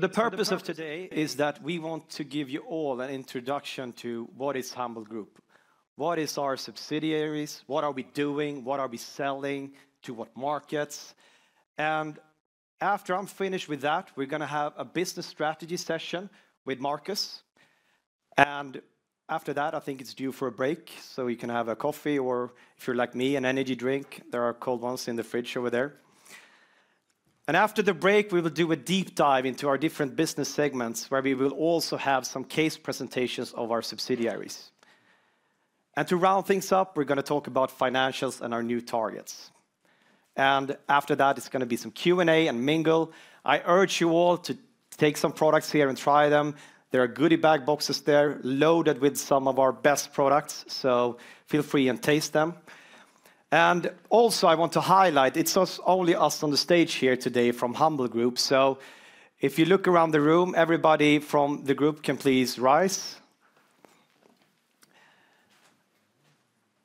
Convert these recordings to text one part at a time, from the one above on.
The purpose of today is that we want to give you all an introduction to what is Humble Group. What is our subsidiaries? What are we doing? What are we selling? To what markets? And after I'm finished with that, we're going to have a business strategy session with Marcus, and after that, I think it's due for a break, so you can have a coffee, or if you're like me, an energy drink. There are cold ones in the fridge over there. And after the break, we will do a deep dive into our different business segments, where we will also have some case presentations of our subsidiaries. And to round things up, we're gonna talk about financials and our new targets. And after that, it's gonna be some Q&A and mingle. I urge you all to take some products here and try them. There are goody bag boxes there, loaded with some of our best products, so feel free and taste them, and also, I want to highlight, it's us, only us on the stage here today from Humble Group, so if you look around the room, everybody from the group can please rise.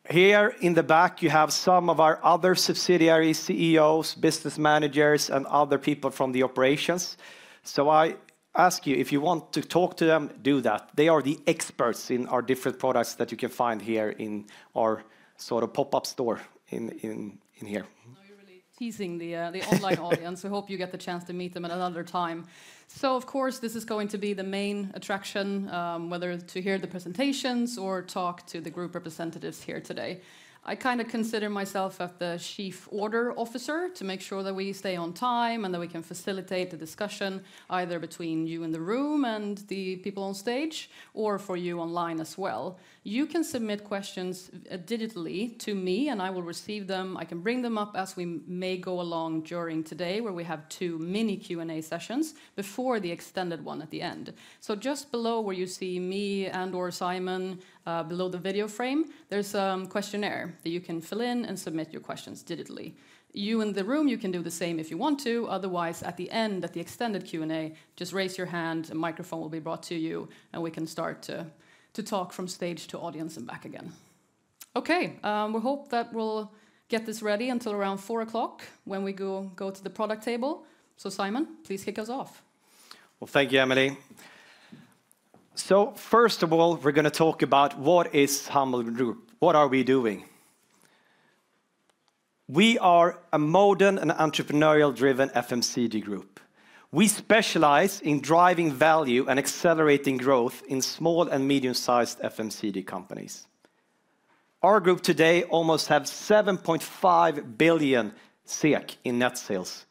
Here in the back, you have some of our other subsidiary CEOs, business managers, and other people from the operations, so I ask you, if you want to talk to them, do that. They are the experts in our different products that you can find here in our sort of pop-up store in here. Now you're really teasing the online audience. I hope you get the chance to meet them at another time. So of course, this is going to be the main attraction, whether to hear the presentations or talk to the group representatives here today. I kinda consider myself as the chief order officer to make sure that we stay on time and that we can facilitate the discussion, either between you and the room and the people on stage, or for you online as well. You can submit questions digitally to me, and I will receive them. I can bring them up as we may go along during today, where we have two mini Q&A sessions before the extended one at the end. So just below where you see me and/or Simon, below the video frame, there's a questionnaire that you can fill in and submit your questions digitally. You in the room, you can do the same if you want to. Otherwise, at the end, at the extended Q&A, just raise your hand, a microphone will be brought to you, and we can start to talk from stage to audience and back again. Okay, we hope that we'll get this ready until around 4:00 P.M., when we go to the product table. Simon, please kick us off. Thank you, Emily. First of all, we're gonna talk about what is Humble Group. What are we doing? We are a modern and entrepreneurial-driven FMCG group. We specialize in driving value and accelerating growth in small and medium-sized FMCG companies. Our group today almost have SEC 7.5 billion in net sales.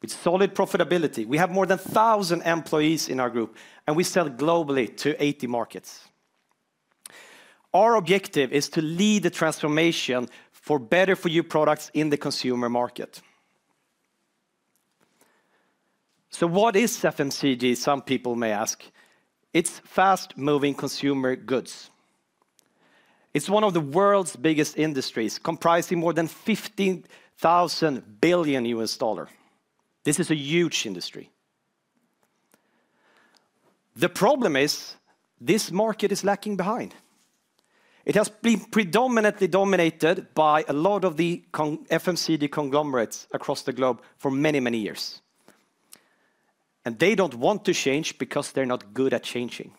With solid profitability, we have more than 1,000 employees in our group, and we sell globally to 80 markets. Our objective is to lead the transformation for better for you products in the consumer market. What is FMCG, some people may ask? It's fast-moving consumer goods. It's one of the world's biggest industries, comprising more than $15 trillion. This is a huge industry. The problem is, this market is lacking behind. It has been predominantly dominated by a lot of the FMCG conglomerates across the globe for many, many years, and they don't want to change because they're not good at changing.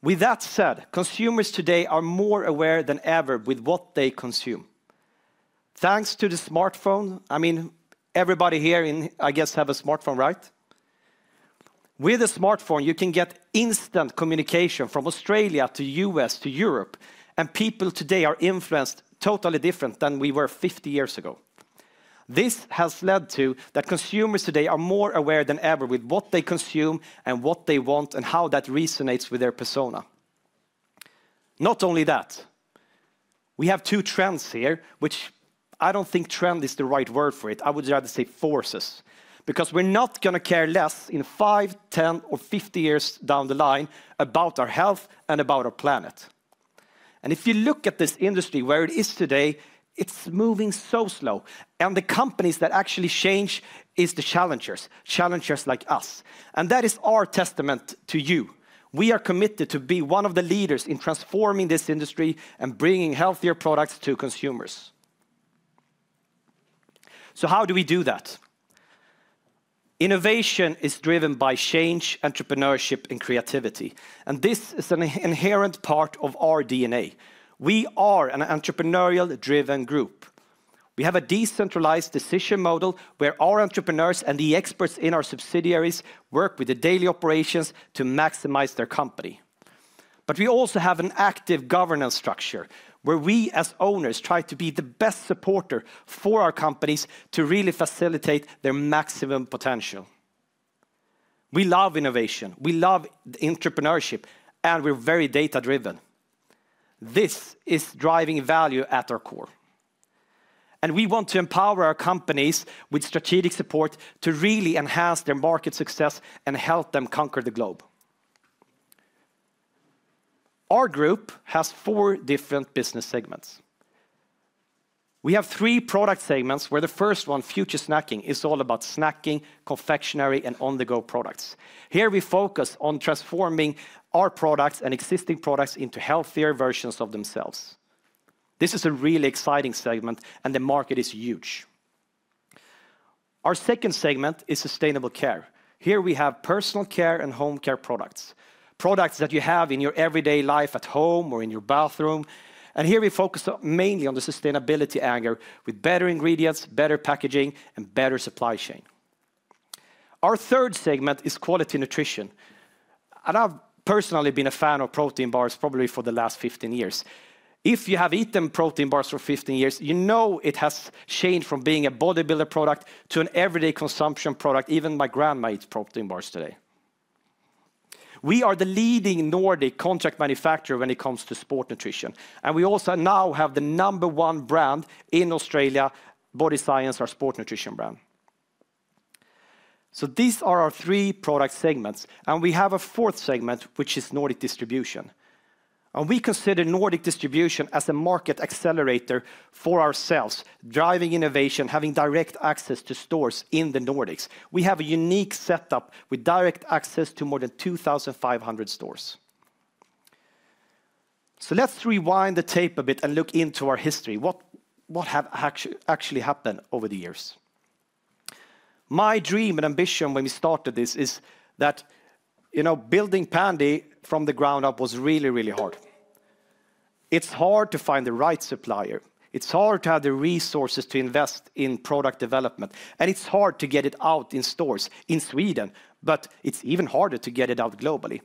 With that said, consumers today are more aware than ever with what they consume. Thanks to the smartphone, I mean, everybody here in, I guess, have a smartphone, right? With a smartphone, you can get instant communication from Australia to U.S. to Europe, and people today are influenced totally different than we were fifty years ago. This has led to that consumers today are more aware than ever with what they consume and what they want and how that resonates with their persona. Not only that, we have two trends here, which I don't think trend is the right word for it. I would rather say forces, because we're not gonna care less in five, ten, or fifty years down the line about our health and about our planet, and if you look at this industry, where it is today, it's moving so slow, and the companies that actually change is the challengers, challengers like us, and that is our testament to you. We are committed to be one of the leaders in transforming this industry and bringing healthier products to consumers, so how do we do that? Innovation is driven by change, entrepreneurship, and creativity, and this is an inherent part of our DNA. We are an entrepreneurial-driven group. We have a decentralized decision model, where our entrepreneurs and the experts in our subsidiaries work with the daily operations to maximize their company But we also have an active governance structure, where we, as owners, try to be the best supporter for our companies to really facilitate their maximum potential. We love innovation, we love entrepreneurship, and we're very data-driven. This is driving value at our core, and we want to empower our companies with strategic support to really enhance their market success and help them conquer the globe. Our group has four different business segments. We have three product segments, where the first one, Future Snacking, is all about snacking, confectionery, and on-the-go products. Here we focus on transforming our products and existing products into healthier versions of themselves. This is a really exciting segment, and the market is huge. Our second segment is Sustainable Care. Here we have personal care and home care products, products that you have in your everyday life, at home or in your bathroom, and here we focus on, mainly on the sustainability angle, with better ingredients, better packaging, and better supply chain. Our third segment is Quality Nutrition, and I've personally been a fan of protein bars probably for the last 15 years. If you have eaten protein bars for 15 years, you know it has changed from being a bodybuilder product to an everyday consumption product. Even my grandma eats protein bars today. We are the leading Nordic contract manufacturer when it comes to sport nutrition, and we also now have the number one brand in Australia, Body Science, our sport nutrition brand. So these are our three product segments, and we have a fourth segment, which is Nordic Distribution. We consider Nordic Distribution as a market accelerator for ourselves, driving innovation, having direct access to stores in the Nordics. We have a unique setup with direct access to more than two thousand five hundred stores. Let's rewind the tape a bit and look into our history. What have actually happened over the years? My dream and ambition when we started this is that, you know, building Pändy from the ground up was really, really hard. It's hard to find the right supplier, it's hard to have the resources to invest in product development, and it's hard to get it out in stores in Sweden, but it's even harder to get it out globally.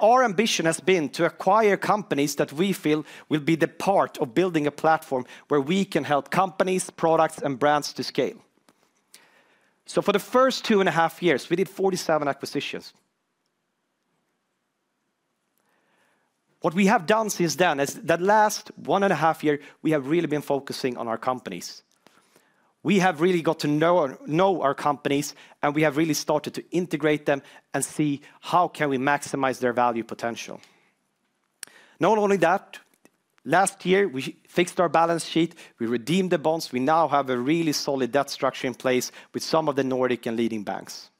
Our ambition has been to acquire companies that we feel will be the part of building a platform where we can help companies, products, and brands to scale. For the first two and a half years, we did 47 acquisitions. What we have done since then is, that last one and a half year, we have really been focusing on our companies. We have really got to know our companies, and we have really started to integrate them and see how can we maximize their value potential. Not only that, last year, we fixed our balance sheet, we redeemed the bonds. We now have a really solid debt structure in place with some of the Nordic and leading banks.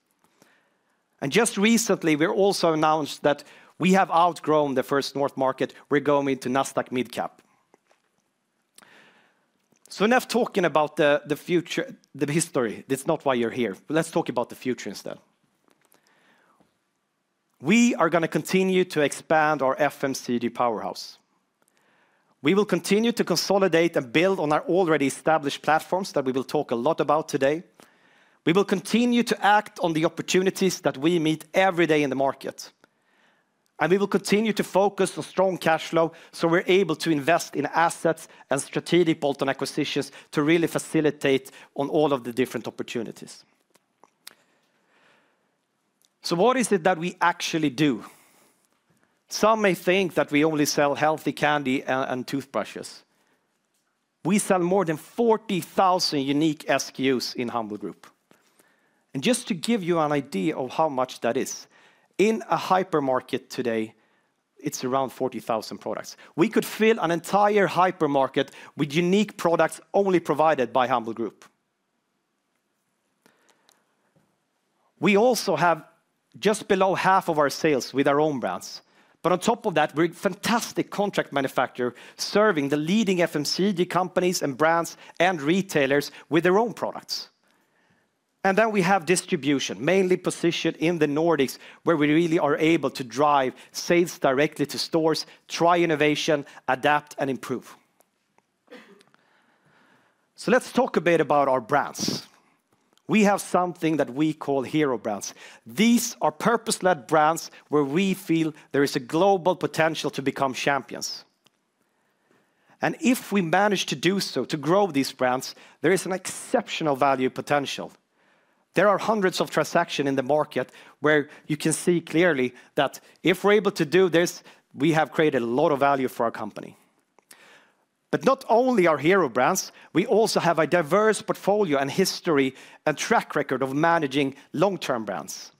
And just recently, we also announced that we have outgrown the First North market. We're going into Nasdaq Mid Cap. Enough talking about the history. That's not why you're here. Let's talk about the future instead. We are gonna continue to expand our FMCG powerhouse. We will continue to consolidate and build on our already established platforms that we will talk a lot about today. We will continue to act on the opportunities that we meet every day in the market, and we will continue to focus on strong cash flow, so we're able to invest in assets and strategic bolt-on acquisitions to really facilitate on all of the different opportunities. So what is it that we actually do? Some may think that we only sell healthy candy and toothbrushes. We sell more than forty thousand unique SKUs in Humble Group. And just to give you an idea of how much that is, in a hypermarket today, it's around forty thousand products. We could fill an entire hypermarket with unique products only provided by Humble Group. We also have just below half of our sales with our own brands, but on top of that, we're a fantastic contract manufacturer, serving the leading FMCG companies and brands and retailers with their own products. And then we have distribution, mainly positioned in the Nordics, where we really are able to drive sales directly to stores, try innovation, adapt, and improve. So let's talk a bit about our brands. We have something that we call hero brands. These are purpose-led brands where we feel there is a global potential to become champions. And if we manage to do so, to grow these brands, there is an exceptional value potential. There are hundreds of transactions in the market where you can see clearly that if we're able to do this, we have created a lot of value for our company. But not only our hero brands, we also have a diverse portfolio and history and track record of managing long-term brands.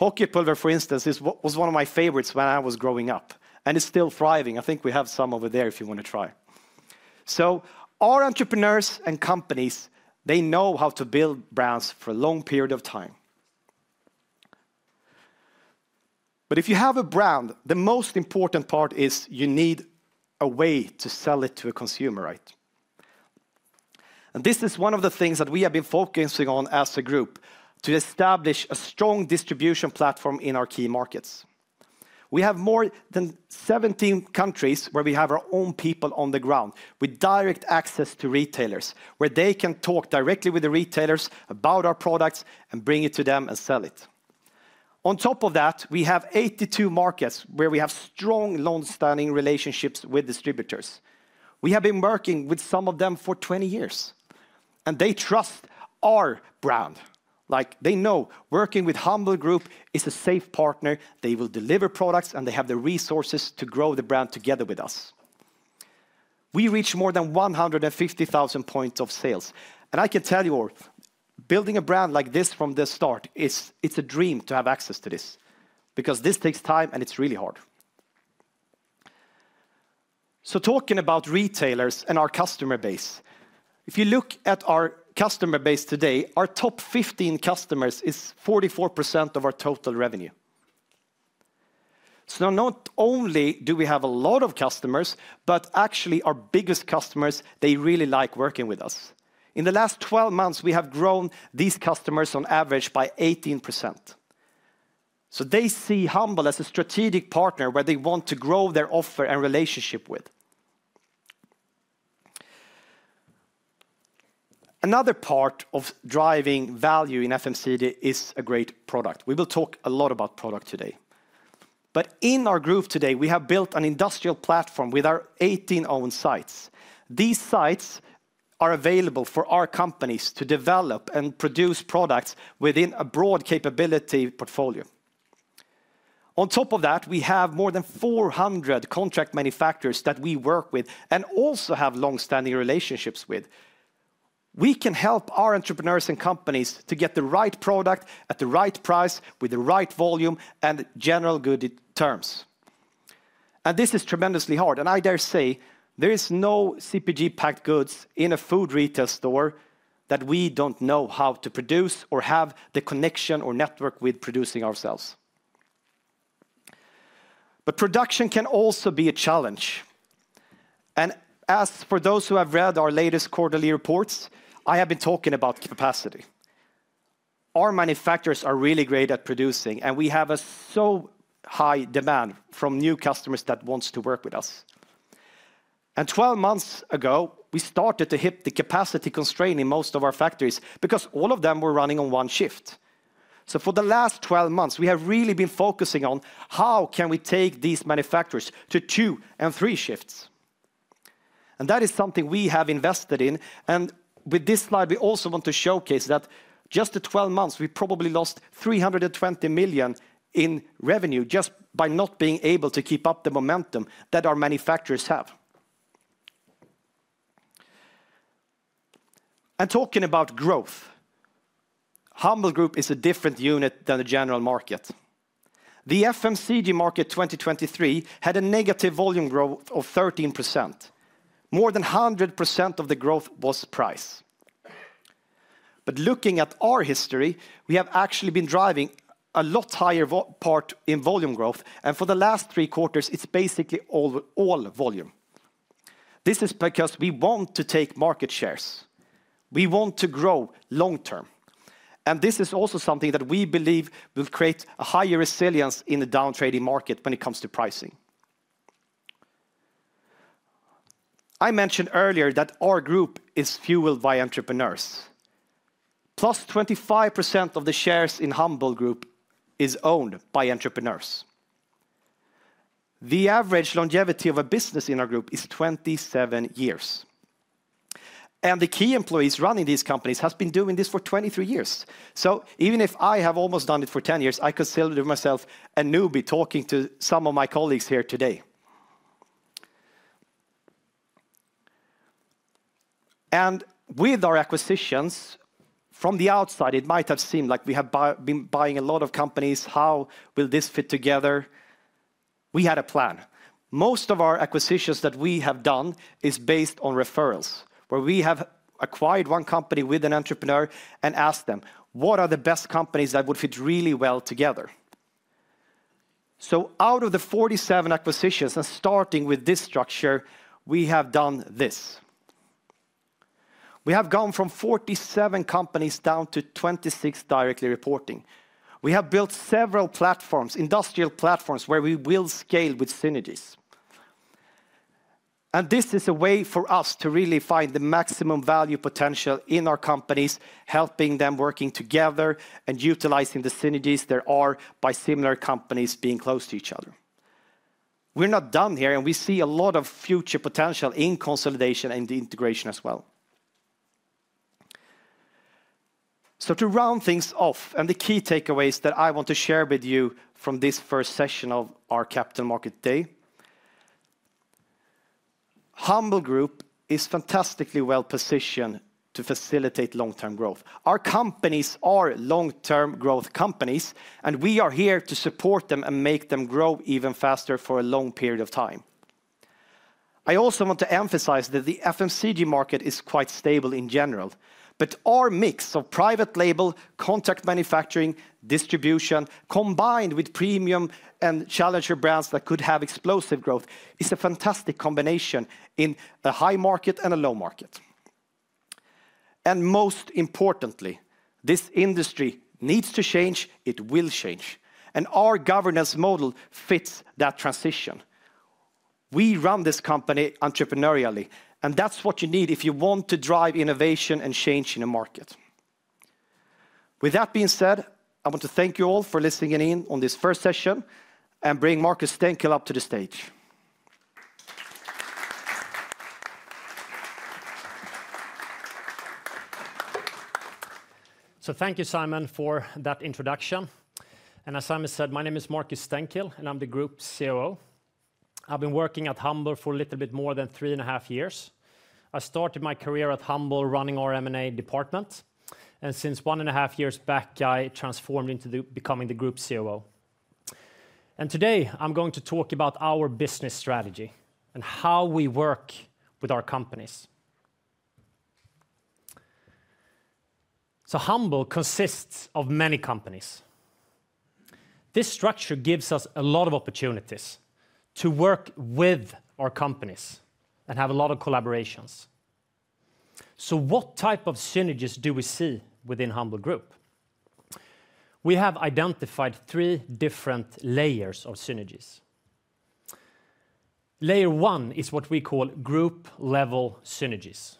Hockeypulver, for instance, is... was one of my favorites when I was growing up, and it's still thriving. I think we have some over there if you want to try. So our entrepreneurs and companies, they know how to build brands for a long period of time. But if you have a brand, the most important part is you need a way to sell it to a consumer, right? And this is one of the things that we have been focusing on as a group, to establish a strong distribution platform in our key markets. We have more than 17 countries where we have our own people on the ground, with direct access to retailers, where they can talk directly with the retailers about our products and bring it to them and sell it. On top of that, we have 82 markets where we have strong, long-standing relationships with distributors. We have been working with some of them for 20 years, and they trust our brand. Like, they know working with Humble Group is a safe partner. They will deliver products, and they have the resources to grow the brand together with us. We reach more than 150,000 points of sales, and I can tell you all, building a brand like this from the start is. It's a dream to have access to this, because this takes time, and it's really hard. Talking about retailers and our customer base, if you look at our customer base today, our top 15 customers is 44% of our total revenue. Not only do we have a lot of customers, but actually our biggest customers, they really like working with us. In the last 12 months, we have grown these customers on average by 18%. They see Humble as a strategic partner where they want to grow their offer and relationship with. Another part of driving value in FMCG is a great product. We will talk a lot about product today. But in our group today, we have built an industrial platform with our 18 own sites. These sites are available for our companies to develop and produce products within a broad capability portfolio. On top of that, we have more than four hundred contract manufacturers that we work with and also have long-standing relationships with. We can help our entrepreneurs and companies to get the right product at the right price, with the right volume, and generally good terms. And this is tremendously hard, and I dare say there is no CPG packaged goods in a food retail store that we don't know how to produce or have the connection or network with producing ourselves. But production can also be a challenge. And as for those who have read our latest quarterly reports, I have been talking about capacity. Our manufacturers are really great at producing, and we have such a high demand from new customers that wants to work with us. Twelve months ago, we started to hit the capacity constraint in most of our factories because all of them were running on one shift. So for the last twelve months, we have really been focusing on how can we take these manufacturers to two and three shifts? And that is something we have invested in, and with this slide, we also want to showcase that just the twelve months, we probably lost 320 million in revenue just by not being able to keep up the momentum that our manufacturers have. And talking about growth, Humble Group is a different unit than the general market. The FMCG market 2023 had a negative volume growth of 13%. More than 100% of the growth was price. But looking at our history, we have actually been driving a lot higher volume growth, and for the last three quarters, it's basically all volume. This is because we want to take market shares. We want to grow long term, and this is also something that we believe will create a higher resilience in the down trading market when it comes to pricing. I mentioned earlier that our group is fueled by entrepreneurs.+25% of the shares in Humble Group is owned by entrepreneurs. The average longevity of a business in our group is 27 years, and the key employees running these companies has been doing this for 23 years. So even if I have almost done it for 10 years, I consider myself a newbie talking to some of my colleagues here today. With our acquisitions, from the outside, it might have seemed like we have been buying a lot of companies. How will this fit together? We had a plan. Most of our acquisitions that we have done is based on referrals, where we have acquired one company with an entrepreneur and asked them: "What are the best companies that woul fit really well together?" So out of the 47 acquisitions, and starting with this structure, we have done this. We have gone from 47 companies down to 26 directly reporting. We have built several platforms, industrial platforms, where we will scale with synergies. And this is a way for us to really find the maximum value potential in our companies, helping them working together and utilizing the synergies there are by similar companies being close to each other. We're not done here, and we see a lot of future potential in consolidation and integration as well. So to round things off, and the key takeaways that I want to share with you from this first session of our Capital Market Day, Humble Group is fantastically well-positioned to facilitate long-term growth. Our companies are long-term growth companies, and we are here to support them and make them grow even faster for a long period of time. I also want to emphasize that the FMCG market is quite stable in general, but our mix of private label, contract manufacturing, distribution, combined with premium and challenger brands that could have explosive growth, is a fantastic combination in a high market and a low market. And most importantly, this industry needs to change, it will change, and our governance model fits that transition. We run this company entrepreneurially, and that's what you need if you want to drive innovation and change in a market. With that being said, I want to thank you all for listening in on this first session and bring Marcus Stenkil up to the stage. Thank you, Simon, for that introduction. As Simon said, my name is Marcus Stenkil, and I'm the group COO. I've been working at Humble for a little bit more than three and a half years. I started my career at Humble, running our M&A department, and since one and a half years back, I transformed into becoming the group COO. Today, I'm going to talk about our business strategy and how we work with our companies. Humble consists of many companies. This structure gives us a lot of opportunities to work with our companies and have a lot of collaborations. What type of synergies do we see within Humble Group? We have identified three different layers of synergies. Layer one is what we call group level synergies.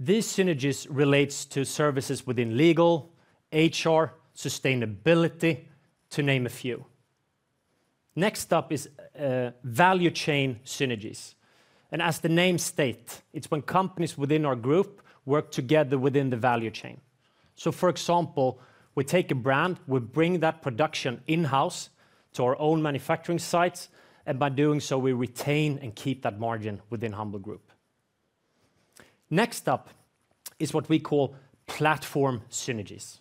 These synergies relates to services within legal, HR, sustainability, to name a few. Next up is value chain synergies, and as the name state, it's when companies within our group work together within the value chain. So for example, we take a brand, we bring that production in-house to our own manufacturing sites, and by doing so, we retain and keep that margin within Humble Group. Next up is what we call platform synergies.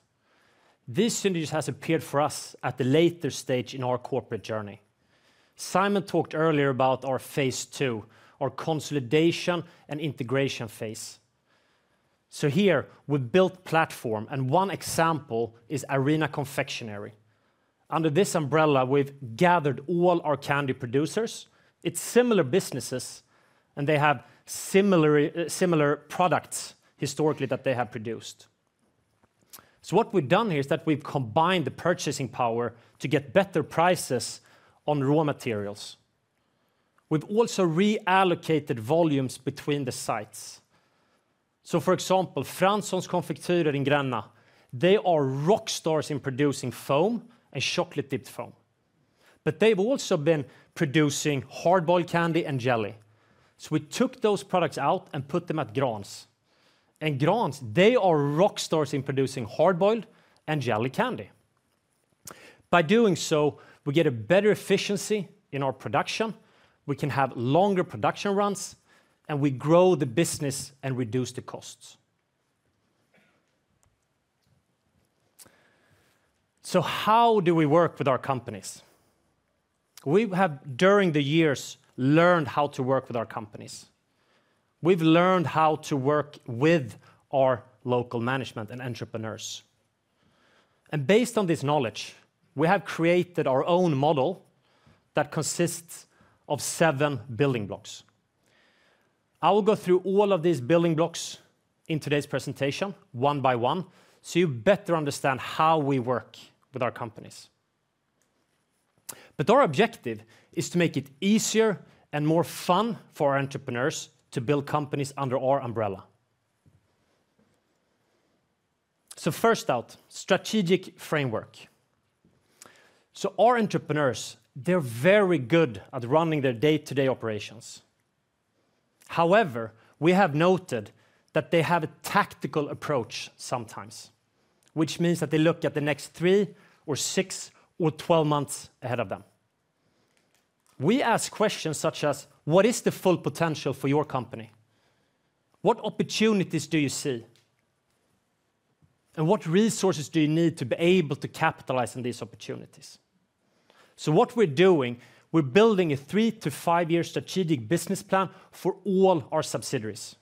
This synergies has appeared for us at the later stage in our corporate journey. Simon talked earlier about our phase two, our consolidation and integration phase. So here, we built platform, and one example is Arena Confectionery. Under this umbrella, we've gathered all our candy producers. It's similar businesses, and they have similar products historically that they have produced. So what we've done here is that we've combined the purchasing power to get better prices on raw materials. We've also reallocated volumes between the sites. For example, Franssons Konfektyr in Gränna, they are rock stars in producing foam and chocolate-dipped foam. But they've also been producing hard-boiled candy and jelly. So we took those products out and put them at Grahns. And Grahns, they are rock stars in producing hard-boiled and jelly candy. By doing so, we get a better efficiency in our production, we can have longer production runs, and we grow the business and reduce the costs. So how do we work with our companies? We have, during the years, learned how to work with our companies. We've learned how to work with our local management and entrepreneurs. And based on this knowledge, we have created our own model that consists of seven building blocks. I will go through all of these building blocks in today's presentation, one by one, so you better understand how we work with our companies. But our objective is to make it easier and more fun for our entrepreneurs to build companies under our umbrella. So first out, strategic framework. So our entrepreneurs, they're very good at running their day-to-day operations. However, we have noted that they have a tactical approach sometimes, which means that they look at the next three or six or 12 months ahead of them. We ask questions such as: What is the full potential for your company? What opportunities do you see? And what resources do you need to be able to capitalize on these opportunities? So what we're doing, we're building a three to five-year strategic business plan for all our subsidiaries,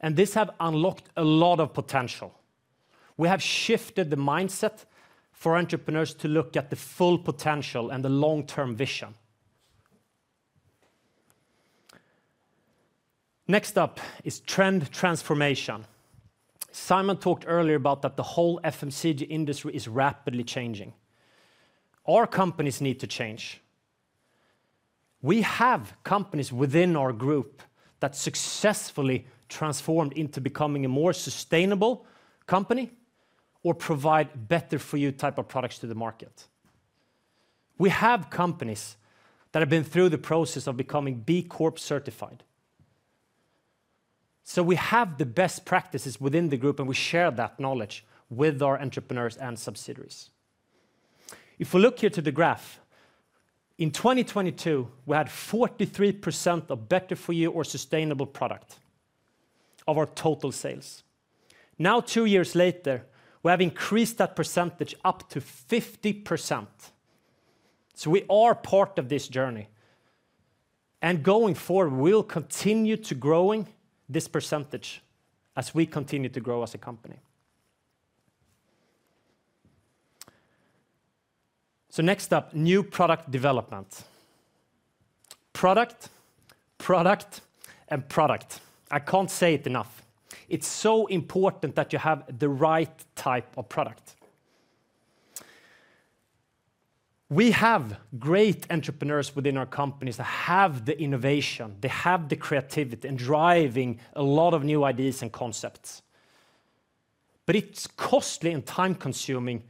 and this have unlocked a lot of potential. We have shifted the mindset for entrepreneurs to look at the full potential and the long-term vision. Next up is trend transformation. Simon talked earlier about that the whole FMCG industry is rapidly changing. Our companies need to change. We have companies within our group that successfully transformed into becoming a more sustainable company or provide better-for-you type of products to the market. We have companies that have been through the process of becoming B Corp certified. So we have the best practices within the group, and we share that knowledge with our entrepreneurs and subsidiaries. If we look here to the graph, in 2022, we had 43% of better-for-you or sustainable product of our total sales. Now, two years later, we have increased that percentage up to 50%. So we are part of this journey, and going forward, we'll continue to growing this percentage as we continue to grow as a company. So next up, new product development. Product, product, and product. I can't say it enough. It's so important that you have the right type of product. We have great entrepreneurs within our companies that have the innovation, they have the creativity, and driving a lot of new ideas and concepts. But it's costly and time-consuming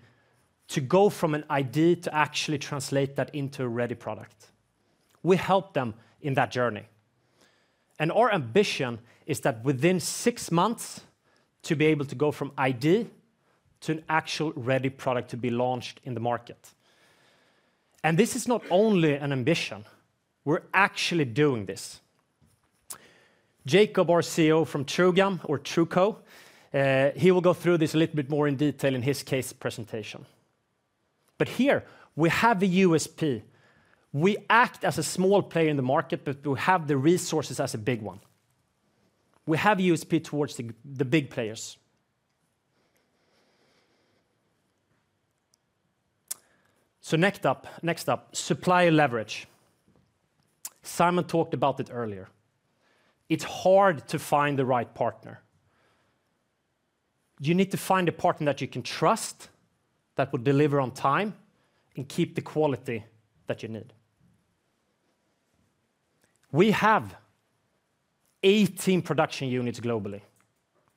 to go from an idea to actually translate that into a ready product. We help them in that journey, and our ambition is that within six months, to be able to go from idea to an actual ready product to be launched in the market. And this is not only an ambition, we're actually doing this. Jacob, our CEO from Chewigem or Chewo, he will go through this a little bit more in detail in his case presentation. But here, we have a USP. We act as a small player in the market, but we have the resources as a big one. We have USP towards the big players. So next up, supplier leverage. Simon talked about it earlier. It's hard to find the right partner. You need to find a partner that you can trust, that will deliver on time, and keep the quality that you need. We have 18 production units globally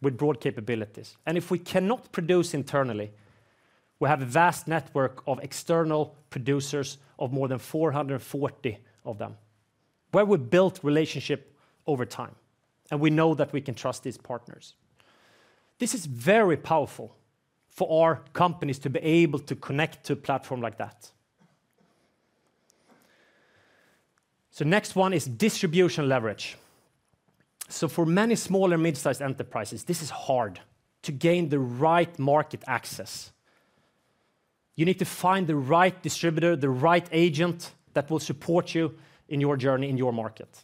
with broad capabilities, and if we cannot produce internally, we have a vast network of external producers of more than 440 of them, where we've built relationship over time, and we know that we can trust these partners. This is very powerful for our companies to be able to connect to a platform like that. So next one is distribution leverage. So for many small or mid-sized enterprises, this is hard to gain the right market access. You need to find the right distributor, the right agent, that will support you in your journey in your market.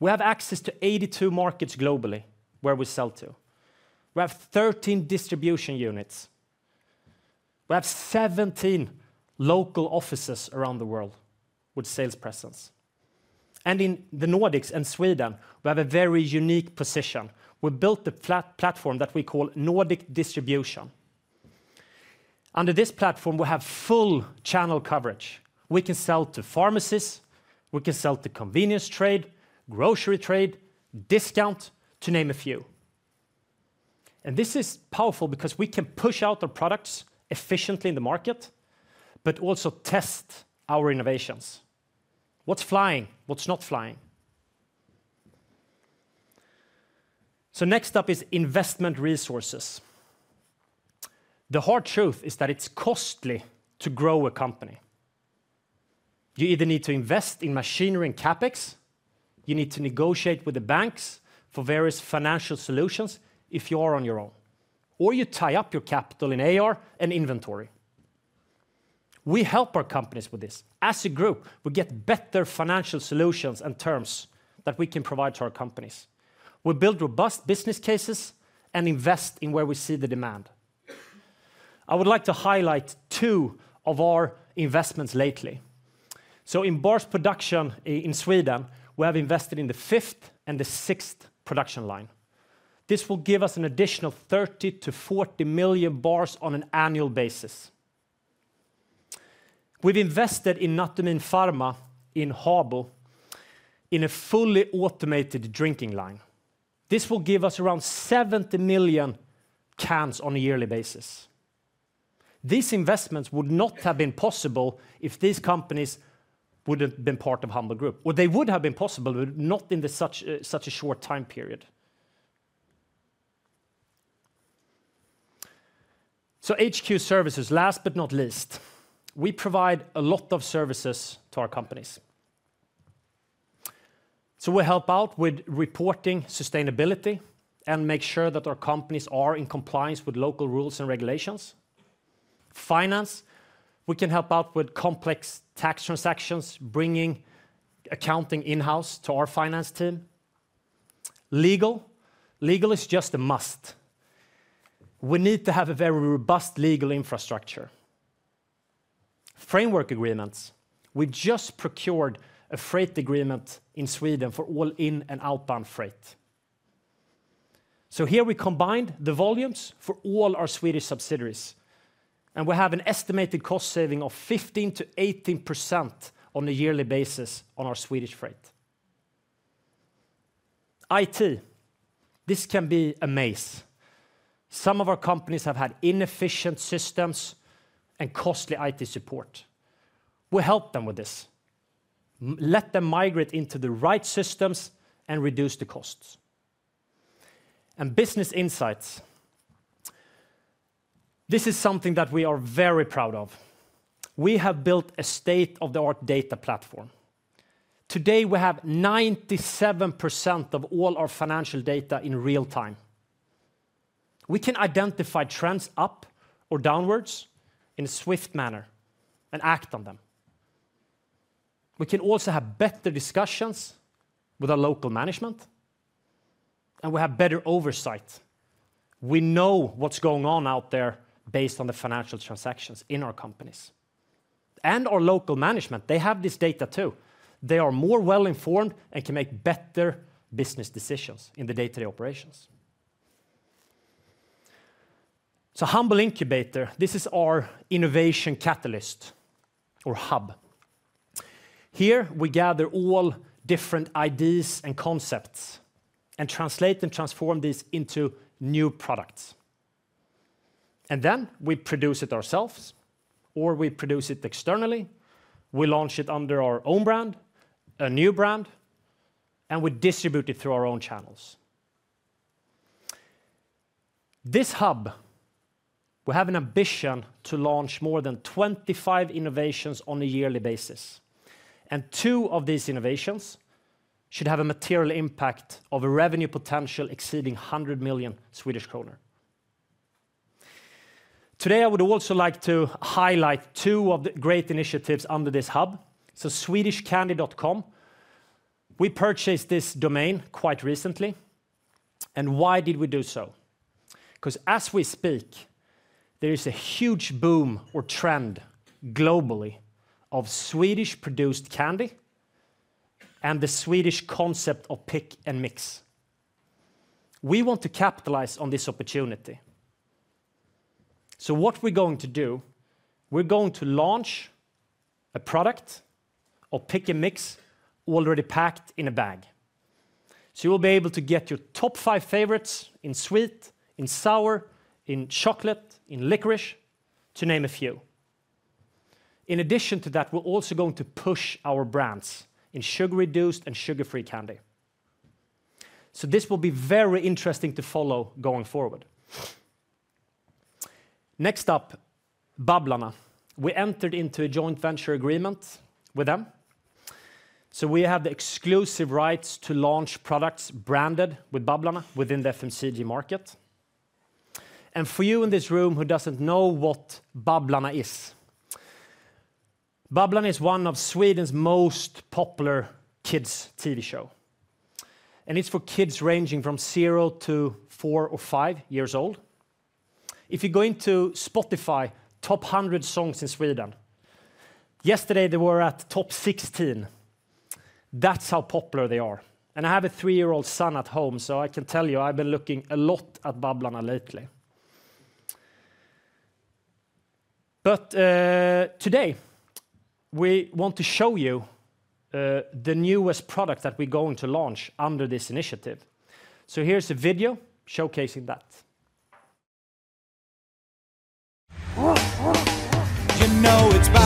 We have access to 82 markets globally where we sell to. We have 13 distribution units. We have 17 local offices around the world with sales presence. In the Nordics and Sweden, we have a very unique position. We built a platform that we call Nordic Distribution. Under this platform, we have full channel coverage. We can sell to pharmacies, we can sell to convenience trade, grocery trade, discount, to name a few. This is powerful because we can push out our products efficiently in the market, but also test our innovations. What's flying? What's not flying? Next up is investment resources. The hard truth is that it's costly to grow a company. You either need to invest in machinery and CapEx, you need to negotiate with the banks for various financial solutions if you are on your own, or you tie up your capital in AR and inventory. We help our companies with this. As a group, we get better financial solutions and terms that we can provide to our companies. We build robust business cases and invest in where we see the demand. I would like to highlight two of our investments lately. So in bars production in Sweden, we have invested in the 5th and the 6th production line. This will give us an additional 30 million-40 million bars on an annual basis. We've invested in Natumin Pharma in Habo, in a fully automated drinking line. This will give us around 70 million cans on a yearly basis. These investments would not have been possible if these companies wouldn't been part of Humble Group. They would have been possible, but not in such a short time period. So HQ services, last but not least. We provide a lot of services to our companies. So we help out with reporting, sustainability, and make sure that our companies are in compliance with local rules and regulations. Finance, we can help out with complex tax transactions, bringing accounting in-house to our finance team. Legal, legal is just a must. We need to have a very robust legal infrastructure. Framework agreements. We just procured a freight agreement in Sweden for all in and outbound freight. So here we combined the volumes for all our Swedish subsidiaries, and we have an estimated cost saving of 15%-18% on a yearly basis on our Swedish freight. IT, this can be a maze. Some of our companies have had inefficient systems and costly IT support. We help them with this, let them migrate into the right systems and reduce the costs, and business insights, this is something that we are very proud of. We have built a state-of-the-art data platform. Today, we have 97% of all our financial data in real time. We can identify trends up or downwards in a swift manner and act on them. We can also have better discussions with our local management, and we have better oversight. We know what's going on out there based on the financial transactions in our companies. And our local management, they have this data, too. They are more well-informed and can make better business decisions in the day-to-day operations, so Humble Incubator, this is our innovation catalyst or hub. Here, we gather all different ideas and concepts, and translate and transform this into new products, and then we produce it ourselves, or we produce it externally, we launch it under our own brand, a new brand, and we distribute it through our own channels. This hub, we have an ambition to launch more than 25 innovations on a yearly basis, and two of these innovations should have a material impact of a revenue potential exceeding 100 million Swedish kronor. Today, I would also like to highlight two of the great initiatives under this hub. Swedishcandy.com, we purchased this domain quite recently, and why did we do so? 'Cause as we speak, there is a huge boom or trend globally of Swedish-produced candy and the Swedish concept of pick and mix. We want to capitalize on this opportunity. What we're going to do, we're going to launch a product of pick and mix already packed in a bag. So you will be able to get your top five favorites in sweet, in sour, in chocolate, in licorice, to name a few. In addition to that, we're also going to push our brands in sugar-reduced and sugar-free candy. So this will be very interesting to follow going forward. Next up, Babblarna. We entered into a joint venture agreement with them, so we have the exclusive rights to launch products branded with Babblarna within the FMCG market. And for you in this room who doesn't know what Babblarna is, Babblarna is one of Sweden's most popular kids' TV show, and it's for kids ranging from zero to four or five years old. If you go into Spotify top 100 songs in Sweden, yesterday they were at top 16. That's how popular they are, and I have a three-year-old son at home, so I can tell you, I've been looking a lot at Babblarna lately. But, today, we want to show you, the newest product that we're going to launch under this initiative. So here's a video showcasing that. You know it's Ba Ba. Ba Ba, Ba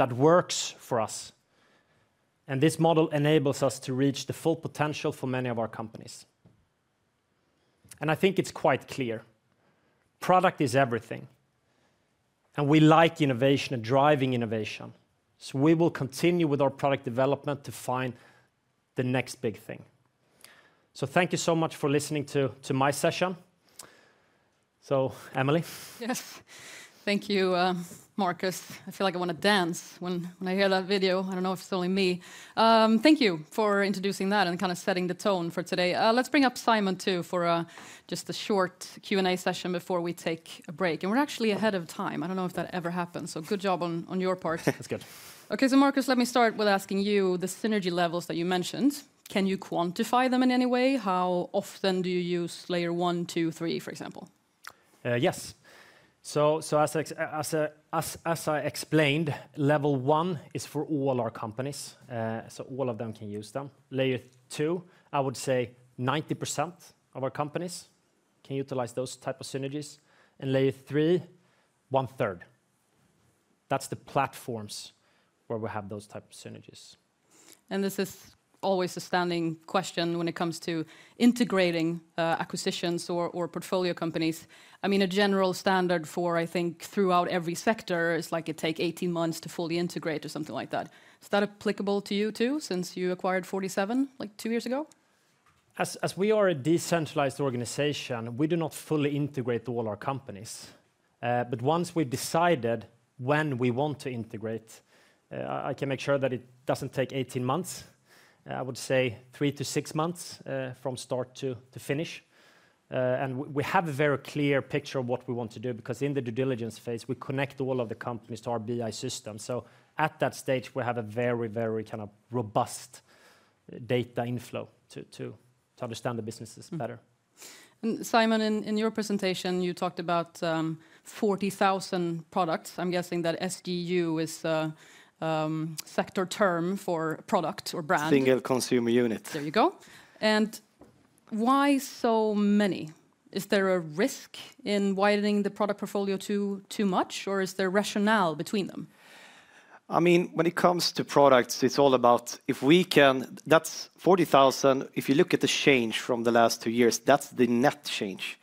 that works for us, and this model enables us to reach the full potential for many of our companies. And I think it's quite clear: product is everything, and we like innovation and driving innovation, so we will continue with our product development to find the next big thing. So thank you so much for listening to my session. So, Emily? Yes. Thank you, Marcus. I feel like I wanna dance when I hear that video. I don't know if it's only me. Thank you for introducing that and kind of setting the tone for today. Let's bring up Simon, too, for just a short Q&A session before we take a break, and we're actually ahead of time. I don't know if that ever happens, so good job on your part. That's good. Okay, so Marcus, let me start with asking you the synergy levels that you mentioned. Can you quantify them in any way? How often do you use layer one, two, three, for example? Yes. So, as I explained, level one is for all our companies, so all of them can use them. Layer two, I would say 90% of our companies can utilize those type of synergies. And layer three, one-third. That's the platforms where we have those type of synergies. This is always a standing question when it comes to integrating acquisitions or portfolio companies. I mean, a general standard for, I think, throughout every sector is, like, it take 18 months to fully integrate or something like that. Is that applicable to you, too, since you acquired 47, like, two years ago? As we are a decentralized organization, we do not fully integrate all our companies, but once we've decided when we want to integrate, I can make sure that it doesn't take 18 months. I would say three to six months from start to finish, and we have a very clear picture of what we want to do, because in the due diligence phase, we connect all of the companies to our BI system, so at that stage, we have a very kind of robust data inflow to understand the businesses better. Mm-hmm, and Simon, in your presentation, you talked about 40,000 products. I'm guessing that SKU is a sector term for product or brand? Single consumer unit. There you go, and why so many? Is there a risk in widening the product portfolio too much, or is there rationale between them? I mean, when it comes to products, it's all about if we can... That's 40,000, if you look at the change from the last two years, that's the net change.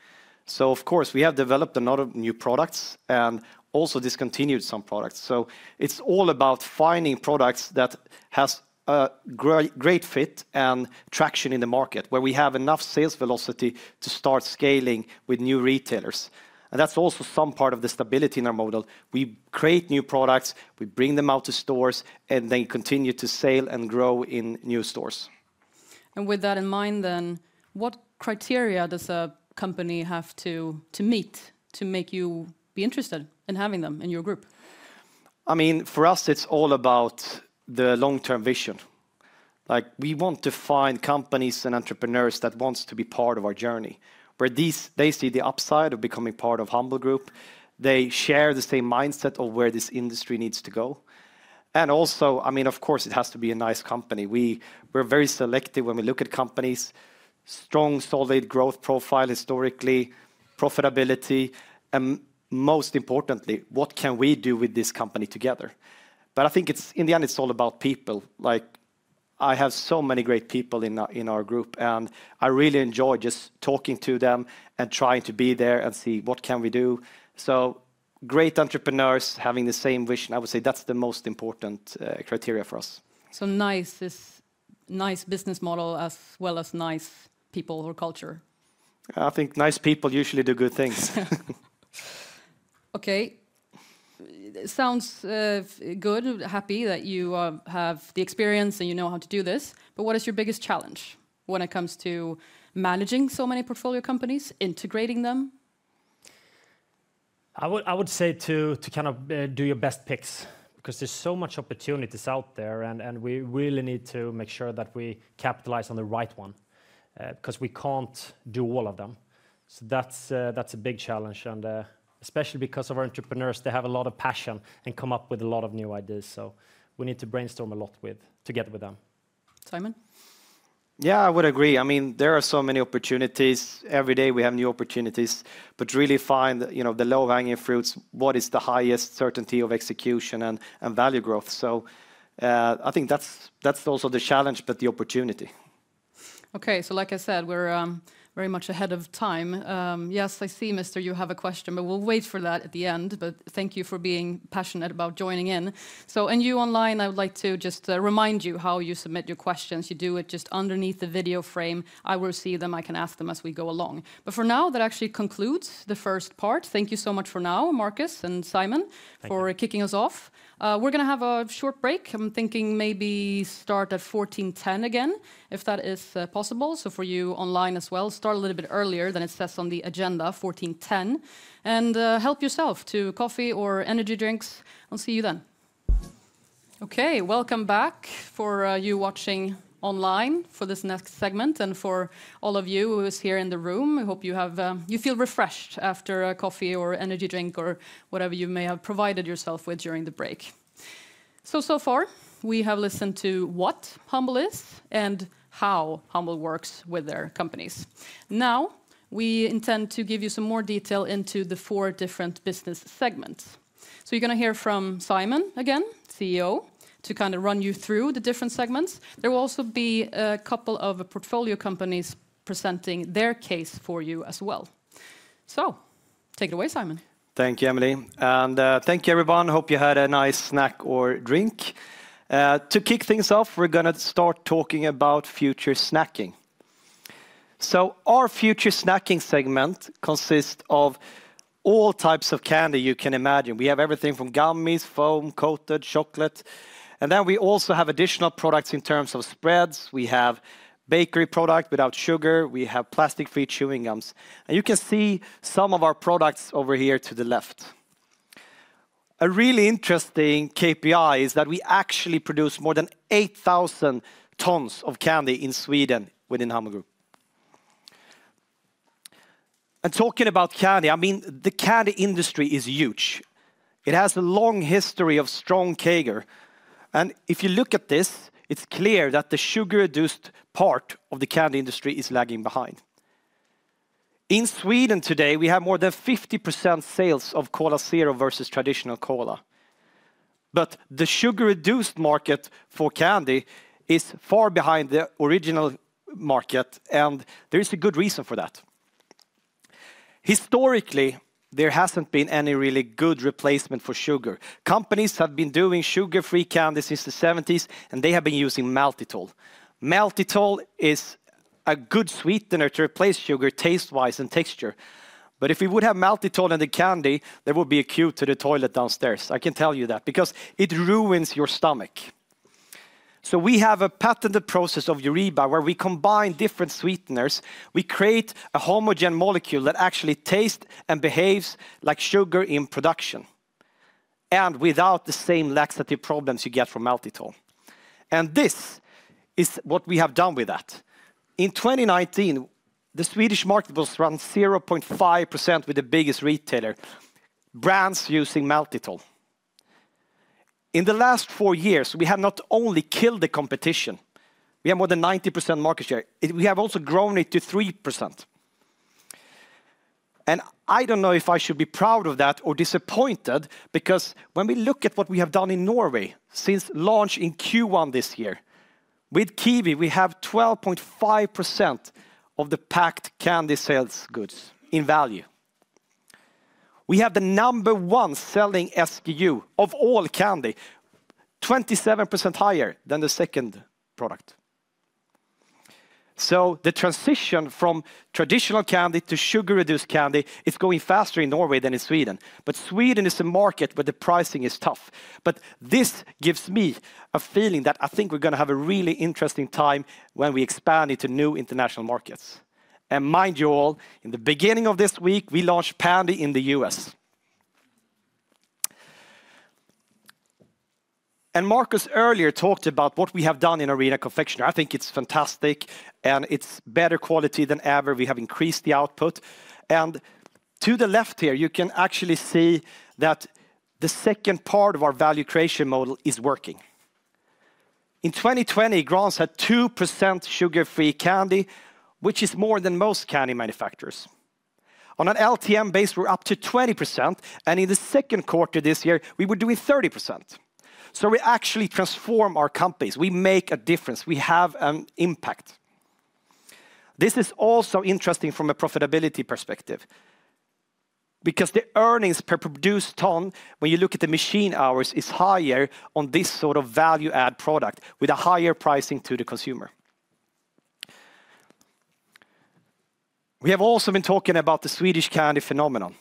So of course, we have developed a lot of new products and also discontinued some products. So it's all about finding products that has a great fit and traction in the market, where we have enough sales velocity to start scaling with new retailers. And that's also some part of the stability in our model. We create new products, we bring them out to stores, and they continue to sell and grow in new stores. With that in mind then, what criteria does a company have to meet to make you be interested in having them in your group? I mean, for us, it's all about the long-term vision. Like, we want to find companies and entrepreneurs that wants to be part of our journey, where they see the upside of becoming part of Humble Group. They share the same mindset of where this industry needs to go. And also, I mean, of course, it has to be a nice company. We're very selective when we look at companies, strong, solid growth profile, historically, profitability, and most importantly, what can we do with this company together? But I think it's, in the end, it's all about people. Like, I have so many great people in our, in our group, and I really enjoy just talking to them and trying to be there and see what can we do. So great entrepreneurs having the same vision, I would say that's the most important criteria for us. So nice, this nice business model, as well as nice people or culture. I think nice people usually do good things. Okay, sounds good. Happy that you have the experience, and you know how to do this. But what is your biggest challenge when it comes to managing so many portfolio companies, integrating them? I would say to kind of do your best picks, because there's so much opportunities out there, and we really need to make sure that we capitalize on the right one, 'cause we can't do all of them. So that's a big challenge, and especially because of our entrepreneurs, they have a lot of passion and come up with a lot of new ideas, so we need to brainstorm a lot together with them. Simon? Yeah, I would agree. I mean, there are so many opportunities. Every day, we have new opportunities, but to really find, you know, the low-hanging fruits, what is the highest certainty of execution and value growth? So, I think that's also the challenge, but the opportunity. Okay, so like I said, we're very much ahead of time. Yes, I see, mister, you have a question, but we'll wait for that at the end. But thank you for being passionate about joining in. So, and you online, I would like to just remind you how you submit your questions. You do it just underneath the video frame. I will see them. I can ask them as we go along. But for now, that actually concludes the first part. Thank you so much for now, Marcus and Simon- Thank you... for kicking us off. We're gonna have a short break. I'm thinking maybe start at 2:10 P.M. again, if that is possible. So for you online as well, start a little bit earlier than it says on the agenda, 2:10 P.M., and help yourself to coffee or energy drinks. I'll see you then. Okay, welcome back. For you watching online for this next segment, and for all of you who is here in the room, I hope you have you feel refreshed after a coffee or energy drink or whatever you may have provided yourself with during the break. So far, we have listened to what Humble is and how Humble works with their companies. Now, we intend to give you some more detail into the four different business segments. So you're gonna hear from Simon again, CEO, to kind of run you through the different segments. There will also be a couple of portfolio companies presenting their case for you as well. So take it away, Simon. Thank you, Emily, and thank you, everyone. Hope you had a nice snack or drink. To kick things off, we're gonna start talking about future snacking. So our future snacking segment consists of all types of candy you can imagine. We have everything from gummies, foam-coated chocolate, and then we also have additional products in terms of spreads. We have bakery product without sugar, we have plastic-free chewing gums, and you can see some of our products over here to the left. A really interesting KPI is that we actually produce more than 8,000 tons of candy in Sweden within Humble Group. And talking about candy, I mean, the candy industry is huge. It has a long history of strong CAGR, and if you look at this, it's clear that the sugar-reduced part of the candy industry is lagging behind. In Sweden today, we have more than 50% sales of cola zero versus traditional cola, but the sugar-reduced market for candy is far behind the original market, and there is a good reason for that. Historically, there hasn't been any really good replacement for sugar. Companies have been doing sugar-free candy since the 1970s, and they have been using maltitol. Maltitol is a good sweetener to replace sugar taste-wise and texture. But if we would have maltitol in the candy, there would be a queue to the toilet downstairs, I can tell you that, because it ruins your stomach. So we have a patented process of Eureba, where we combine different sweeteners. We create a homogeneous molecule that actually tastes and behaves like sugar in production, and without the same laxative problems you get from maltitol, and this is what we have done with that. In 2019, the Swedish market was around 0.5% with the biggest retailer, brands using maltitol. In the last four years, we have not only killed the competition, we have more than 90% market share, we have also grown it to 3%. I don't know if I should be proud of that or disappointed, because when we look at what we have done in Norway since launch in Q1 this year, with Kiwi, we have 12.5% of the packed candy sales goods in value. We have the number one selling SKU of all candy, 27% higher than the second product. So the transition from traditional candy to sugar-reduced candy is going faster in Norway than in Sweden. But Sweden is a market where the pricing is tough. But this gives me a feeling that I think we're gonna have a really interesting time when we expand into new international markets. And mind you all, in the beginning of this week, we launched Pändy in the U.S. And Marcus earlier talked about what we have done in Arena Confectionery. I think it's fantastic, and it's better quality than ever. We have increased the output, and to the left here, you can actually see that the second part of our value creation model is working. In 2020, Grahns had 2% sugar-free candy, which is more than most candy manufacturers. On an LTM base, we're up to 20%, and in the second quarter this year, we were doing 30%. So we actually transform our companies. We make a difference. We have an impact. This is also interesting from a profitability perspective, because the earnings per produced ton, when you look at the machine hours, is higher on this sort of value-add product with a higher pricing to the consumer. We have also been talking about the Swedish Candy phenomenon.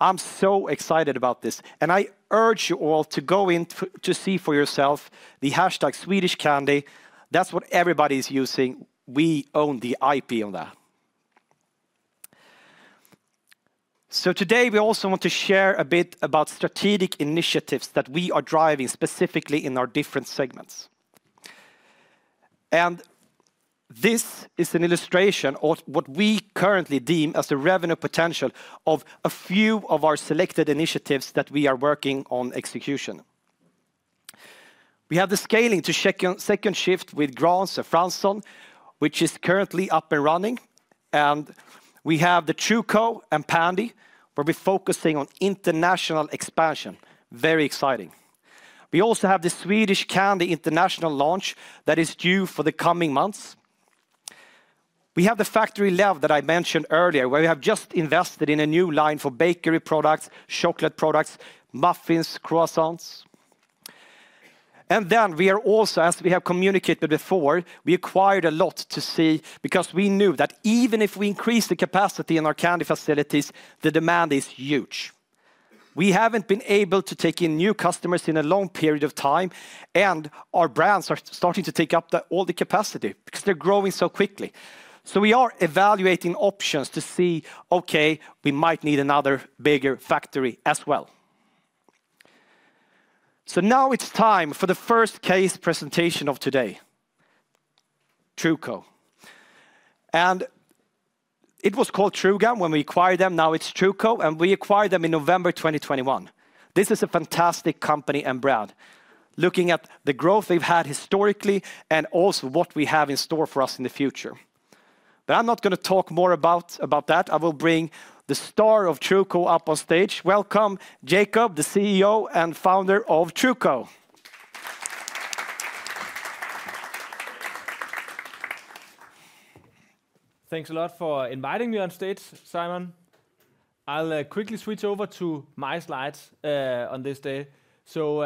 I'm so excited about this, and I urge you all to go in to see for yourself the hashtag Swedish Candy. That's what everybody is using. We own the IP on that. So today, we also want to share a bit about strategic initiatives that we are driving, specifically in our different segments. And this is an illustration of what we currently deem as the revenue potential of a few of our selected initiatives that we are working on execution. We have the scaling to check on second shift with Grahns and Franssons, which is currently up and running, and we have the True Co. and Pändy, where we're focusing on international expansion. Very exciting. We also have the Swedish Candy international launch that is due for the coming months. We have the Fancystage that I mentioned earlier, where we have just invested in a new line for bakery products, chocolate products, muffins, croissants. And then we are also, as we have communicated before, we acquired a lot, you see, because we knew that even if we increase the capacity in our candy facilities, the demand is huge. We haven't been able to take in new customers in a long period of time, and our brands are starting to take up all the capacity because they're growing so quickly. So we are evaluating options to see, okay, we might need another bigger factory as well. So now it's time for the first case presentation of today, True Co. And it was called True Gum when we acquired them. Now it's True Co., and we acquired them in November 2021. This is a fantastic company and brand, looking at the growth they've had historically and also what we have in store for us in the future. But I'm not gonna talk more about, about that. I will bring the star of True Co. up on stage. Welcome, Jacob, the CEO and founder of True Co. Thanks a lot for inviting me on stage, Simon. I'll quickly switch over to my slides on this day. So,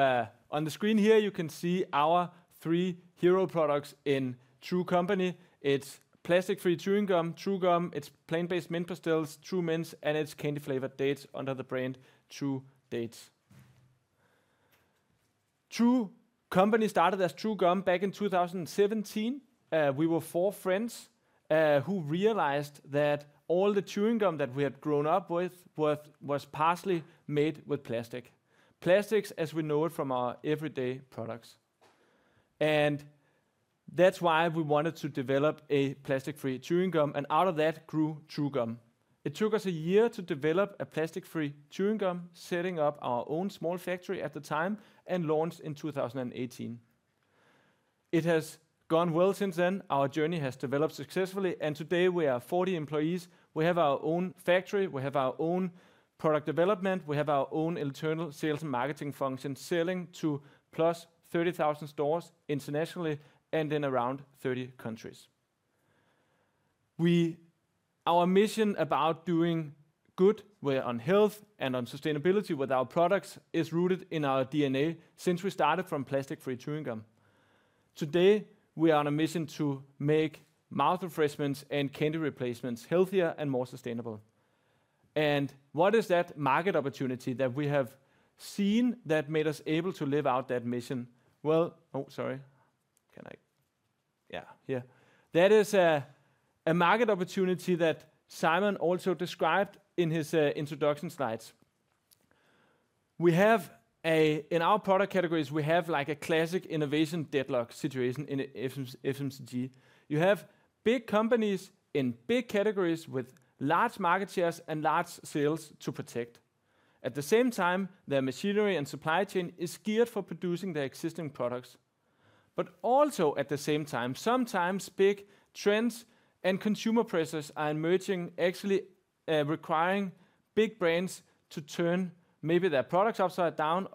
on the screen here, you can see our three hero products in True Co. It's plastic-free chewing gum, True Gum, it's plant-based mint pastilles, True Mints, and it's candy-flavored dates under the brand True Dates. True Co. started as True Gum back in two thousand and seventeen. We were four friends who realized that all the chewing gum that we had grown up with was partially made with plastic, plastics as we know it from our everyday products. And that's why we wanted to develop a plastic-free chewing gum, and out of that grew True Gum. It took us a year to develop a plastic-free chewing gum, setting up our own small factory at the time, and launched in two thousand and eighteen. It has gone well since then. Our journey has developed successfully, and today we are 40 employees. We have our own factory, we have our own product development, we have our own internal sales and marketing function, selling to +30,000 stores internationally and in around 30 countries. Our mission about doing good, where on health and on sustainability with our products, is rooted in our DNA since we started from plastic-free chewing gum. Today, we are on a mission to make mouth refreshments and candy replacements healthier and more sustainable, and what is that market opportunity that we have seen that made us able to live out that mission? Well, oh, sorry. Can I-- Yeah, here. That is a market opportunity that Simon also described in his introduction slides. In our product categories, we have like a classic innovation deadlock situation in FMCG. You have big companies in big categories with large market shares and large sales to protect. At the same time, their machinery and supply chain is geared for producing their existing products. But also at the same time, sometimes big trends and consumer pressures are emerging, actually, requiring big brands to turn maybe their products upside down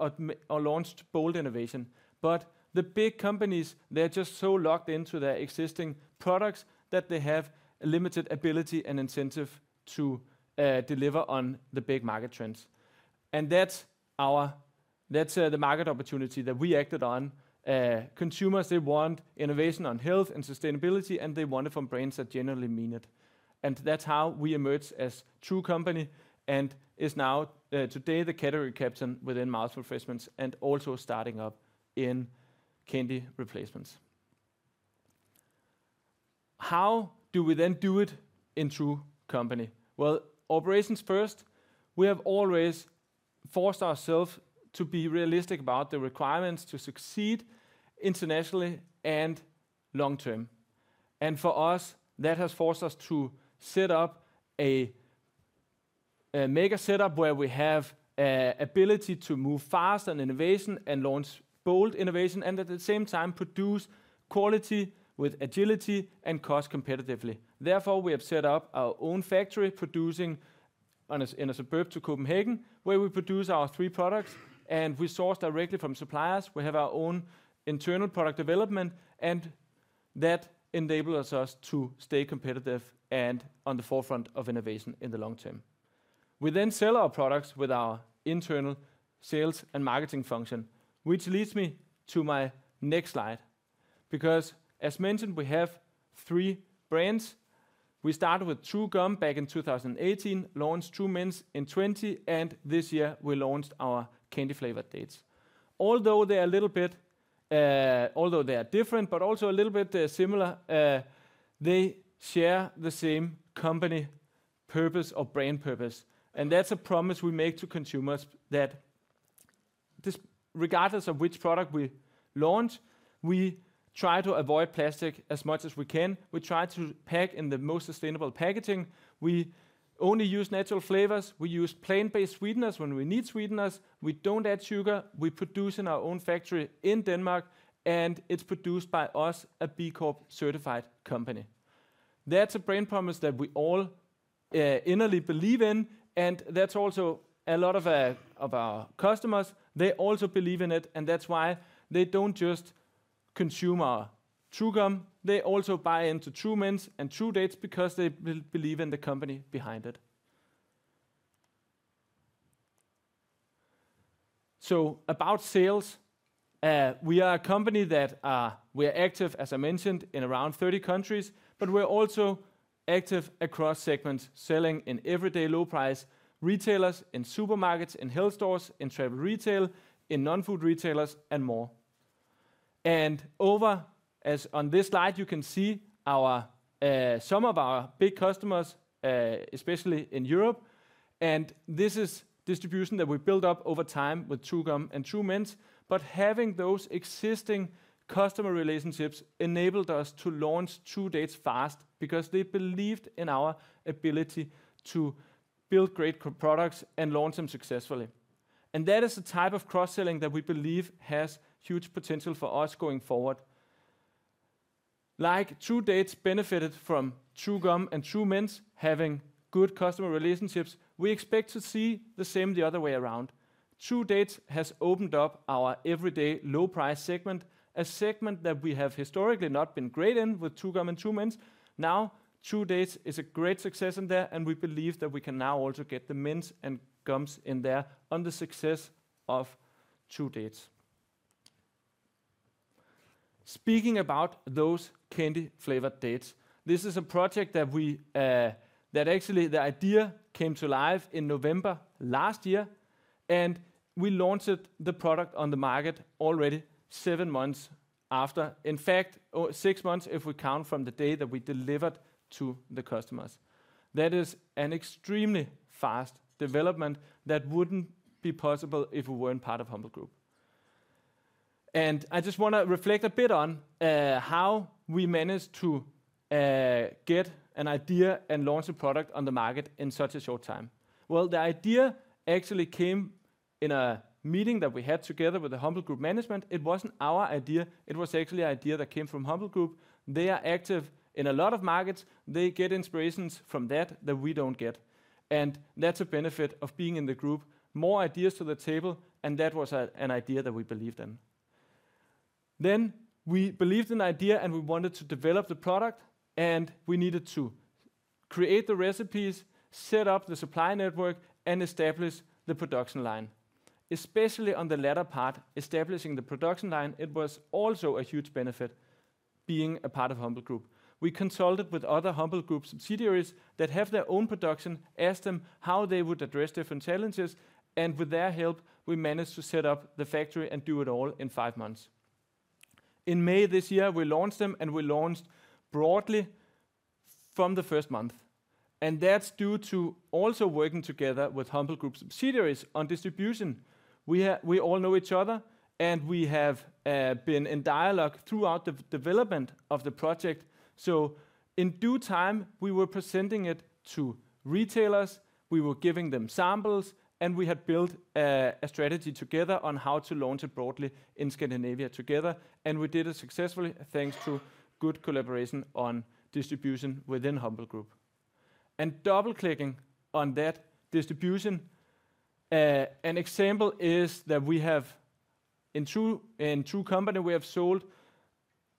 or launch bold innovation. But the big companies, they're just so locked into their existing products, that they have a limited ability and incentive to deliver on the big market trends. And that's the market opportunity that we acted on. Consumers, they want innovation on health and sustainability, and they want it from brands that genuinely mean it. That's how we emerged as True Company, and is now today the category captain within mouth refreshments and also starting up in candy replacements. How do we then do it in True Company? Operations first, we have always forced ourselves to be realistic about the requirements to succeed internationally and long term. For us, that has forced us to set up a mega setup where we have ability to move fast on innovation and launch bold innovation, and at the same time produce quality with agility and cost competitively. Therefore, we have set up our own factory, producing in a suburb to Copenhagen, where we produce our three products, and we source directly from suppliers. We have our own internal product development, and that enables us to stay competitive and on the forefront of innovation in the long term. We then sell our products with our internal sales and marketing function, which leads me to my next slide. Because, as mentioned, we have three brands. We started with True Gum back in two thousand and eighteen, launched True Mints in 2020, and this year we launched our candy flavor dates. Although they are a little bit different, but also a little bit similar, they share the same company purpose or brand purpose. And that's a promise we make to consumers, that this, regardless of which product we launch, we try to avoid plastic as much as we can. We try to pack in the most sustainable packaging. We only use natural flavors. We use plant-based sweeteners when we need sweeteners. We don't add sugar. We produce in our own factory in Denmark, and it's produced by us, a B Corp certified company. That's a brand promise that we all inwardly believe in, and that's also a lot of our customers. They also believe in it, and that's why they don't just consume our True Gum. They also buy into True Mints and True Dates because they believe in the company behind it. So about sales, we are a company that we are active, as I mentioned, in around thirty countries, but we're also active across segments, selling in everyday low price retailers, in supermarkets, in health stores, in travel retail, in non-food retailers, and more. And, as on this slide, you can see some of our big customers, especially in Europe, and this is distribution that we built up over time with True Gum and True Mints. But having those existing customer relationships enabled us to launch True Dates fast because they believed in our ability to build great products and launch them successfully. And that is the type of cross-selling that we believe has huge potential for us going forward. Like True Dates benefited from True Gum and True Mints having good customer relationships, we expect to see the same the other way around. True Dates has opened up our everyday low price segment, a segment that we have historically not been great in with True Gum and True Mints. Now, True Dates is a great success in there, and we believe that we can now also get the mints and gums in there on the success of True Dates. Speaking about those candy flavored dates, this is a project that we, that actually the idea came to life in November last year, and we launched the product on the market already seven months after. In fact, or six months, if we count from the day that we delivered to the customers. That is an extremely fast development that wouldn't be possible if we weren't part of Humble Group. I just want to reflect a bit on how we managed to get an idea and launch a product on the market in such a short time. The idea actually came in a meeting that we had together with the Humble Group management. It wasn't our idea; it was actually an idea that came from Humble Group. They are active in a lot of markets. They get inspirations from that, that we don't get, and that's a benefit of being in the group. More ideas to the table, and that was an idea that we believed in. Then we believed in the idea, and we wanted to develop the product, and we needed to create the recipes, set up the supply network, and establish the production line. Especially on the latter part, establishing the production line, it was also a huge benefit being a part of Humble Group. We consulted with other Humble Group subsidiaries that have their own production, asked them how they would address different challenges, and with their help, we managed to set up the factory and do it all in five months. In May this year, we launched them, and we launched broadly from the first month, and that's due to also working together with Humble Group subsidiaries on distribution. We all know each other, and we have been in dialogue throughout the development of the project. So in due time, we were presenting it to retailers, we were giving them samples, and we had built a strategy together on how to launch it broadly in Scandinavia together. And we did it successfully, thanks to good collaboration on distribution within Humble Group. And double-clicking on that distribution, an example is that we have in True Co., we have sold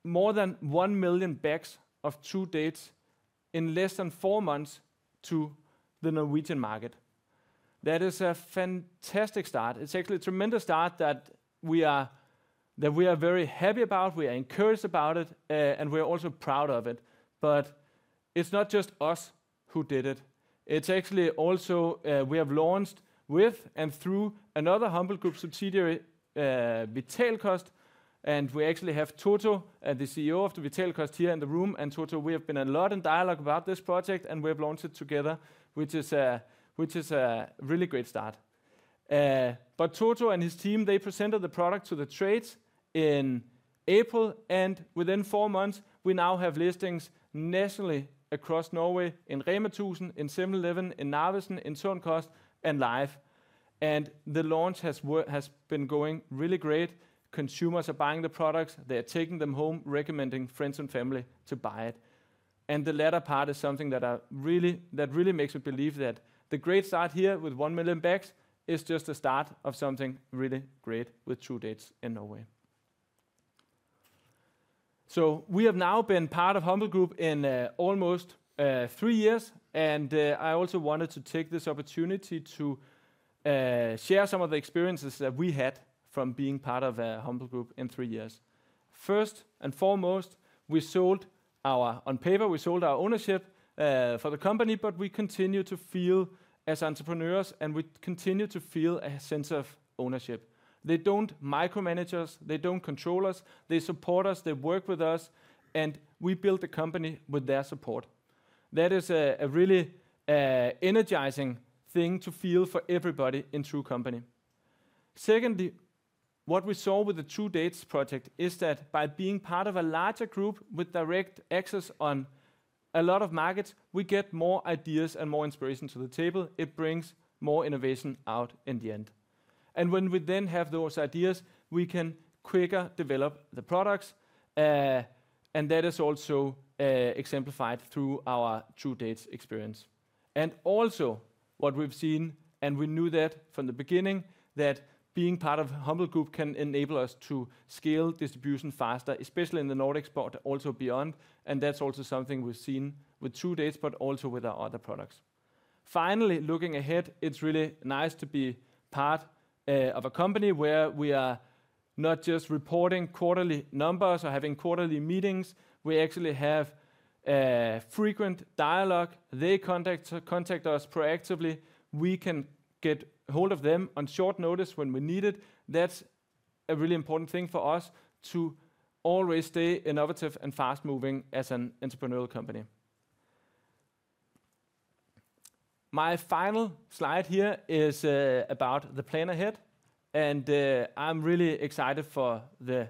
more than one million bags of True Dates in less than four months to the Norwegian market. That is a fantastic start. It's actually a tremendous start that we are very happy about, we are encouraged about it, and we're also proud of it. But it's not just us who did it. It's actually also, we have launched with and through another Humble Group subsidiary, Vitalkost, and we actually have Toto, the CEO of the Vitalkost here in the room. And Toto, we have been a lot in dialogue about this project, and we have launched it together, which is a, which is a really great start. But Toto and his team, they presented the product to the trades in April, and within four months, we now have listings nationally across Norway, in Rema 1000, in 7-Eleven, in Narvesen, in Sunkost, and Life. And the launch has been going really great. Consumers are buying the products. They are taking them home, recommending friends and family to buy it. The latter part is something that really makes me believe that the great start here with one million bags is just a start of something really great with True Dates in Norway. We have now been part of Humble Group for almost three years, and I also wanted to take this opportunity to share some of the experiences that we had from being part of Humble Group for three years. First and foremost, on paper, we sold our ownership for the company, but we continue to feel as entrepreneurs, and we continue to feel a sense of ownership. They don't micromanage us. They don't control us. They support us, they work with us, and we build the company with their support. That is a really energizing thing to feel for everybody in True Co. Secondly, what we saw with the True Dates project is that by being part of a larger group with direct access on a lot of markets, we get more ideas and more inspiration to the table. It brings more innovation out in the end, and when we then have those ideas, we can quicker develop the products, and that is also exemplified through our True Dates experience. Also, what we've seen, and we knew that from the beginning, that being part of Humble Group can enable us to scale distribution faster, especially in the Nordics part, also beyond, and that's also something we've seen with True Dates, but also with our other products. Finally, looking ahead, it's really nice to be part of a company where we are not just reporting quarterly numbers or having quarterly meetings, we actually have a frequent dialogue. They contact us proactively. We can get hold of them on short notice when we need it. That's a really important thing for us to always stay innovative and fast-moving as an entrepreneurial company. My final slide here is about the plan ahead, and I'm really excited for the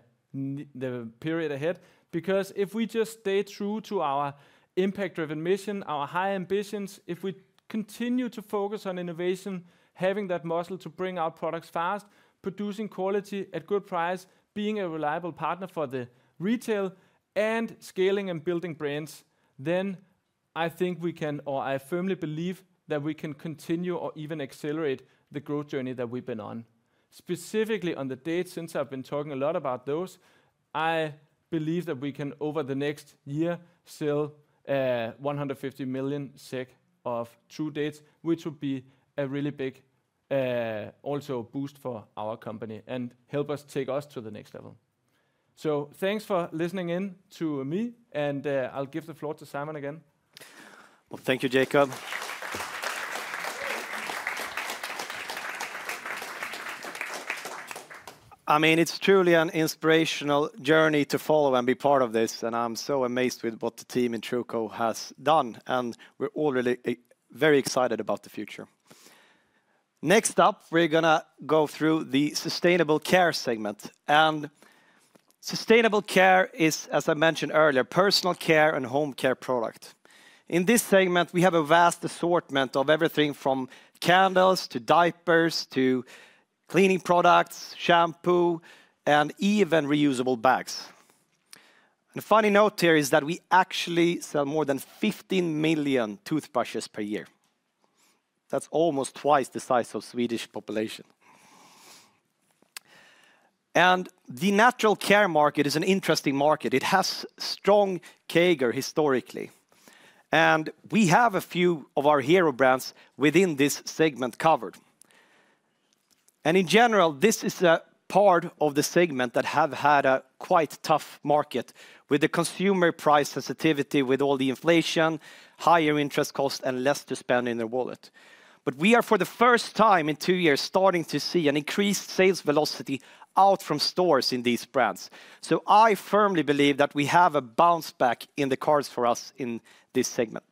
period ahead because if we just stay true to our impact-driven mission, our high ambitions, if we continue to focus on innovation, having that muscle to bring our products fast, producing quality at good price, being a reliable partner for the retail, and scaling and building brands, then I think we can... or I firmly believe that we can continue or even accelerate the growth journey that we've been on. Specifically on the dates, since I've been talking a lot about those, I believe that we can, over the next year, sell 150 million SEK of True Dates, which would be a really big also boost for our company and help us take us to the next level. So thanks for listening in to me, and I'll give the floor to Simon again. Thank you, Jacob. I mean, it's truly an inspirational journey to follow and be part of this, and I'm so amazed with what the team in True Co. has done, and we're all really very excited about the future. Next up, we're gonna go through the Sustainable Care segment, and Sustainable Care is, as I mentioned earlier, personal care and home care product. In this segment, we have a vast assortment of everything from candles to diapers to cleaning products, shampoo, and even reusable bags. A funny note here is that we actually sell more than 15 million toothbrushes per year. That's almost twice the size of Swedish population. The natural care market is an interesting market. It has strong CAGR historically, and we have a few of our hero brands within this segment covered. In general, this is a part of the segment that have had a quite tough market with the consumer price sensitivity, with all the inflation, higher interest costs, and less to spend in their wallet. We are, for the first time in two years, starting to see an increased sales velocity out from stores in these brands. I firmly believe that we have a bounce back in the cards for us in this segment.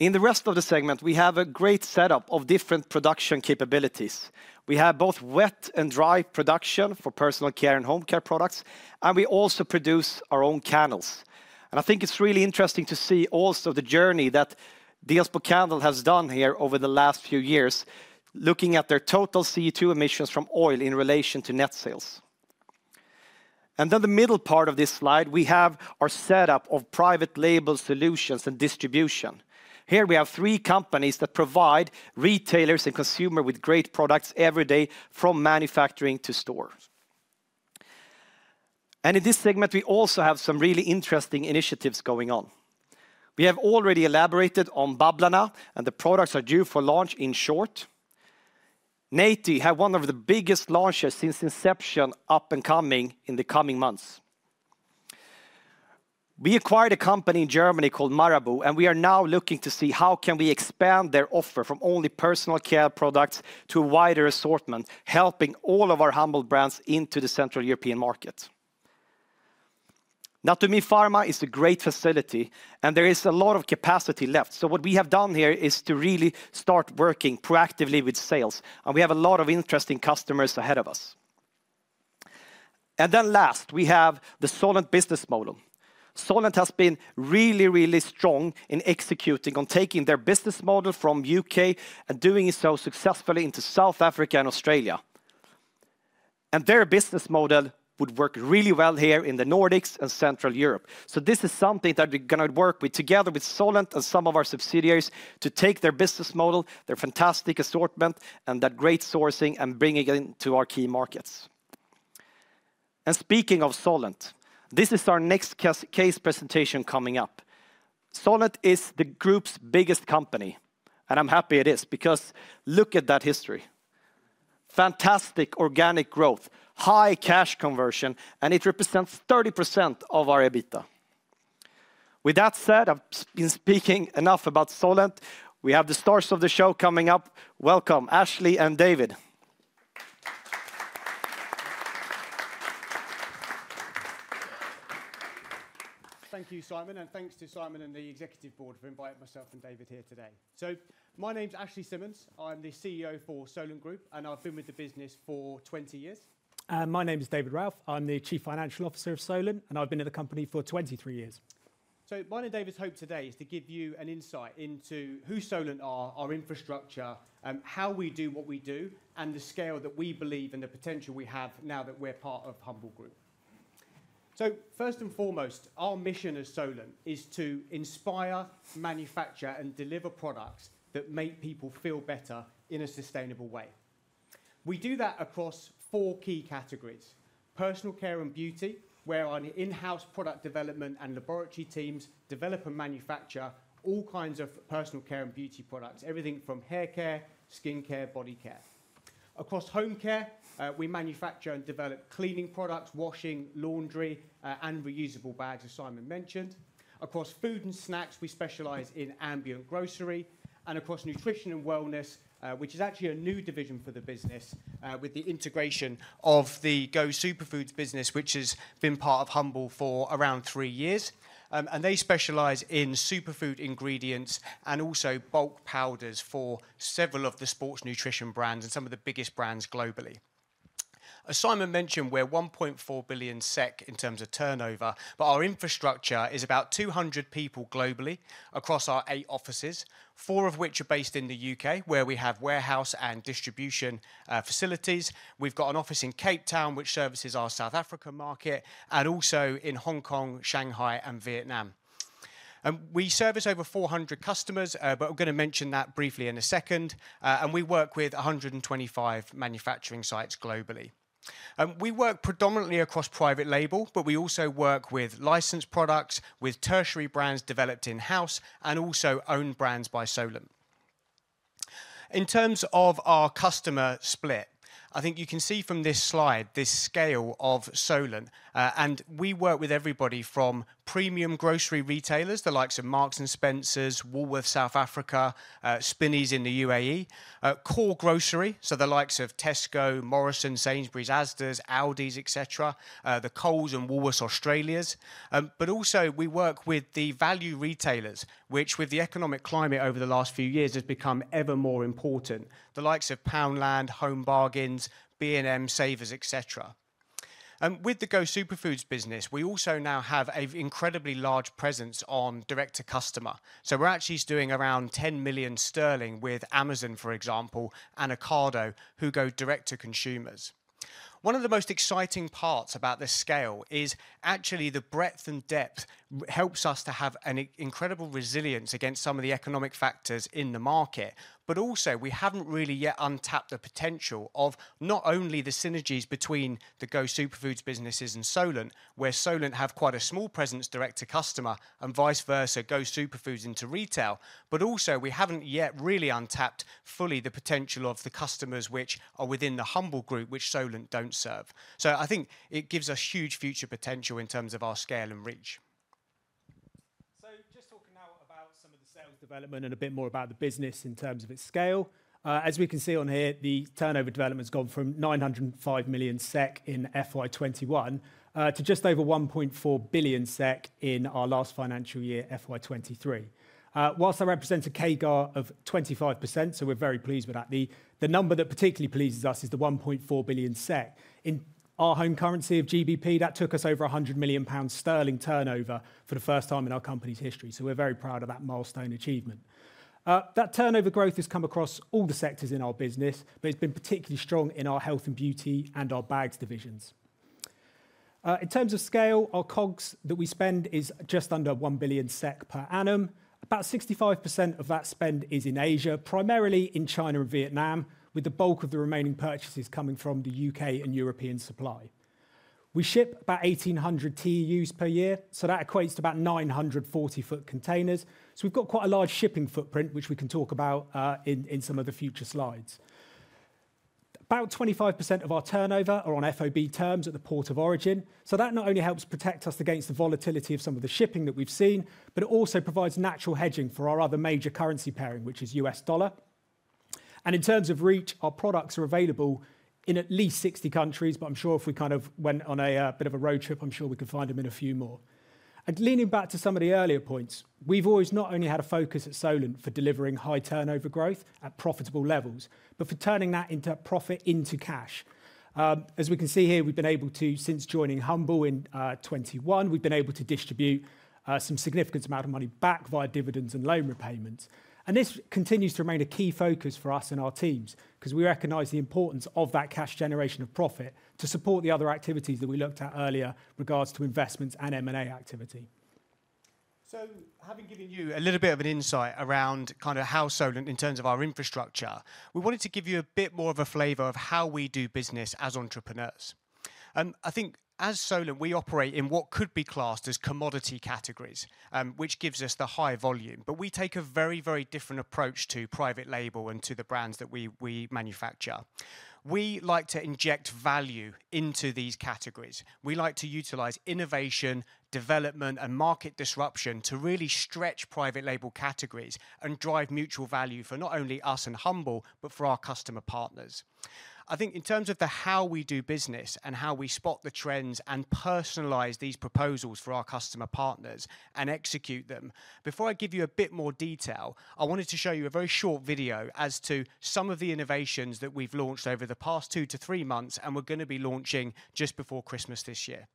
In the rest of the segment, we have a great setup of different production capabilities. We have both wet and dry production for personal care and home care products, and we also produce our own candles. I think it's really interesting to see also the journey that Diószeghy Candle has done here over the last few years, looking at their total CO2 emissions from oil in relation to net sales. Then the middle part of this slide, we have our setup of private label solutions and distribution. Here we have three companies that provide retailers and consumers with great products every day, from manufacturing to store. In this segment, we also have some really interesting initiatives going on. We have already elaborated on Babblarna, and the products are due for launch in short. Naty has one of the biggest launches since inception up and coming in the coming months. We acquired a company in Germany called Marabu, and we are now looking to see how we can expand their offer from only personal care products to a wider assortment, helping all of our Humble brands into the Central European market. Natumin Pharma is a great facility, and there is a lot of capacity left. So what we have done here is to really start working proactively with sales, and we have a lot of interesting customers ahead of us. And then last, we have the Solent business model. Solent has been really, really strong in executing on taking their business model from U.K. and doing it so successfully into South Africa and Australia. And their business model would work really well here in the Nordics and Central Europe. So this is something that we're gonna work with together with Solent and some of our subsidiaries to take their business model, their fantastic assortment, and that great sourcing and bringing it into our key markets. And speaking of Solent, this is our next case presentation coming up. Solent is the group's biggest company, and I'm happy it is, because look at that history. Fantastic organic growth, high cash conversion, and it represents 30% of our EBITDA. With that said, I've been speaking enough about Solent. We have the stars of the show coming up. Welcome, Ashley and David. Thank you, Simon, and thanks to Simon and the executive board for inviting myself and David here today, so my name's Ashley Simmons. I'm the CEO for Solent Group, and I've been with the business for 20 years. My name is David Ralph. I'm the Chief Financial Officer of Solent, and I've been at the company for 23 years. So mine and David's hope today is to give you an insight into who Solent are, our infrastructure, how we do what we do, and the scale that we believe and the potential we have now that we're part of Humble Group. So first and foremost, our mission as Solent is to inspire, manufacture, and deliver products that make people feel better in a sustainable way. We do that across four key categories: personal care and beauty, where our in-house product development and laboratory teams develop and manufacture all kinds of personal care and beauty products, everything from hair care, skin care, body care. Across home care, we manufacture and develop cleaning products, washing, laundry, and reusable bags, as Simon mentioned. Across food and snacks, we specialize in ambient grocery and across nutrition and wellness, which is actually a new division for the business, with the integration of the Go Superfoods business, which has been part of Humble for around three years. And they specialize in superfood ingredients and also bulk powders for several of the sports nutrition brands and some of the biggest brands globally. As Simon mentioned, we're 1.4 billion SEK in terms of turnover, but our infrastructure is about 200 people globally across our 8 offices, 4 of which are based in the U.K., where we have warehouse and distribution facilities. We've got an office in Cape Town, which services our South Africa market, and also in Hong Kong, Shanghai, and Vietnam. And we service over 400 customers, but I'm gonna mention that briefly in a second. And we work with 125 manufacturing sites globally. And we work predominantly across private label, but we also work with licensed products, with tertiary brands developed in-house, and also own brands by Solent. In terms of our customer split, I think you can see from this slide, this scale of Solent, and we work with everybody from premium grocery retailers, the likes of Marks and Spencer, Woolworths South Africa, Spinneys in the UAE, core grocery, so the likes of Tesco, Morrisons, Sainsbury's, Asda, Aldi, et cetera, the Coles and Woolworths Australia. But also we work with the value retailers, which, with the economic climate over the last few years, has become ever more important, the likes of Poundland, Home Bargains, B&M, Savers, et cetera. And with the Go Superfoods business, we also now have an incredibly large presence on direct-to-customer. We're actually doing around 10 million sterling with Amazon, for example, and Ocado, who go direct to consumers. ...One of the most exciting parts about this scale is actually the breadth and depth helps us to have an incredible resilience against some of the economic factors in the market. But also, we haven't really yet untapped the potential of not only the synergies between the Go Superfoods businesses and Solent, where Solent have quite a small presence direct to customer, and vice versa, Go Superfoods into retail. But also, we haven't yet really untapped fully the potential of the customers which are within the Humble Group, which Solent don't serve. So I think it gives us huge future potential in terms of our scale and reach. So just talking now about some of the sales development and a bit more about the business in terms of its scale. As we can see on here, the turnover development's gone from 905 million SEK in FY 2021, to just over 1.4 billion SEK in our last financial year, FY 2023. While that represents a CAGR of 25%, so we're very pleased with that, the number that particularly pleases us is the 1.4 billion SEK. In our home currency of GBP, that took us over 100 million pounds turnover for the first time in our company's history, so we're very proud of that milestone achievement. That turnover growth has come across all the sectors in our business, but it's been particularly strong in our health and beauty and our bags divisions. In terms of scale, our COGS that we spend is just under 1 billion SEK per annum. About 65% of that spend is in Asia, primarily in China and Vietnam, with the bulk of the remaining purchases coming from the U.K. and European supply. We ship about 1,800 TEUs per year, so that equates to about 900 forty-foot containers. So we've got quite a large shipping footprint, which we can talk about in some of the future slides. About 25% of our turnover are on FOB terms at the port of origin. So that not only helps protect us against the volatility of some of the shipping that we've seen, but it also provides natural hedging for our other major currency pairing, which is U.S. dollar. In terms of reach, our products are available in at least 60 countries, but I'm sure if we kind of went on a bit of a road trip, I'm sure we could find them in a few more. Leaning back to some of the earlier points, we've always not only had a focus at Solent for delivering high turnover growth at profitable levels, but for turning that into profit into cash. As we can see here, we've been able to, since joining Humble in 2021, we've been able to distribute some significant amount of money back via dividends and loan repayments. This continues to remain a key focus for us and our teams, 'cause we recognize the importance of that cash generation of profit to support the other activities that we looked at earlier regards to investments and M&A activity. Having given you a little bit of an insight around kind of how Solent in terms of our infrastructure, we wanted to give you a bit more of a flavor of how we do business as entrepreneurs. I think as Solent, we operate in what could be classed as commodity categories, which gives us the high volume, but we take a very, very different approach to private label and to the brands that we manufacture. We like to inject value into these categories. We like to utilize innovation, development, and market disruption to really stretch private label categories and drive mutual value for not only us and Humble, but for our customer partners. I think in terms of the how we do business and how we spot the trends and personalize these proposals for our customer partners and execute them, before I give you a bit more detail, I wanted to show you a very short video as to some of the innovations that we've launched over the past two to three months and we're gonna be launching just before Christmas this year. ...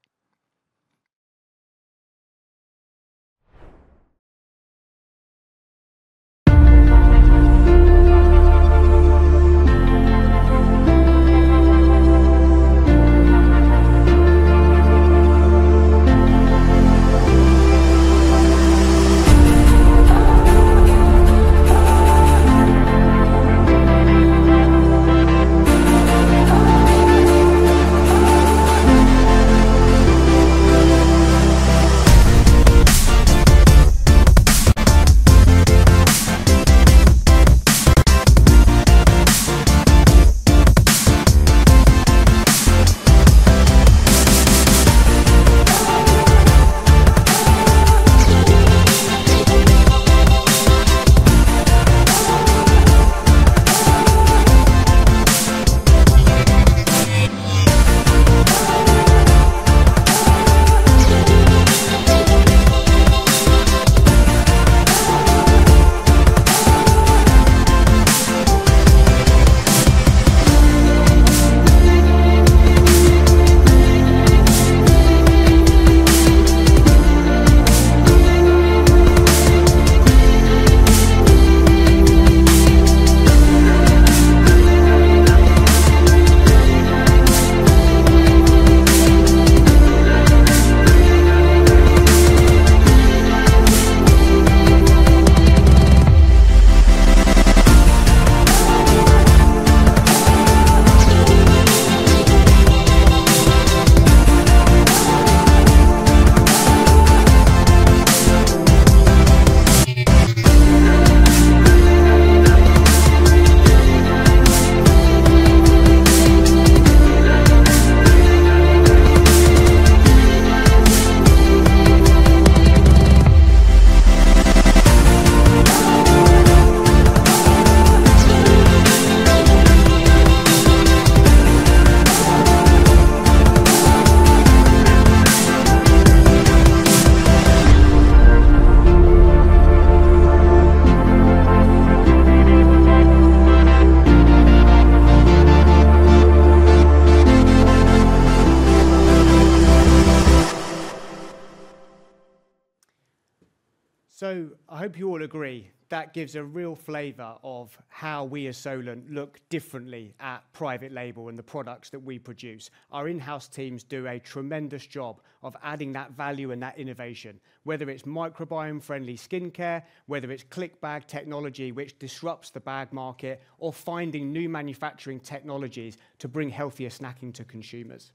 I hope you all agree that gives a real flavor of how we as Solent look differently at private label and the products that we produce. Our in-house teams do a tremendous job of adding that value and that innovation, whether it's microbiome-friendly skincare, whether it's click bag technology, which disrupts the bag market, or finding new manufacturing technologies to bring healthier snacking to consumers.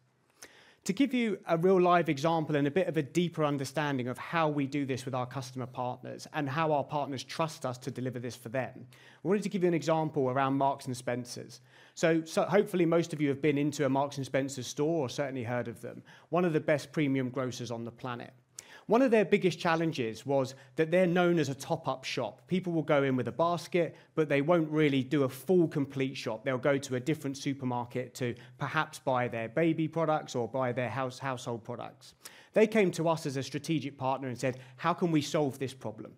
To give you a real live example and a bit of a deeper understanding of how we do this with our customer partners and how our partners trust us to deliver this for them, I wanted to give you an example around Marks and Spencer's. So, hopefully most of you have been into a Marks and Spencer store or certainly heard of them, one of the best premium grocers on the planet. One of their biggest challenges was that they're known as a top-up shop. People will go in with a basket, but they won't really do a full, complete shop. They'll go to a different supermarket to perhaps buy their baby products or buy their household products. They came to us as a strategic partner and said, "How can we solve this problem?"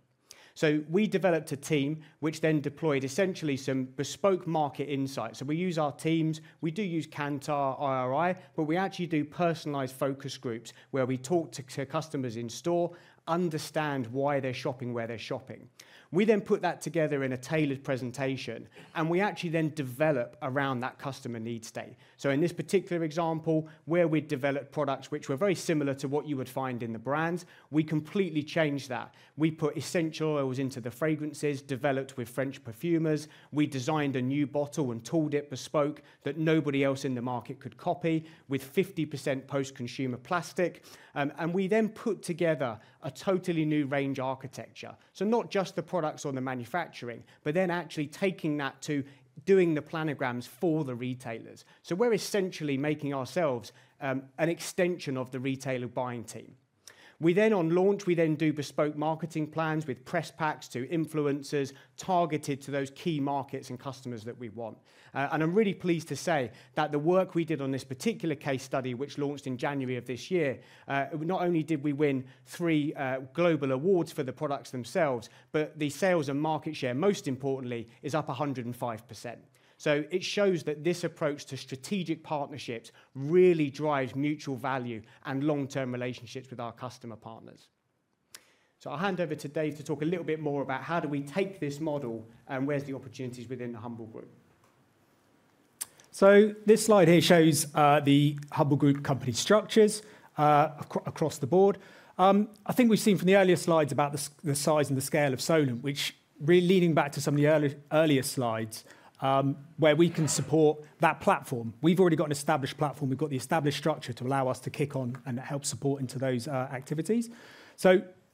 So we developed a team, which then deployed essentially some bespoke market insights, and we use our teams. We do use Kantar, IRI, but we actually do personalized focus groups, where we talk to customers in store, understand why they're shopping, where they're shopping. We then put that together in a tailored presentation, and we actually then develop around that customer needs state. So in this particular example, where we developed products which were very similar to what you would find in the brands, we completely changed that. We put essential oils into the fragrances, developed with French perfumers. We designed a new bottle and tooled it bespoke that nobody else in the market could copy, with 50% post-consumer plastic. And we then put together a totally new range architecture. So not just the products or the manufacturing, but then actually taking that to doing the planograms for the retailers. So we're essentially making ourselves an extension of the retailer buying team. We then, on launch, do bespoke marketing plans with press packs to influencers, targeted to those key markets and customers that we want. And I'm really pleased to say that the work we did on this particular case study, which launched in January of this year, not only did we win three global awards for the products themselves, but the sales and market share, most importantly, is up 105%. So it shows that this approach to strategic partnerships really drives mutual value and long-term relationships with our customer partners. So I'll hand over to Dave to talk a little bit more about how do we take this model, and where's the opportunities within the Humble Group? So this slide here shows the Humble Group company structures across the board. I think we've seen from the earlier slides about the size and the scale of Solent, which leading back to some of the earlier slides, where we can support that platform. We've already got an established platform. We've got the established structure to allow us to kick on and help support into those activities.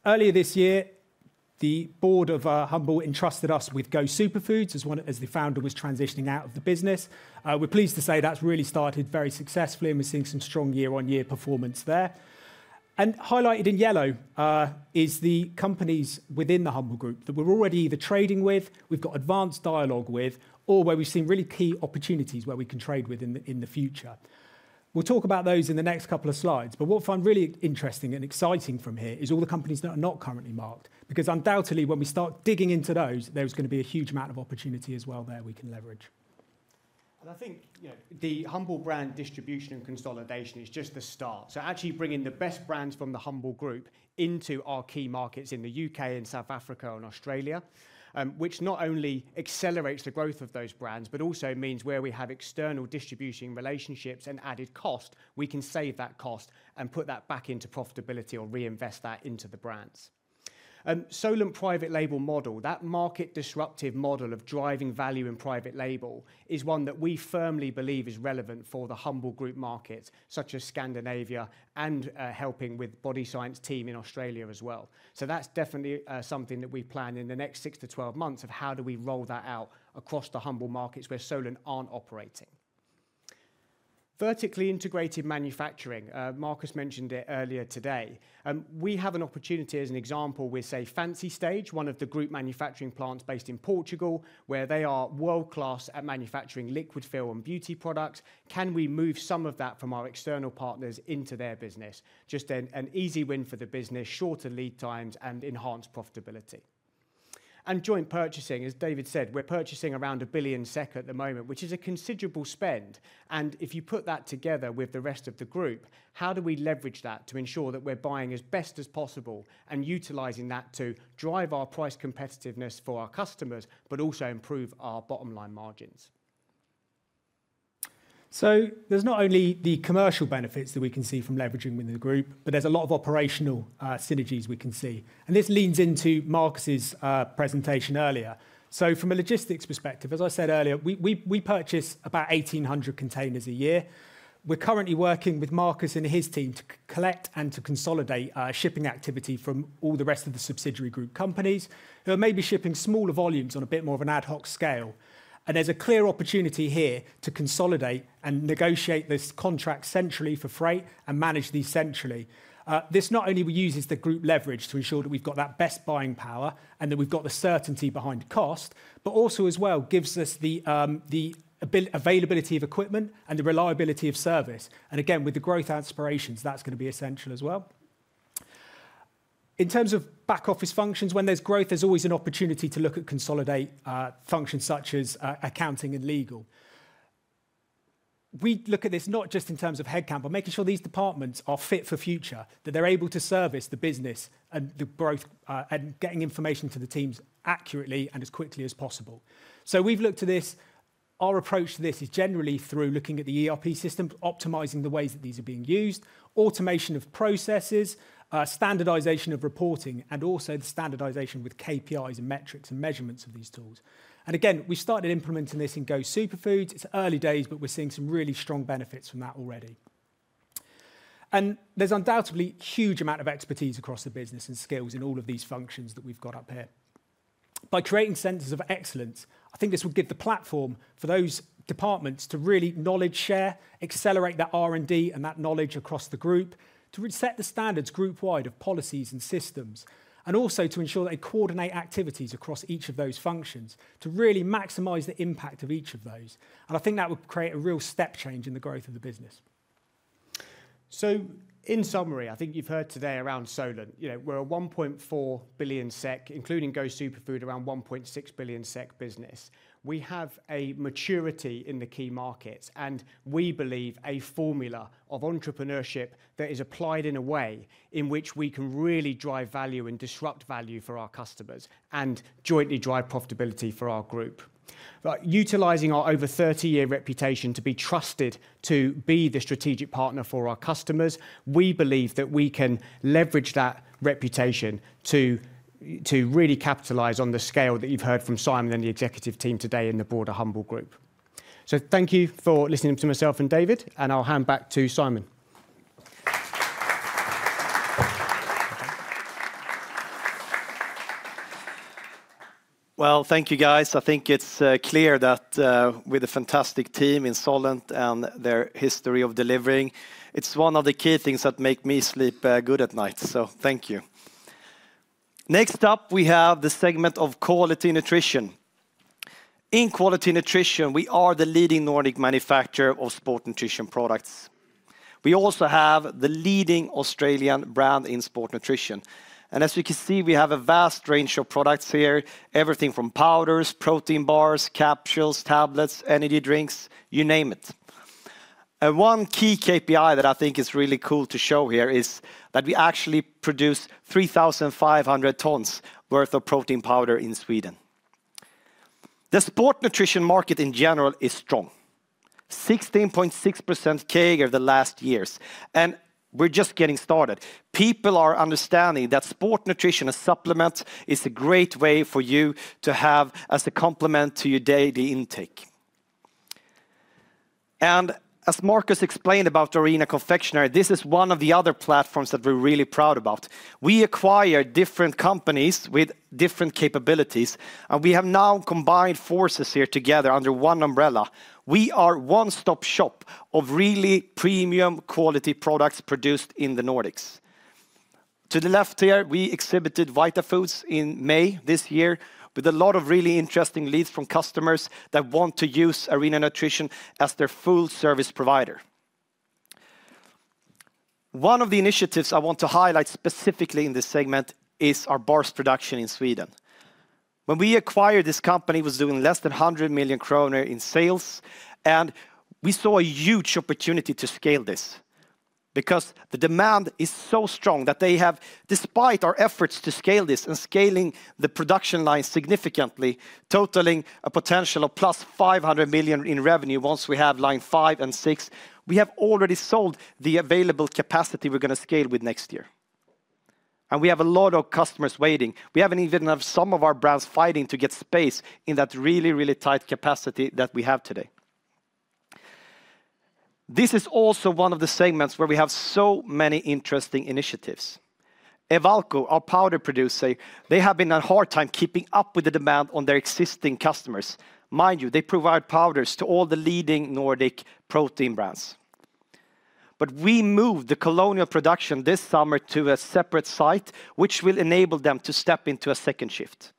Earlier this year, the board of Humble entrusted us with Go Superfoods, as the founder was transitioning out of the business. We're pleased to say that's really started very successfully, and we're seeing some strong year-on-year performance there. Highlighted in yellow is the companies within the Humble Group that we're already either trading with, we've got advanced dialogue with, or where we've seen really key opportunities where we can trade with in the future. We'll talk about those in the next couple of slides, but what I find really interesting and exciting from here is all the companies that are not currently marked, because undoubtedly, when we start digging into those, there is gonna be a huge amount of opportunity as well there we can leverage. I think, you know, the Humble brand distribution and consolidation is just the start. So actually bringing the best brands from the Humble Group into our key markets in the U.K. and South Africa and Australia, which not only accelerates the growth of those brands, but also means where we have external distribution relationships and added cost, we can save that cost and put that back into profitability or reinvest that into the brands. Solent private label model, that market disruptive model of driving value in private label, is one that we firmly believe is relevant for the Humble Group markets, such as Scandinavia and helping with Body Science team in Australia as well. So that's definitely something that we plan in the next 6-12 months, of how do we roll that out across the Humble markets where Solent aren't operating? Vertically integrated manufacturing. Marcus mentioned it earlier today, and we have an opportunity as an example with, say, Fancystage, one of the group manufacturing plants based in Portugal, where they are world-class at manufacturing liquid fill and beauty products. Can we move some of that from our external partners into their business? Just an easy win for the business, shorter lead times, and enhanced profitability. Joint purchasing, as David said, we're purchasing around 1 billion SEK at the moment, which is a considerable spend, and if you put that together with the rest of the group, how do we leverage that to ensure that we're buying as best as possible and utilizing that to drive our price competitiveness for our customers, but also improve our bottom line margins? There's not only the commercial benefits that we can see from leveraging with the group, but there's a lot of operational synergies we can see, and this leans into Marcus's presentation earlier. From a logistics perspective, as I said earlier, we purchase about 1,800 containers a year. We're currently working with Marcus and his team to collect and to consolidate shipping activity from all the rest of the subsidiary group companies, who are maybe shipping smaller volumes on a bit more of an ad hoc scale. There's a clear opportunity here to consolidate and negotiate this contract centrally for freight and manage these centrally. This not only uses the group leverage to ensure that we've got that best buying power and that we've got the certainty behind cost, but also as well, gives us the availability of equipment and the reliability of service, and again, with the growth aspirations, that's gonna be essential as well. In terms of back office functions, when there's growth, there's always an opportunity to look at consolidate functions such as accounting and legal. We look at this not just in terms of head count, but making sure these departments are fit for future, that they're able to service the business and the growth, and getting information to the teams accurately and as quickly as possible. So we've looked to this. Our approach to this is generally through looking at the ERP system, optimizing the ways that these are being used, automation of processes, standardization of reporting, and also the standardization with KPIs and metrics and measurements of these tools. And again, we started implementing this in Go Superfoods. It's early days, but we're seeing some really strong benefits from that already. And there's undoubtedly huge amount of expertise across the business and skills in all of these functions that we've got up here. By creating centers of excellence, I think this will give the platform for those departments to really knowledge share, accelerate that R&D and that knowledge across the group, to reset the standards group-wide of policies and systems, and also to ensure they coordinate activities across each of those functions to really maximize the impact of each of those, and I think that would create a real step change in the growth of the business. So in summary, I think you've heard today around Solent, you know, we're a 1.4 billion SEK, including Go Superfoods, around 1.6 billion SEK business. We have a maturity in the key markets, and we believe a formula of entrepreneurship that is applied in a way in which we can really drive value and disrupt value for our customers and jointly drive profitability for our group. By utilizing our over thirty-year reputation to be trusted to be the strategic partner for our customers, we believe that we can leverage that reputation to really capitalize on the scale that you've heard from Simon and the executive team today in the broader Humble Group. So thank you for listening to myself and David, and I'll hand back to Simon. Well, thank you, guys. I think it's clear that with a fantastic team in Solent and their history of delivering, it's one of the key things that make me sleep good at night, so thank you. Next up, we have the segment ofQuality Nutrition. In Quality Nutrition, we are the leading Nordic manufacturer of sport nutrition products. We also have the leading Australian brand in sport nutrition, and as you can see, we have a vast range of products here, everything from powders, protein bars, capsules, tablets, energy drinks, you name it. And one key KPI that I think is really cool to show here is that we actually produce 3,500 tons worth of protein powder in Sweden. The sport nutrition market, in general, is strong, 16.6% CAGR the last years, and we're just getting started. People are understanding that sport nutrition as supplements is a great way for you to have as a complement to your daily intake, and as Marcus explained about Arena Confectionery, this is one of the other platforms that we're really proud about. We acquire different companies with different capabilities, and we have now combined forces here together under one umbrella. We are a one-stop shop of really premium quality products produced in the Nordics. To the left here, we exhibited Vitafoods in May this year with a lot of really interesting leads from customers that want to use Arena Nutrition as their full service provider. One of the initiatives I want to highlight specifically in this segment is our bars production in Sweden. When we acquired this company, it was doing less than 100 million kronor in sales, and we saw a huge opportunity to scale this because the demand is so strong that they have, despite our efforts to scale this and scaling the production line significantly, totaling a potential of plus 500 million in revenue once we have line five and six. We have already sold the available capacity we're gonna scale with next year, and we have a lot of customers waiting. We even have some of our brands fighting to get space in that really, really tight capacity that we have today. This is also one of the segments where we have so many interesting initiatives. Ewalco, our powder producer, they have had a hard time keeping up with the demand on their existing customers. Mind you, they provide powders to all the leading Nordic protein brands. But we moved the candy production this summer to a separate site, which will enable them to step into a second shift.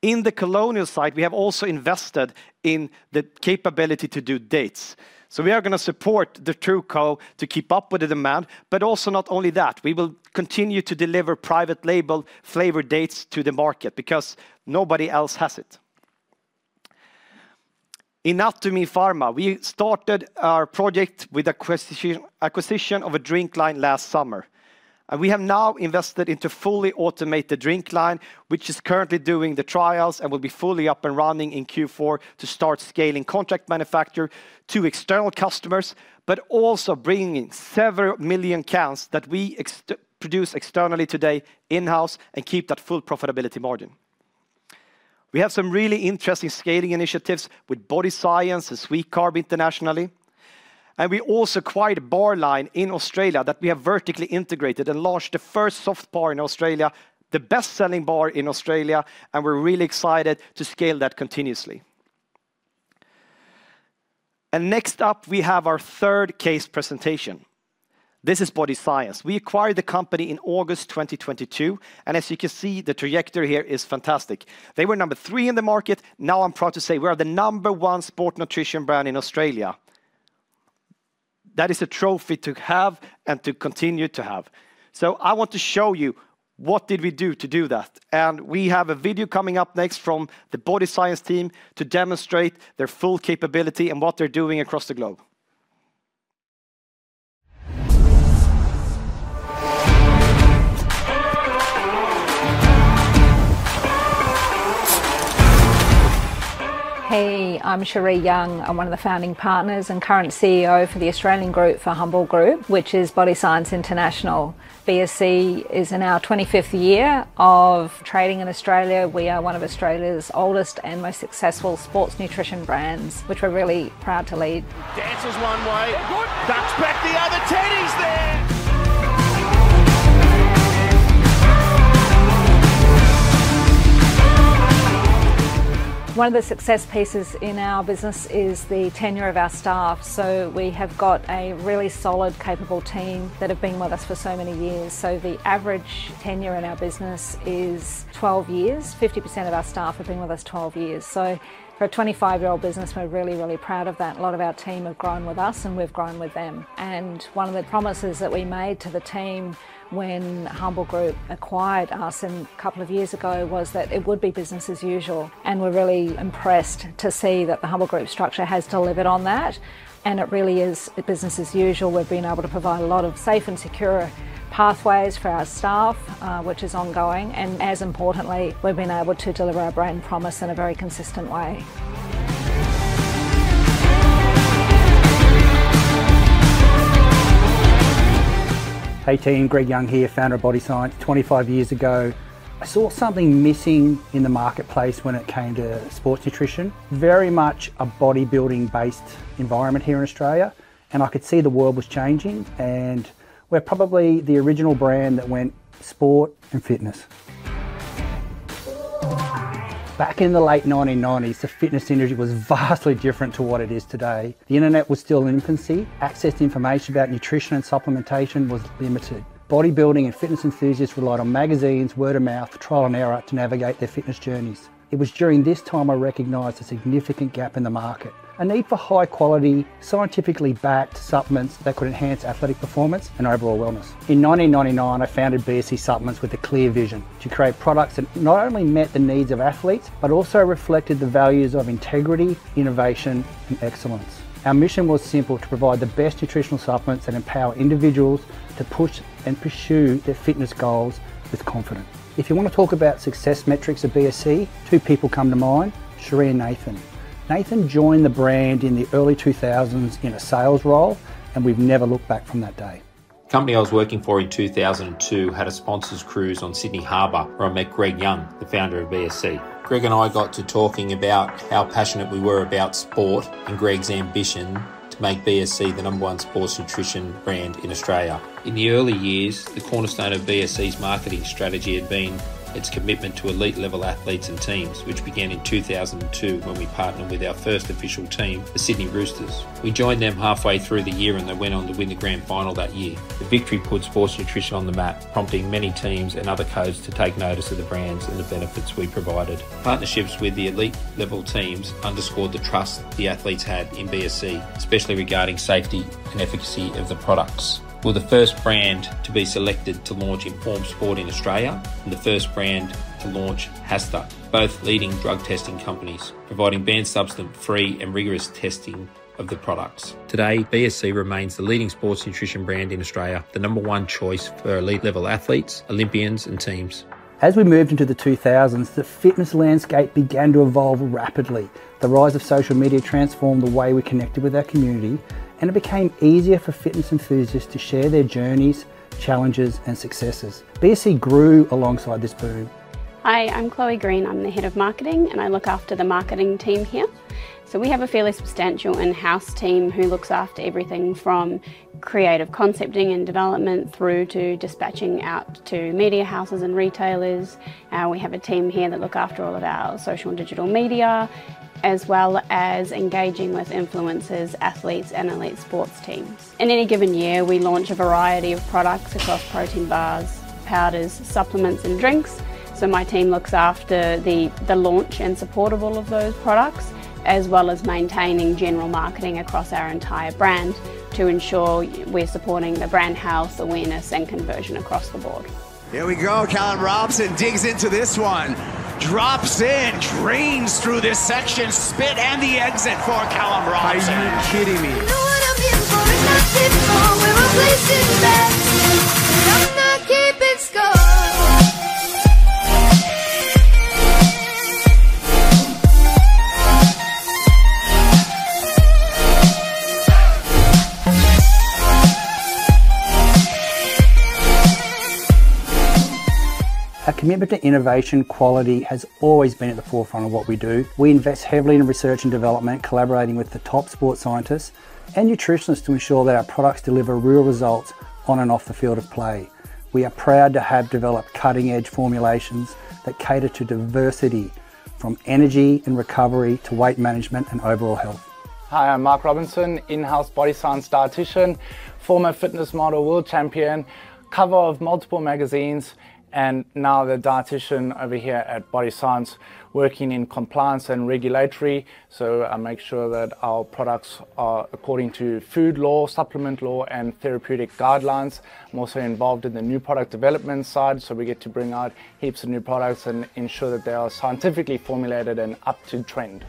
In the candy site, we have also invested in the capability to do dates. So we are gonna support the True Co. to keep up with the demand, but also not only that, we will continue to deliver private label flavor dates to the market because nobody else has it. In Natumin Pharma, we started our project with acquisition of a drink line last summer, and we have now invested into fully automate the drink line, which is currently doing the trials and will be fully up and running in Q4 to start scaling contract manufacture to external customers, but also bringing in several million counts that we produce externally today in-house and keep that full profitability margin. We have some really interesting scaling initiatives with Body Science and Swcarb internationally, and we also acquired a bar line in Australia that we have vertically integrated and launched the first soft bar in Australia, the best-selling bar in Australia, and we're really excited to scale that continuously. And next up, we have our third case presentation. This is Body Science. We acquired the company in August 2022, and as you can see, the trajectory here is fantastic. They were number three in the market. Now, I'm proud to say we are the number one sports nutrition brand in Australia... That is a trophy to have and to continue to have. So I want to show you what did we do to do that, and we have a video coming up next from the Body Science team to demonstrate their full capability and what they're doing across the globe. Hey, I'm Sheree Young. I'm one of the founding partners and current CEO for the Australian group for Humble Group, which is Body Science International. BSc is in our 25th year of trading in Australia. We are one of Australia's oldest and most successful sports nutrition brands, which we're really proud to lead. Dances one way- Good! -ducks back the other, Teddy's there! One of the success pieces in our business is the tenure of our staff. We have got a really solid, capable team that have been with us for so many years. The average tenure in our business is 12 years. 50% of our staff have been with us 12 years. For a 25-year-old business, we're really, really proud of that. A lot of our team have grown with us, and we've grown with them. One of the promises that we made to the team when Humble Group acquired us a couple of years ago was that it would be business as usual, and we're really impressed to see that the Humble Group structure has delivered on that, and it really is business as usual. We've been able to provide a lot of safe and secure pathways for our staff, which is ongoing, and as importantly, we've been able to deliver our brand promise in a very consistent way. Hey, team, Greg Young here, founder of Body Science. Twenty-five years ago, I saw something missing in the marketplace when it came to sports nutrition. Very much a bodybuilding-based environment here in Australia, and I could see the world was changing, and we're probably the original brand that went sport and fitness. Back in the late 1990s, the fitness industry was vastly different to what it is today. The internet was still in infancy. Access to information about nutrition and supplementation was limited. Bodybuilding and fitness enthusiasts relied on magazines, word of mouth, trial and error to navigate their fitness journeys. It was during this time I recognized a significant gap in the market, a need for high-quality, scientifically backed supplements that could enhance athletic performance and overall wellness. In 1999, I founded BSc Supplements with a clear vision: to create products that not only met the needs of athletes but also reflected the values of integrity, innovation, and excellence. Our mission was simple: to provide the best nutritional supplements and empower individuals to push and pursue their fitness goals with confidence. If you want to talk about success metrics at BSc, two people come to mind, Sheree and Nathan. Nathan joined the brand in the early 2000s in a sales role, and we've never looked back from that day. The company I was working for in 2002 had a sponsors cruise on Sydney Harbor, where I met Greg Young, the founder of BSC. Greg and I got to talking about how passionate we were about sport and Greg's ambition to make BSC the number one sports nutrition brand in Australia. In the early years, the cornerstone of BSC's marketing strategy had been its commitment to elite-level athletes and teams, which began in 2002 when we partnered with our first official team, the Sydney Roosters. We joined them halfway through the year, and they went on to win the grand final that year. The victory put sports nutrition on the map, prompting many teams and other codes to take notice of the brands and the benefits we provided. Partnerships with the elite-level teams underscored the trust the athletes had in BSC, especially regarding safety and efficacy of the products. We're the first brand to be selected to launch in Informed Sport in Australia and the first brand to launch HASTA, both leading drug testing companies, providing banned-substance-free and rigorous testing of the products. Today, BSc remains the leading sports nutrition brand in Australia, the number one choice for elite-level athletes, Olympians, and teams. As we moved into the 2000s, the fitness landscape began to evolve rapidly. The rise of social media transformed the way we connected with our community, and it became easier for fitness enthusiasts to share their journeys, challenges, and successes. BSc grew alongside this boom. Hi, I'm Chloe Green. I'm the head of marketing, and I look after the marketing team here. So we have a fairly substantial in-house team who looks after everything from creative concepting and development through to dispatching out to media houses and retailers. We have a team here that look after all of our social and digital media, as well as engaging with influencers, athletes, and elite sports teams. In any given year, we launch a variety of products across protein bars, powders, supplements, and drinks. So my team looks after the launch and support of all of those products, as well as maintaining general marketing across our entire brand to ensure we're supporting the brand awareness and conversion across the board. Here we go. Callum Robson digs into this one, drops in, trains through this section, spit and the exit for Callum Robson. Are you kidding me? You know what I'm here for. It's not small, where I'm placing bets, but I'm not keeping score. Our commitment to innovation quality has always been at the forefront of what we do. We invest heavily in research and development, collaborating with the top sports scientists and nutritionists to ensure that our products deliver real results on and off the field of play. We are proud to have developed cutting-edge formulations that cater to diversity, from energy and recovery to weight management and overall health. Hi, I'm Mark Robinson, in-house Body Science dietician.... former fitness model, world champion, cover of multiple magazines, and now the dietician over here at Body Science, working in compliance and regulatory. So I make sure that our products are according to food law, supplement law, and therapeutic guidelines. I'm also involved in the new product development side, so we get to bring out heaps of new products and ensure that they are scientifically formulated and up to trend.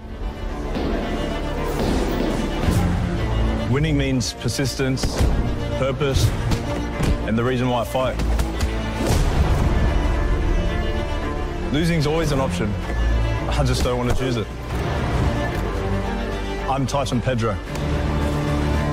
Winning means persistence, purpose, and the reason why I fight. Losing is always an option, I just don't want to choose it. I'm Tyson Pedro,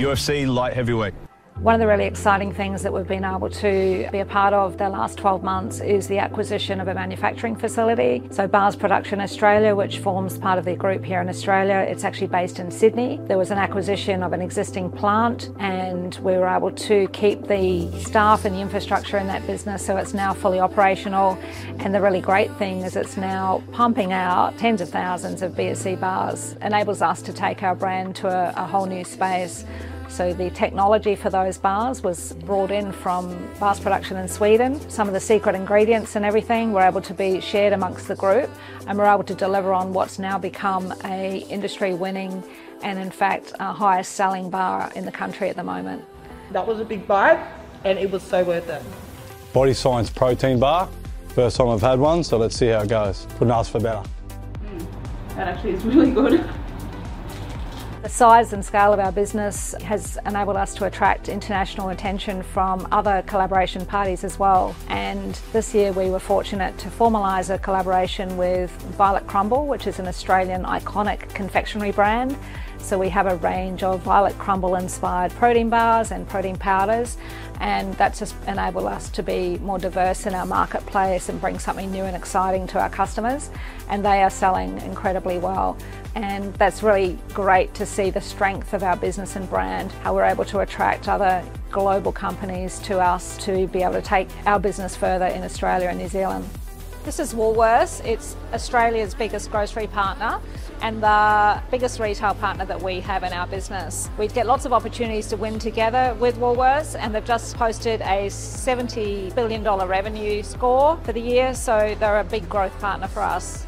UFC light heavyweight. One of the really exciting things that we've been able to be a part of the last 12 months is the acquisition of a manufacturing facility, so Bars Production Australia, which forms part of the group here in Australia, it's actually based in Sydney. There was an acquisition of an existing plant, and we were able to keep the staff and the infrastructure in that business, so it's now fully operational, and the really great thing is it's now pumping out tens of thousands of BSc bars, enables us to take our brand to a whole new space, so the technology for those bars was brought in from Bars Production in Sweden. Some of the secret ingredients and everything were able to be shared among the group, and we're able to deliver on what's now become a industry-winning, and in fact, our highest-selling bar in the country at the moment. That was a big bite, and it was so worth it. Body Science protein bar, first time I've had one, so let's see how it goes. Couldn't ask for better. Mm, that actually is really good. The size and scale of our business has enabled us to attract international attention from other collaboration parties as well, and this year we were fortunate to formalize a collaboration with Violet Crumble, which is an Australian iconic confectionery brand. So we have a range of Violet Crumble-inspired protein bars and protein powders, and that's just enabled us to be more diverse in our marketplace and bring something new and exciting to our customers, and they are selling incredibly well. And that's really great to see the strength of our business and brand, how we're able to attract other global companies to us to be able to take our business further in Australia and New Zealand. This is Woolworths. It's Australia's biggest grocery partner and the biggest retail partner that we have in our business. We get lots of opportunities to win together with Woolworths, and they've just posted a 70 billion dollar revenue score for the year, so they're a big growth partner for us.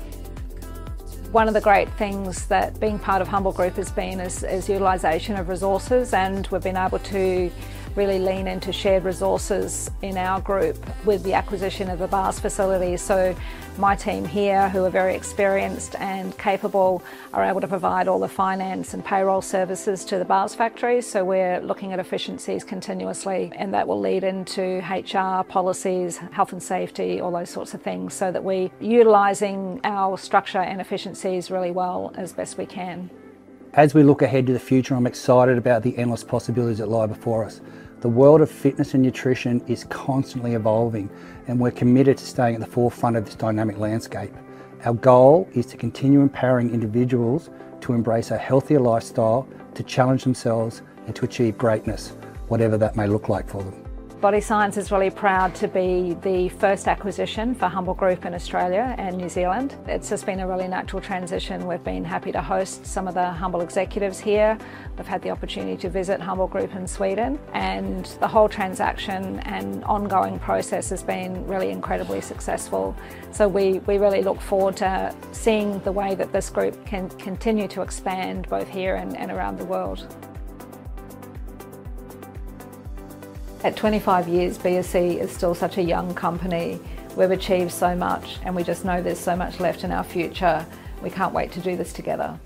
One of the great things that being part of Humble Group has been is utilization of resources, and we've been able to really lean into shared resources in our group with the acquisition of the bars facility. So my team here, who are very experienced and capable, are able to provide all the finance and payroll services to the bars factory, so we're looking at efficiencies continuously, and that will lead into HR policies, health and safety, all those sorts of things, so that we're utilizing our structure and efficiencies really well, as best we can. As we look ahead to the future, I'm excited about the endless possibilities that lie before us. The world of fitness and nutrition is constantly evolving, and we're committed to staying at the forefront of this dynamic landscape. Our goal is to continue empowering individuals to embrace a healthier lifestyle, to challenge themselves, and to achieve greatness, whatever that may look like for them. Body Science is really proud to be the first acquisition for Humble Group in Australia and New Zealand. It's just been a really natural transition. We've been happy to host some of the Humble executives here. They've had the opportunity to visit Humble Group in Sweden, and the whole transaction and ongoing process has been really incredibly successful. So we, we really look forward to seeing the way that this group can continue to expand, both here and, and around the world. At 25 years, BSC is still such a young company. We've achieved so much, and we just know there's so much left in our future. We can't wait to do this together.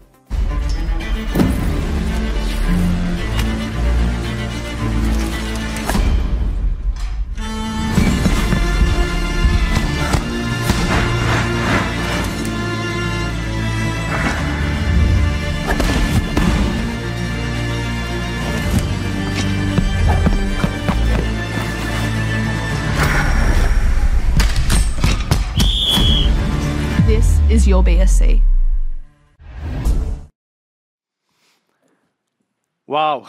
This is your BSc. Wow!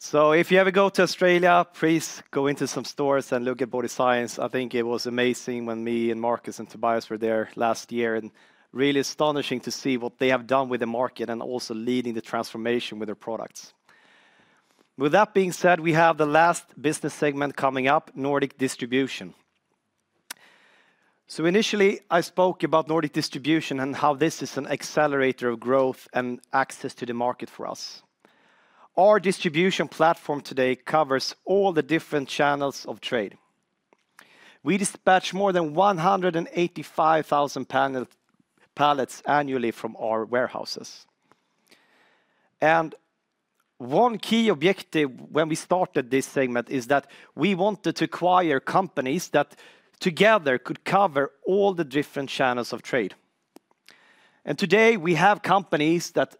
So if you ever go to Australia, please go into some stores and look at Body Science. I think it was amazing when me and Marcus and Tobias were there last year, and really astonishing to see what they have done with the market and also leading the transformation with their products. With that being said, we have the last business segment coming up, Nordic Distribution. Initially, I spoke about Nordic Distribution and how this is an accelerator of growth and access to the market for us. Our distribution platform today covers all the different channels of trade. We dispatch more than 185,000 pallets annually from our warehouses, and one key objective when we started this segment is that we wanted to acquire companies that together could cover all the different channels of trade. And today, we have companies that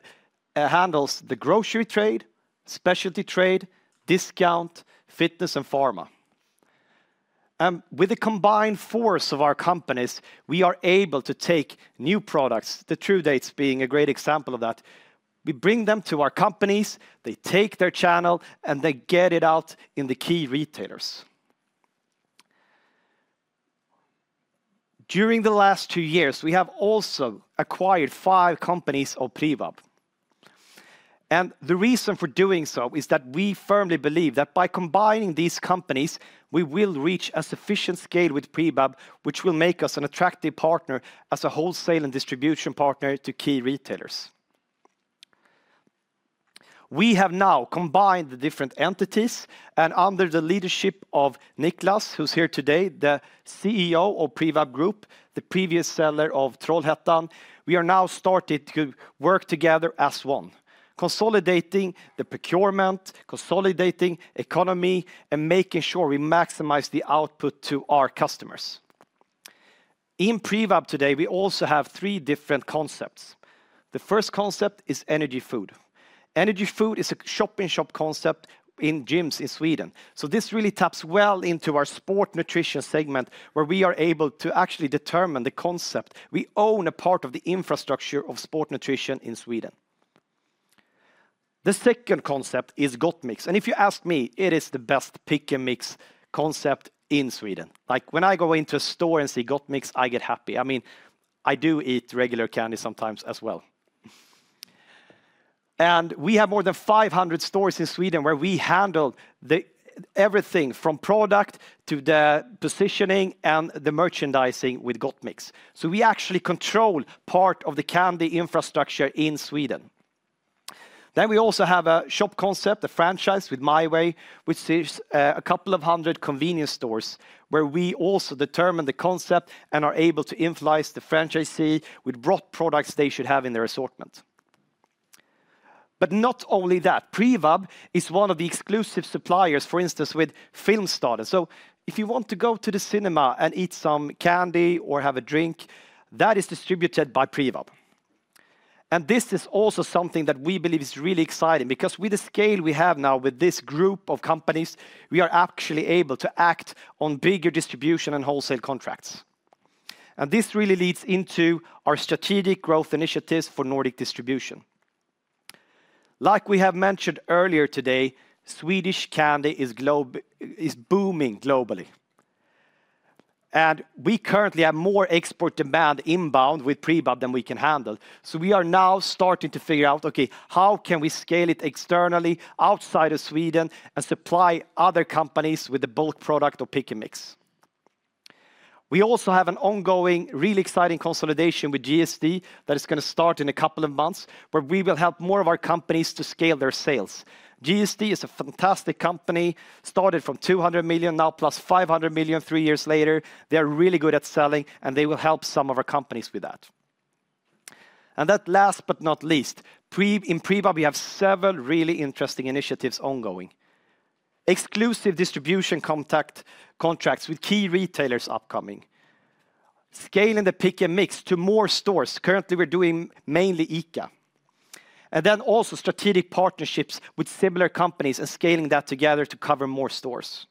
handles the grocery trade, specialty trade, discount, fitness, and pharma. And with the combined force of our companies, we are able to take new products, the True Dates being a great example of that, we bring them to our companies, they take their channel, and they get it out in the key retailers. During the last two years, we have also acquired five companies of Privab. And the reason for doing so is that we firmly believe that by combining these companies, we will reach a sufficient scale with Privab, which will make us an attractive partner as a wholesale and distribution partner to key retailers. We have now combined the different entities, and under the leadership of Niklas, who's here today, the CEO of Privab, the previous seller of Trollhättan, we are now started to work together as one, consolidating the procurement, consolidating economy, and making sure we maximize the output to our customers. In Privab today, we also have three different concepts. The first concept is Energy Food. Energy Food is a shop-in-shop concept in gyms in Sweden, so this really taps well into our sports nutrition segment, where we are able to actually determine the concept. We own a part of the infrastructure of sports nutrition in Sweden. The second concept is Gottmix, and if you ask me, it is the best pick and mix concept in Sweden. Like, when I go into a store and see Gottmix, I get happy. I mean, I do eat regular candy sometimes as well. We have more than 500 stores in Sweden, where we handle everything from product to the positioning and the merchandising with Gottmix, so we actually control part of the candy infrastructure in Sweden. We also have a shop concept, a franchise with MyWay, which serves a couple of hundred convenience stores, where we also determine the concept and are able to influence the franchisee with what products they should have in their assortment. But not only that, Privab is one of the exclusive suppliers, for instance, with Filmstaden, so if you want to go to the cinema and eat some candy or have a drink, that is distributed by Privab. This is also something that we believe is really exciting, because with the scale we have now with this group of companies, we are actually able to act on bigger distribution and wholesale contracts. This really leads into our strategic growth initiatives for Nordic Distribution. Like we have mentioned earlier today, Swedish candy is booming globally, and we currently have more export demand inbound with Privab than we can handle. We are now starting to figure out, okay, how can we scale it externally outside of Sweden and supply other companies with the bulk product or pick and mix? We also have an ongoing, really exciting consolidation with GSD that is gonna start in a couple of months, where we will help more of our companies to scale their sales. GSD is a fantastic company, started from 200 million, now +500 million three years later. They are really good at selling, and they will help some of our companies with that. And then last but not least, Privab in Privab, we have several really interesting initiatives ongoing. Exclusive distribution contracts with key retailers upcoming, scaling the pick and mix to more stores. Currently, we're doing mainly ICA, and then also strategic partnerships with similar companies and scaling that together to cover more stores.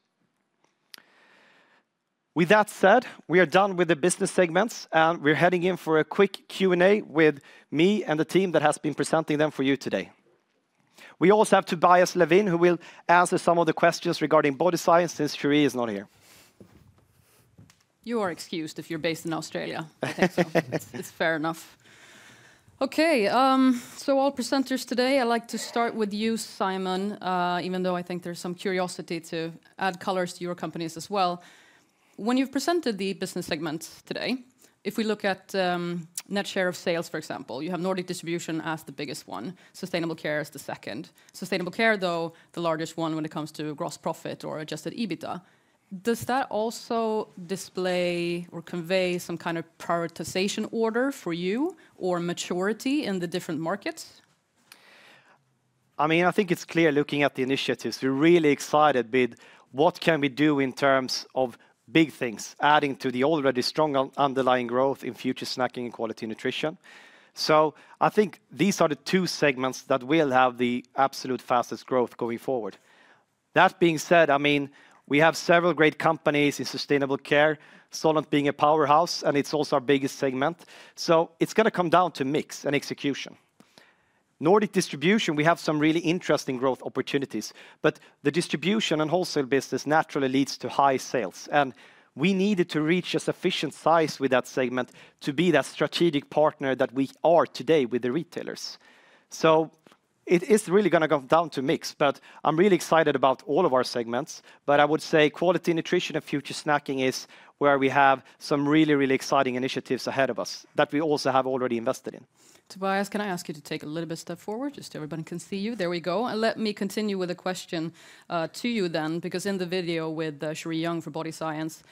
With that said, we are done with the business segments, and we're heading in for a quick Q&A with me and the team that has been presenting them for you today. We also have Tobias Levin, who will answer some of the questions regarding Body Science, since Sheree is not here. You are excused if you're based in Australia. I think so. It's fair enough. Okay, so all presenters today, I'd like to start with you, Simon, even though I think there's some curiosity to add colors to your companies as well. When you've presented the business segments today, if we look at net share of sales, for example, you have Nordic Distribution as the biggest one, Sustainable Care as the second. Sustainable Care, though, the largest one when it comes to gross profit or adjusted EBITDA. Does that also display or convey some kind of prioritization order for you or maturity in the different markets? I mean, I think it's clear, looking at the initiatives, we're really excited with what we can do in terms of big things, adding to the already strong underlying growth in Future Snacking and Quality Nutrition. So I think these are the two segments that will have the absolute fastest growth going forward. That being said, I mean, we have several great companies in Sustainable Care, Solent being a powerhouse, and it's also our biggest segment, so it's gonna come down to mix and execution. Nordic Distribution, we have some really interesting growth opportunities, but the distribution and wholesale business naturally leads to high sales, and we needed to reach a sufficient size with that segment to be that strategic partner that we are today with the retailers. So it is really gonna come down to mix, but I'm really excited about all of our segments. But I would say Quality Nutrition and Future Snacking is where we have some really, really exciting initiatives ahead of us that we also have already invested in. Tobias, can I ask you to take a little bit step forward, just so everybody can see you? There we go. And let me continue with a question to you then, because in the video with Sheree Young from Body Science,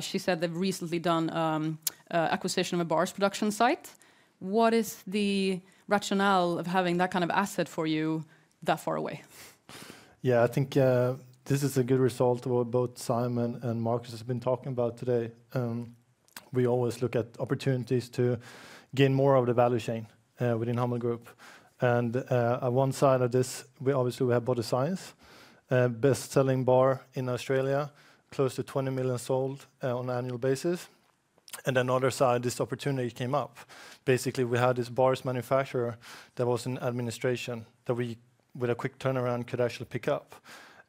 she said they've recently done acquisition of a bars production site. What is the rationale of having that kind of asset for you that far away? Yeah, I think this is a good result of what both Simon and Marcus has been talking about today. We always look at opportunities to gain more of the value chain within Humble Group, and at one side of this, we obviously have Body Science, a bestselling bar in Australia, close to 20 million sold on an annual basis, and then other side, this opportunity came up. Basically, we had this bars manufacturer that was in administration, that we, with a quick turnaround, could actually pick up.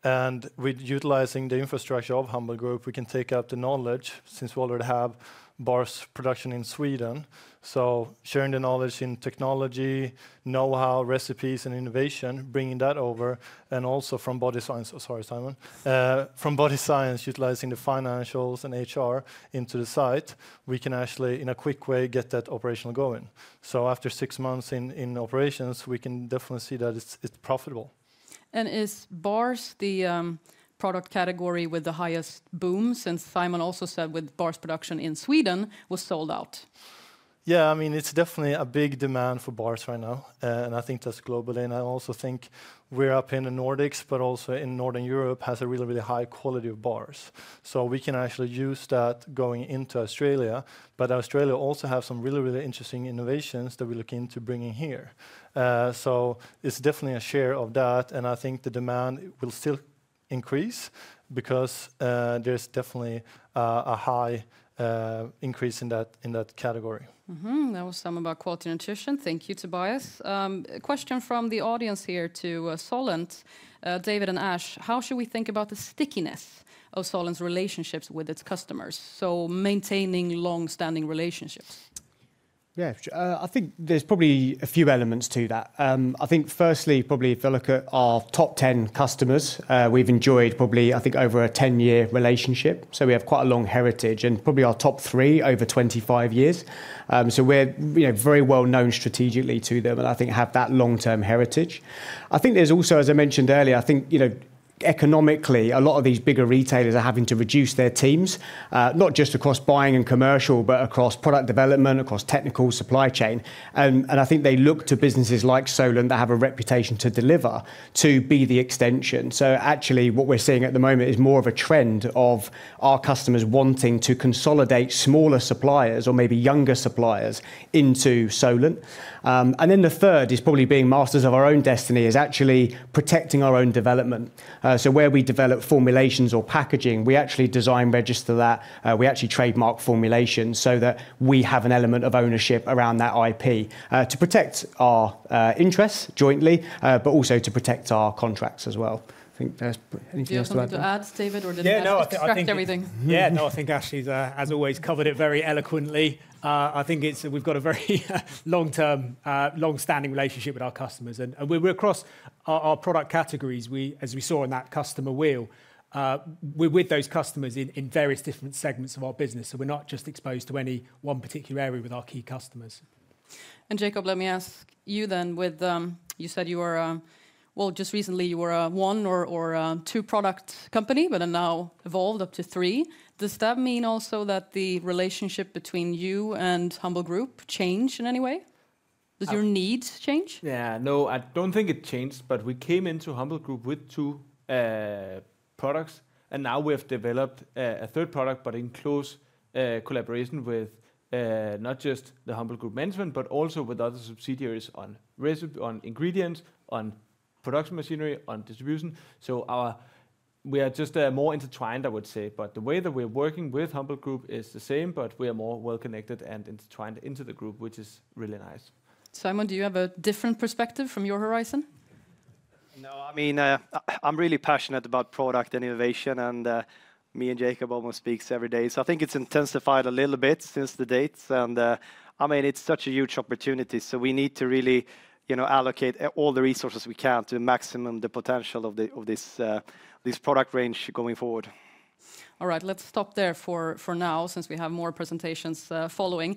And with utilizing the infrastructure of Humble Group, we can take out the knowledge, since we already have bars production in Sweden. So sharing the knowledge in technology, know-how, recipes, and innovation, bringing that over, and also from Body Science. Oh, sorry, Simon. From Body Science, utilizing the financials and HR into the site, we can actually, in a quick way, get that operation going. After six months in operations, we can definitely see that it's profitable. Is bars the product category with the highest boom, since Simon also said with bars production in Sweden was sold out? Yeah, I mean, it's definitely a big demand for bars right now, and I think that's globally. I also think we're up in the Nordics, but also in Northern Europe, has a really, really high quality of bars. So we can actually use that going into Australia, but Australia also have some really, really interesting innovations that we're looking to bringing here. So it's definitely a share of that, and I think the demand will still increase because there's definitely a high increase in that, in that category. Mm-hmm. That was some about quality nutrition. Thank you, Tobias. A question from the audience here to Solent, David and Ash, how should we think about the stickiness of Solent's relationships with its customers? So maintaining long-standing relationships. Yeah, I think there's probably a few elements to that. I think firstly, probably if you look at our top 10 customers, we've enjoyed probably, I think, over a 10-year relationship, so we have quite a long heritage, and probably our top three, over 25 years. So we're, you know, very well known strategically to them, and I think have that long-term heritage. I think there's also, as I mentioned earlier, I think, you know, economically, a lot of these bigger retailers are having to reduce their teams, not just across buying and commercial, but across product development, across technical supply chain. And I think they look to businesses like Solent that have a reputation to deliver, to be the extension. So actually, what we're seeing at the moment is more of a trend of our customers wanting to consolidate smaller suppliers or maybe younger suppliers into Solent. And then the third is probably being masters of our own destiny, is actually protecting our own development. So where we develop formulations or packaging, we actually design register that, we actually trademark formulations, so that we have an element of ownership around that IP, to protect our interests jointly, but also to protect our contracts as well. I think there's... Anything else you'd like to add? Do you have something to add, David, or did Ash extract everything? Yeah, no, I think everything. Yeah, no, I think Ash has, as always, covered it very eloquently. I think it's- we've got a very, long-term, long-standing relationship with our customers, and, and we're across our, our product categories. We, as we saw in that customer wheel, we're with those customers in, in various different segments of our business, so we're not just exposed to any one particular area with our key customers. Jacob, let me ask you then, with you said you were, well, just recently you were a one or a two-product company, but have now evolved up to three. Does that mean also that the relationship between you and Humble Group changed in any way? Does your needs change? Yeah. No, I don't think it changed, but we came into Humble Group with two products, and now we have developed a third product, but in close collaboration with not just the Humble Group management, but also with other subsidiaries on recipe, on ingredients, on production machinery, on distribution. So we are just more intertwined, I would say, but the way that we're working with Humble Group is the same, but we are more well connected and intertwined into the group, which is really nice. Simon, do you have a different perspective from your horizon? No, I mean, I'm really passionate about product and innovation, and, me and Jacob almost speaks every day. So I think it's intensified a little bit since the date, and, I mean, it's such a huge opportunity, so we need to really, you know, allocate all the resources we can to maximum the potential of the, of this, this product range going forward. All right, let's stop there for now, since we have more presentations following.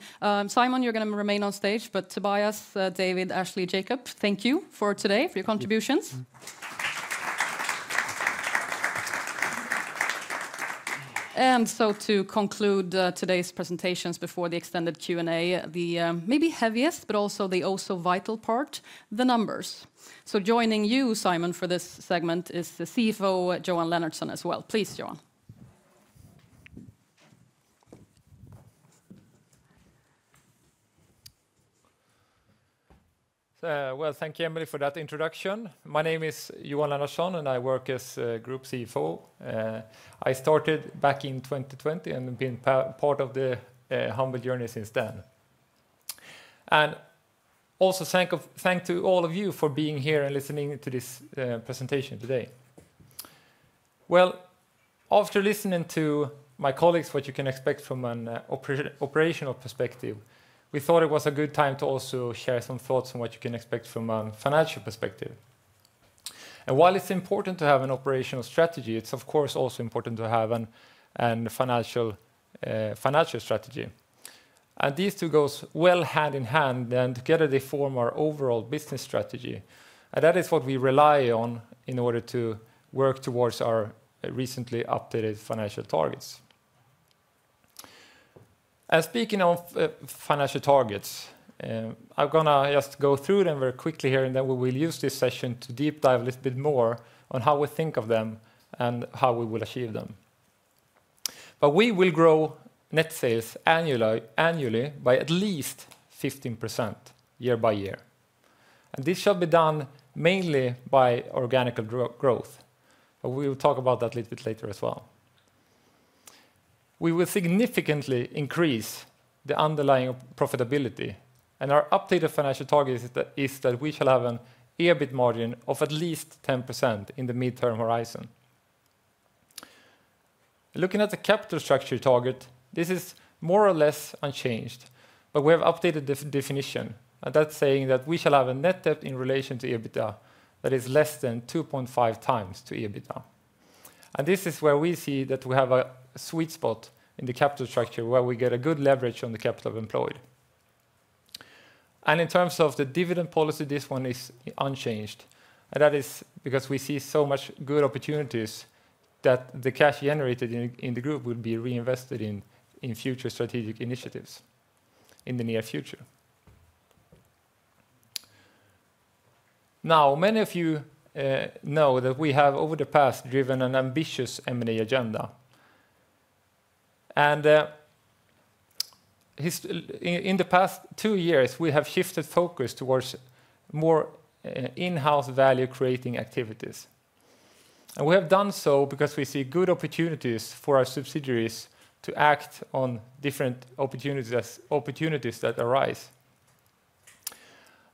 Simon, you're going to remain on stage, but Tobias, David, Ashley, Jacob, thank you for today, for your contributions. And so to conclude, today's presentations before the extended Q&A, the maybe heaviest, but also the vital part, the numbers. So joining you, Simon, for this segment, is the CFO, Johan Leonnartsson, as well. Please, Johan. Thank you, Emily, for that introduction. My name is Johan Lennartsson, and I work as Group CFO. I started back in 2020, and been part of the Humble journey since then. And also, thanks to all of you for being here and listening to this presentation today. After listening to my colleagues, what you can expect from an operational perspective, we thought it was a good time to also share some thoughts on what you can expect from a financial perspective. While it's important to have an operational strategy, it's of course also important to have a financial strategy. These two goes well hand in hand, and together they form our overall business strategy. That is what we rely on in order to work towards our recently updated financial targets. Speaking of financial targets, I'm gonna just go through them very quickly here, and then we will use this session to deep dive a little bit more on how we think of them and how we will achieve them. We will grow net sales annually by at least 15% year-by-year. This shall be done mainly by organic growth, but we will talk about that a little bit later as well. We will significantly increase the underlying profitability, and our updated financial target is that we shall have an EBIT margin of at least 10% in the midterm horizon. Looking at the capital structure target, this is more or less unchanged, but we have updated the definition, and that's saying that we shall have a net debt in relation to EBITDA that is less than 2.5 times to EBITDA. And this is where we see that we have a sweet spot in the capital structure, where we get a good leverage on the capital employed. In terms of the dividend policy, this one is unchanged, and that is because we see so much good opportunities that the cash generated in the group would be reinvested in future strategic initiatives in the near future. Now, many of you know that we have, over the past, driven an ambitious M&A agenda. In the past two years, we have shifted focus towards more in-house value-creating activities. We have done so because we see good opportunities for our subsidiaries to act on different opportunities as opportunities that arise.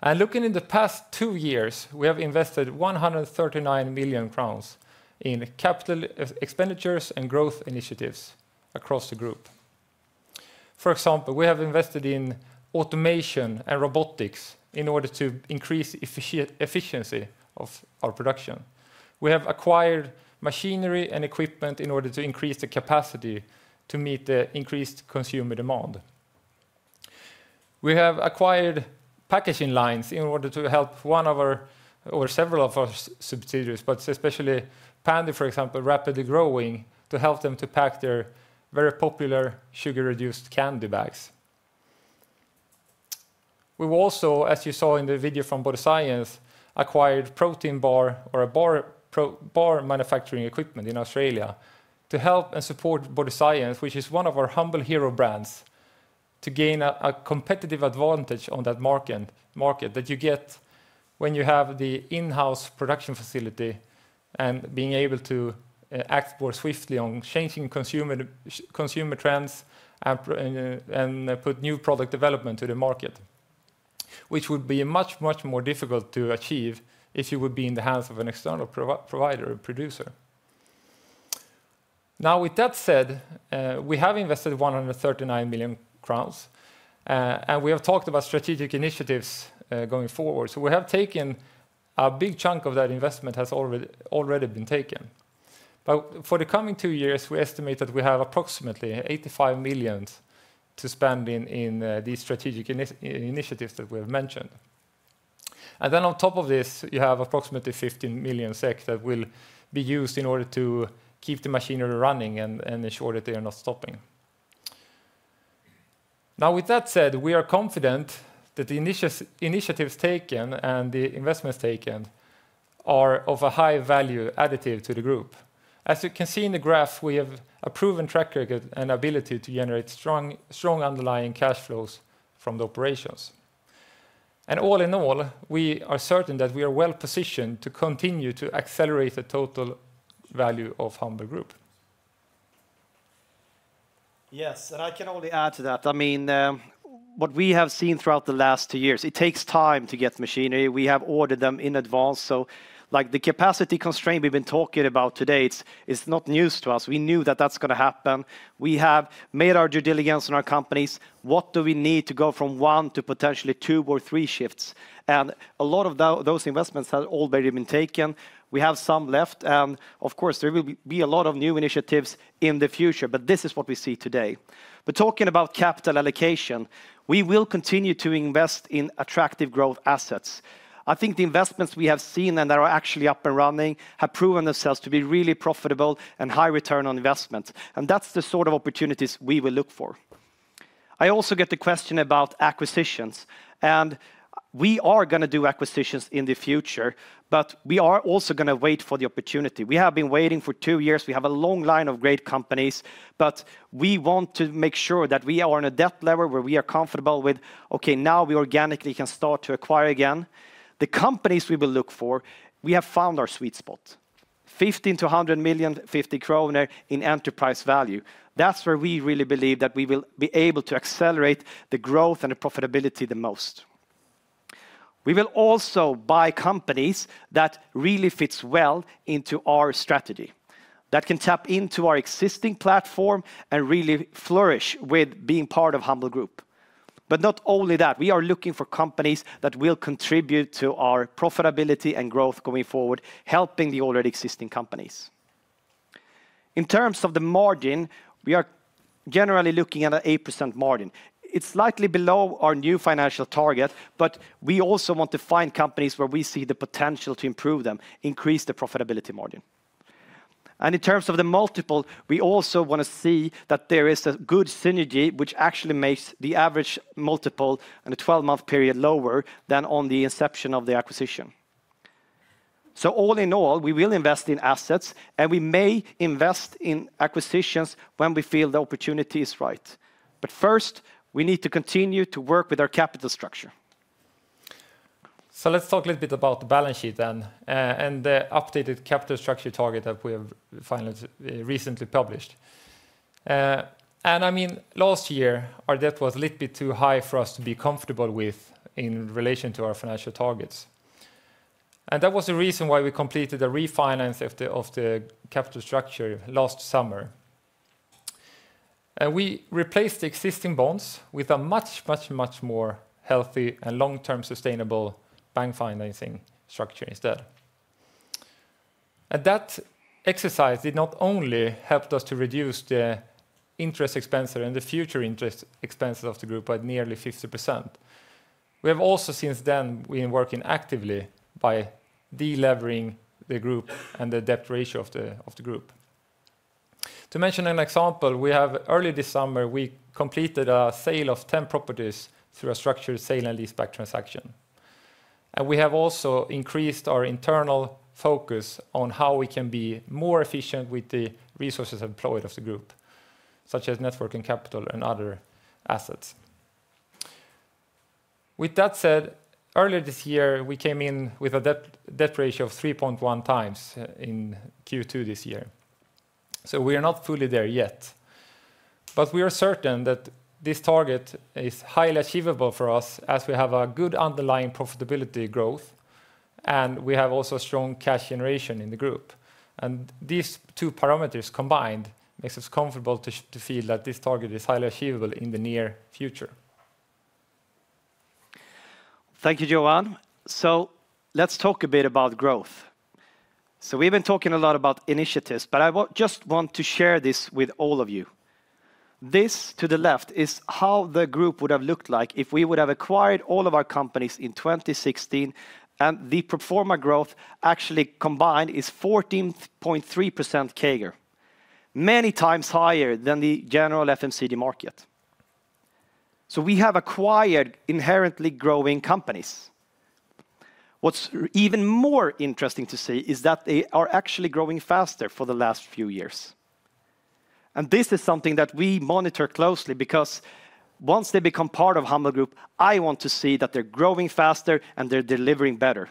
Looking in the past two years, we have invested 139 million crowns in capital expenditures and growth initiatives across the group. For example, we have invested in automation and robotics in order to increase efficiency of our production. We have acquired machinery and equipment in order to increase the capacity to meet the increased consumer demand. We have acquired packaging lines in order to help one of our, or several of our subsidiaries, but especially Pändy, for example, rapidly growing, to help them to pack their very popular sugar-reduced candy bags. We've also, as you saw in the video from Body Science, acquired protein bar manufacturing equipment in Australia to help and support Body Science, which is one of our Humble hero brands, to gain a competitive advantage on that market that you get when you have the in-house production facility and being able to act more swiftly on changing consumer trends and put new product development to the market, which would be much, much more difficult to achieve if you would be in the hands of an external provider or producer. Now, with that said, we have invested 139 million crowns and we have talked about strategic initiatives going forward. So we have taken a big chunk of that investment has already been taken. But for the coming two years, we estimate that we have approximately 85 million to spend in these strategic initiatives that we have mentioned. And then on top of this, you have approximately 15 million SEK that will be used in order to keep the machinery running and ensure that they are not stopping. Now, with that said, we are confident that the initiatives taken and the investments taken are of a high value additive to the group. As you can see in the graph, we have a proven track record and ability to generate strong underlying cash flows from the operations. And all in all, we are certain that we are well-positioned to continue to accelerate the total value of Humble Group. Yes, and I can only add to that. I mean, what we have seen throughout the last two years, it takes time to get machinery. We have ordered them in advance, so like the capacity constraint we've been talking about today, it's not news to us. We knew that that's gonna happen. We have made our due diligence in our companies. What do we need to go from one to potentially two or three shifts? And a lot of those investments have already been taken. We have some left, and of course, there will be a lot of new initiatives in the future, but this is what we see today. But talking about capital allocation, we will continue to invest in attractive growth assets. I think the investments we have seen and that are actually up and running have proven themselves to be really profitable and high return on investment, and that's the sort of opportunities we will look for. I also get the question about acquisitions, and we are gonna do acquisitions in the future, but we are also gonna wait for the opportunity. We have been waiting for two years. We have a long line of great companies, but we want to make sure that we are on a debt level where we are comfortable with, "Okay, now we organically can start to acquire again." The companies we will look for, we have found our sweet spot, 15 million-100 million SEK in Enterprise Value. That's where we really believe that we will be able to accelerate the growth and the profitability the most. We will also buy companies that really fits well into our strategy, that can tap into our existing platform and really flourish with being part of Humble Group, but not only that, we are looking for companies that will contribute to our profitability and growth going forward, helping the already existing companies. In terms of the margin, we are generally looking at an 8% margin. It's slightly below our new financial target, but we also want to find companies where we see the potential to improve them, increase the profitability margin. In terms of the multiple, we also wanna see that there is a good synergy, which actually makes the average multiple in a 12-month period lower than on the inception of the acquisition. All in all, we will invest in assets, and we may invest in acquisitions when we feel the opportunity is right. But first, we need to continue to work with our capital structure. Let's talk a little bit about the balance sheet then, and the updated capital structure target that we have finally, recently published. I mean, last year, our debt was a little bit too high for us to be comfortable with in relation to our financial targets. That was the reason why we completed the refinance of the capital structure last summer. We replaced the existing bonds with a much, much, much more healthy and long-term sustainable bank financing structure instead. That exercise did not only helped us to reduce the interest expense and the future interest expenses of the group by nearly 50%, we have also, since then, been working actively by delevering the group and the debt ratio of the group. To mention an example, earlier this summer we completed a sale of ten properties through a structured sale and leaseback transaction. And we have also increased our internal focus on how we can be more efficient with the resources employed of the group, such as net working capital, and other assets. With that said, earlier this year, we came in with a debt ratio of three point one times in Q2 this year. So we are not fully there yet, but we are certain that this target is highly achievable for us as we have a good underlying profitability growth, and we have also strong cash generation in the group. And these two parameters combined makes us comfortable to feel that this target is highly achievable in the near future. Thank you, Johan. Let's talk a bit about growth. We've been talking a lot about initiatives, but I want to share this with all of you. This, to the left, is how the group would have looked like if we would have acquired all of our companies in 2016, and the pro forma growth actually combined is 14.3% CAGR, many times higher than the general FMCG market. We have acquired inherently growing companies. What's even more interesting to see is that they are actually growing faster for the last few years. This is something that we monitor closely because once they become part of Humble Group, I want to see that they're growing faster and they're delivering better.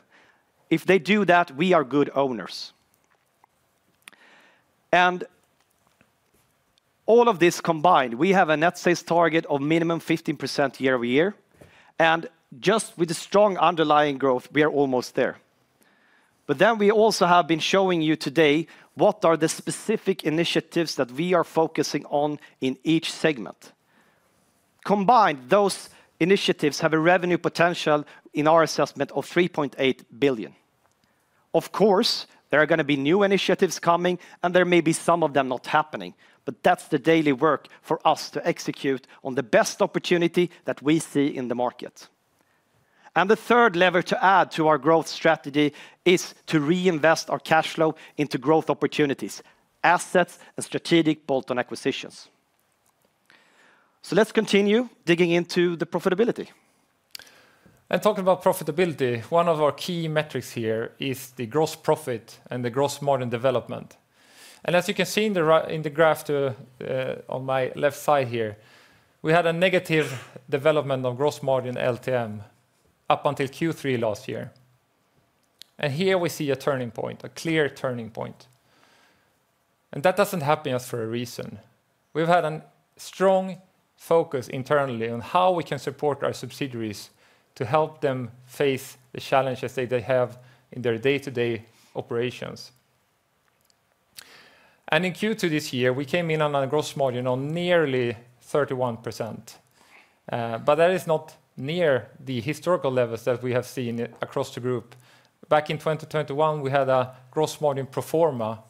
If they do that, we are good owners. All of this combined, we have a net sales target of minimum 15% year-over-year, and just with the strong underlying growth, we are almost there. But then we also have been showing you today what are the specific initiatives that we are focusing on in each segment. Combined, those initiatives have a revenue potential in our assessment of 3.8 billion. Of course, there are gonna be new initiatives coming, and there may be some of them not happening, but that's the daily work for us to execute on the best opportunity that we see in the market. And the third lever to add to our growth strategy is to reinvest our cash flow into growth opportunities, assets, and strategic bolt-on acquisitions. So let's continue digging into the profitability. Talking about profitability, one of our key metrics here is the gross profit and the gross margin development. As you can see in the graph to, on my left side here, we had a negative development on gross margin LTM up until Q3 last year. Here we see a turning point, a clear turning point. That doesn't happen just for a reason. We've had a strong focus internally on how we can support our subsidiaries to help them face the challenges that they have in their day-to-day operations. In Q2 this year, we came in on a gross margin on nearly 31%. But that is not near the historical levels that we have seen across the group. Back in 2021, we had a gross margin pro forma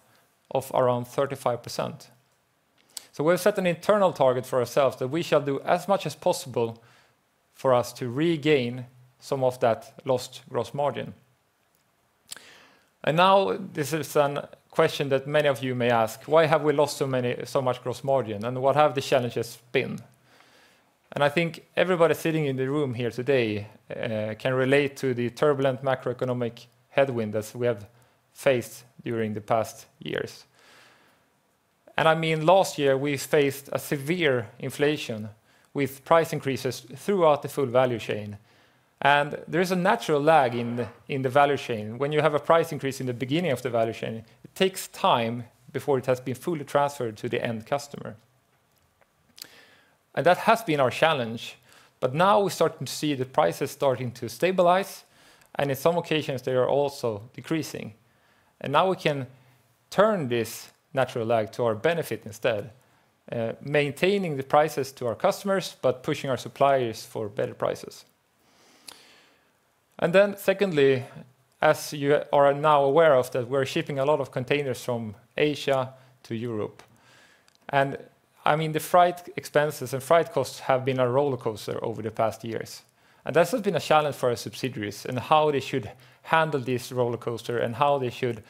of around 35%. We've set an internal target for ourselves that we shall do as much as possible for us to regain some of that lost gross margin. Now, this is a question that many of you may ask: Why have we lost so much gross margin, and what have the challenges been? I think everybody sitting in the room here today can relate to the turbulent macroeconomic headwinds we have faced during the past years. I mean, last year, we faced a severe inflation with price increases throughout the full value chain, and there is a natural lag in the value chain. When you have a price increase in the beginning of the value chain, it takes time before it has been fully transferred to the end customer. And that has been our challenge, but now we're starting to see the prices starting to stabilize, and in some occasions, they are also decreasing. And now we can turn this natural lag to our benefit instead, maintaining the prices to our customers, but pushing our suppliers for better prices. And then secondly, as you are now aware of, that we're shipping a lot of containers from Asia to Europe. And I mean, the freight expenses and freight costs have been a rollercoaster over the past years, and this has been a challenge for our subsidiaries, and how they should handle this rollercoaster, and how they should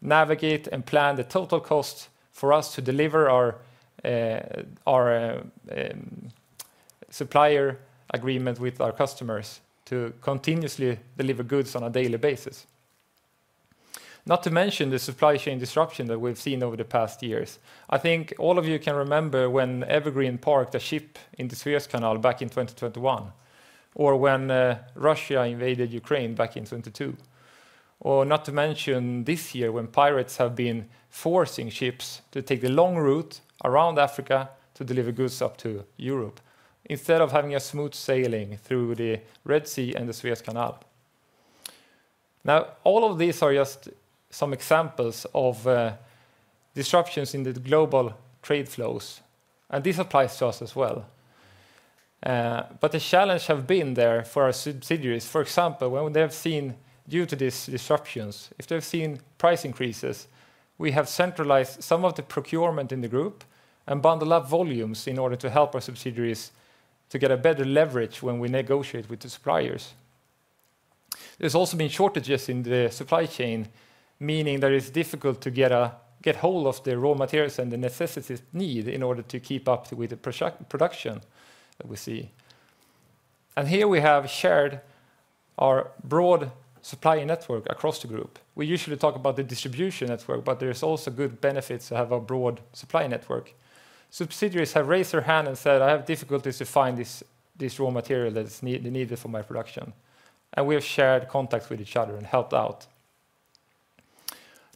navigate and plan the total cost for us to deliver our supplier agreement with our customers to continuously deliver goods on a daily basis. Not to mention the supply chain disruption that we've seen over the past years. I think all of you can remember when Evergreen parked a ship in the Suez Canal back in 2021, or when, Russia invaded Ukraine back in 2022. Or not to mention this year, when pirates have been forcing ships to take the long route around Africa to deliver goods up to Europe, instead of having a smooth sailing through the Red Sea and the Suez Canal. Now, all of these are just some examples of, disruptions in the global trade flows, and this applies to us as well. But the challenge have been there for our subsidiaries. For example, when they have seen, due to these disruptions, if they've seen price increases, we have centralized some of the procurement in the group and bundle up volumes in order to help our subsidiaries to get a better leverage when we negotiate with the suppliers. There's also been shortages in the supply chain, meaning that it's difficult to get, get hold of the raw materials and the necessities need in order to keep up with the production that we see. And here we have shared our broad supply network across the group. We usually talk about the distribution network, but there's also good benefits to have a broad supply network. Subsidiaries have raised their hand and said, "I have difficulties to find this raw material that's needed for my production." And we have shared contacts with each other and helped out.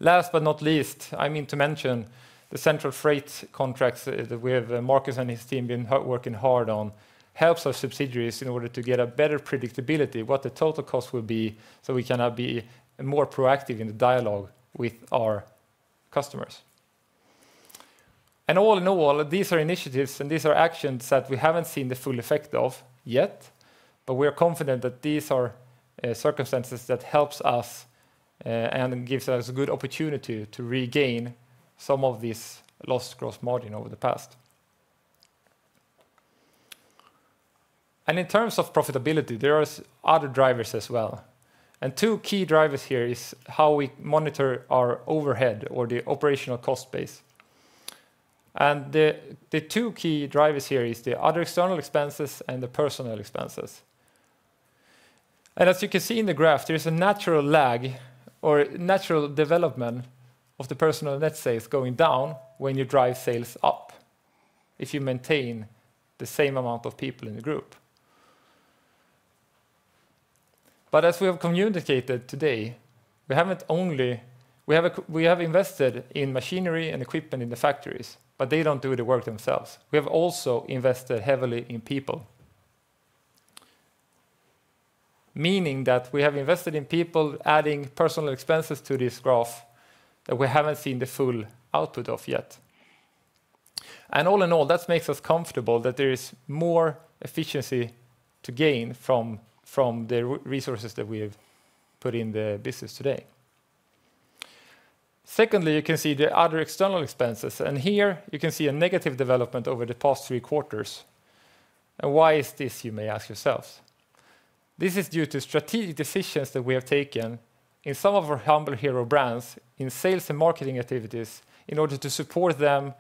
Last but not least, I mean to mention the central freight contracts that we have, Marcus and his team been working hard on, helps our subsidiaries in order to get a better predictability what the total cost will be, so we can now be more proactive in the dialogue with our customers. And all in all, these are initiatives, and these are actions that we haven't seen the full effect of yet, but we are confident that these are circumstances that helps us and gives us a good opportunity to regain some of this lost gross margin over the past. And in terms of profitability, there is other drivers as well, and two key drivers here is how we monitor our overhead or the operational cost base. And the two key drivers here is the other external expenses and the personnel expenses. As you can see in the graph, there is a natural lag or natural development of the personnel net sales going down when you drive sales up, if you maintain the same amount of people in the group. But as we have communicated today, we haven't only invested in machinery and equipment in the factories, but they don't do the work themselves. We have also invested heavily in people, meaning that we have invested in people adding personnel expenses to this graph that we haven't seen the full output of yet. All in all, that makes us comfortable that there is more efficiency to gain from the resources that we have put in the business today. Secondly, you can see the other external expenses, and here you can see a negative development over the past three quarters. Why is this, you may ask yourselves? This is due to strategic decisions that we have taken in some of our humble hero brands in sales and marketing activities, in order to support them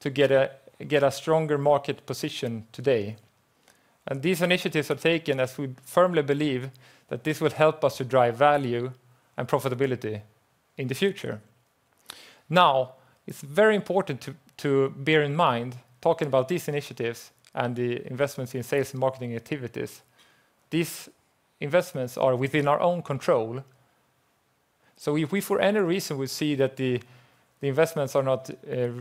to get a stronger market position today. These initiatives are taken as we firmly believe that this will help us to drive value and profitability in the future. Now, it's very important to bear in mind, talking about these initiatives and the investments in sales and marketing activities, these investments are within our own control. If we, for any reason, we see that the investments are not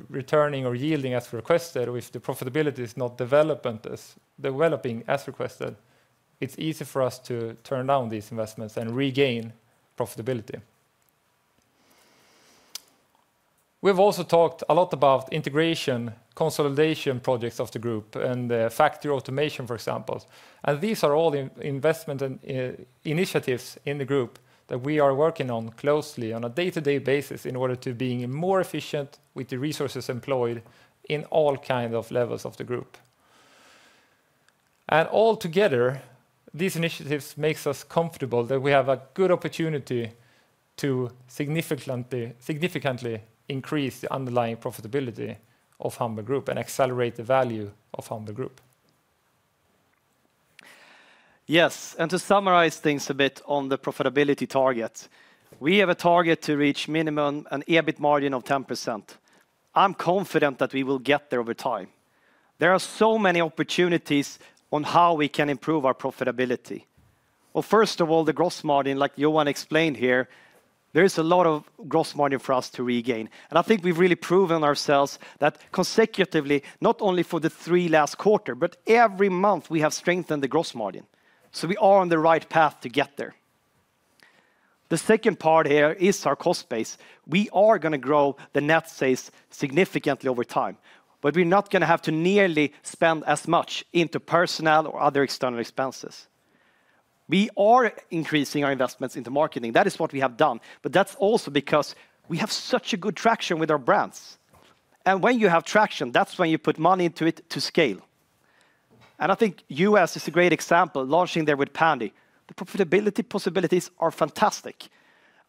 returning or yielding as requested, or if the profitability is not developing as requested, it's easy for us to turn down these investments and regain profitability. We've also talked a lot about integration, consolidation projects of the group and the factory automation, for example. These are all investments and initiatives in the group that we are working on closely on a day-to-day basis in order to being more efficient with the resources employed in all kinds of levels of the group. Altogether, these initiatives makes us comfortable that we have a good opportunity to significantly, significantly increase the underlying profitability of Humble Group and accelerate the value of Humble Group. Yes, and to summarize things a bit on the profitability target, we have a target to reach minimum an EBIT margin of 10%. I'm confident that we will get there over time. There are so many opportunities on how we can improve our profitability. First of all, the gross margin, like Johan explained here, there is a lot of gross margin for us to regain. And I think we've really proven ourselves that consecutively, not only for the three last quarter, but every month, we have strengthened the gross margin, so we are on the right path to get there. The second part here is our cost base. We are gonna grow the net sales significantly over time, but we're not gonna have to nearly spend as much into personnel or other external expenses. We are increasing our investments into marketing. That is what we have done, but that's also because we have such a good traction with our brands, and when you have traction, that's when you put money into it to scale. And I think U.S. is a great example, launching there with Pändy. The profitability possibilities are fantastic.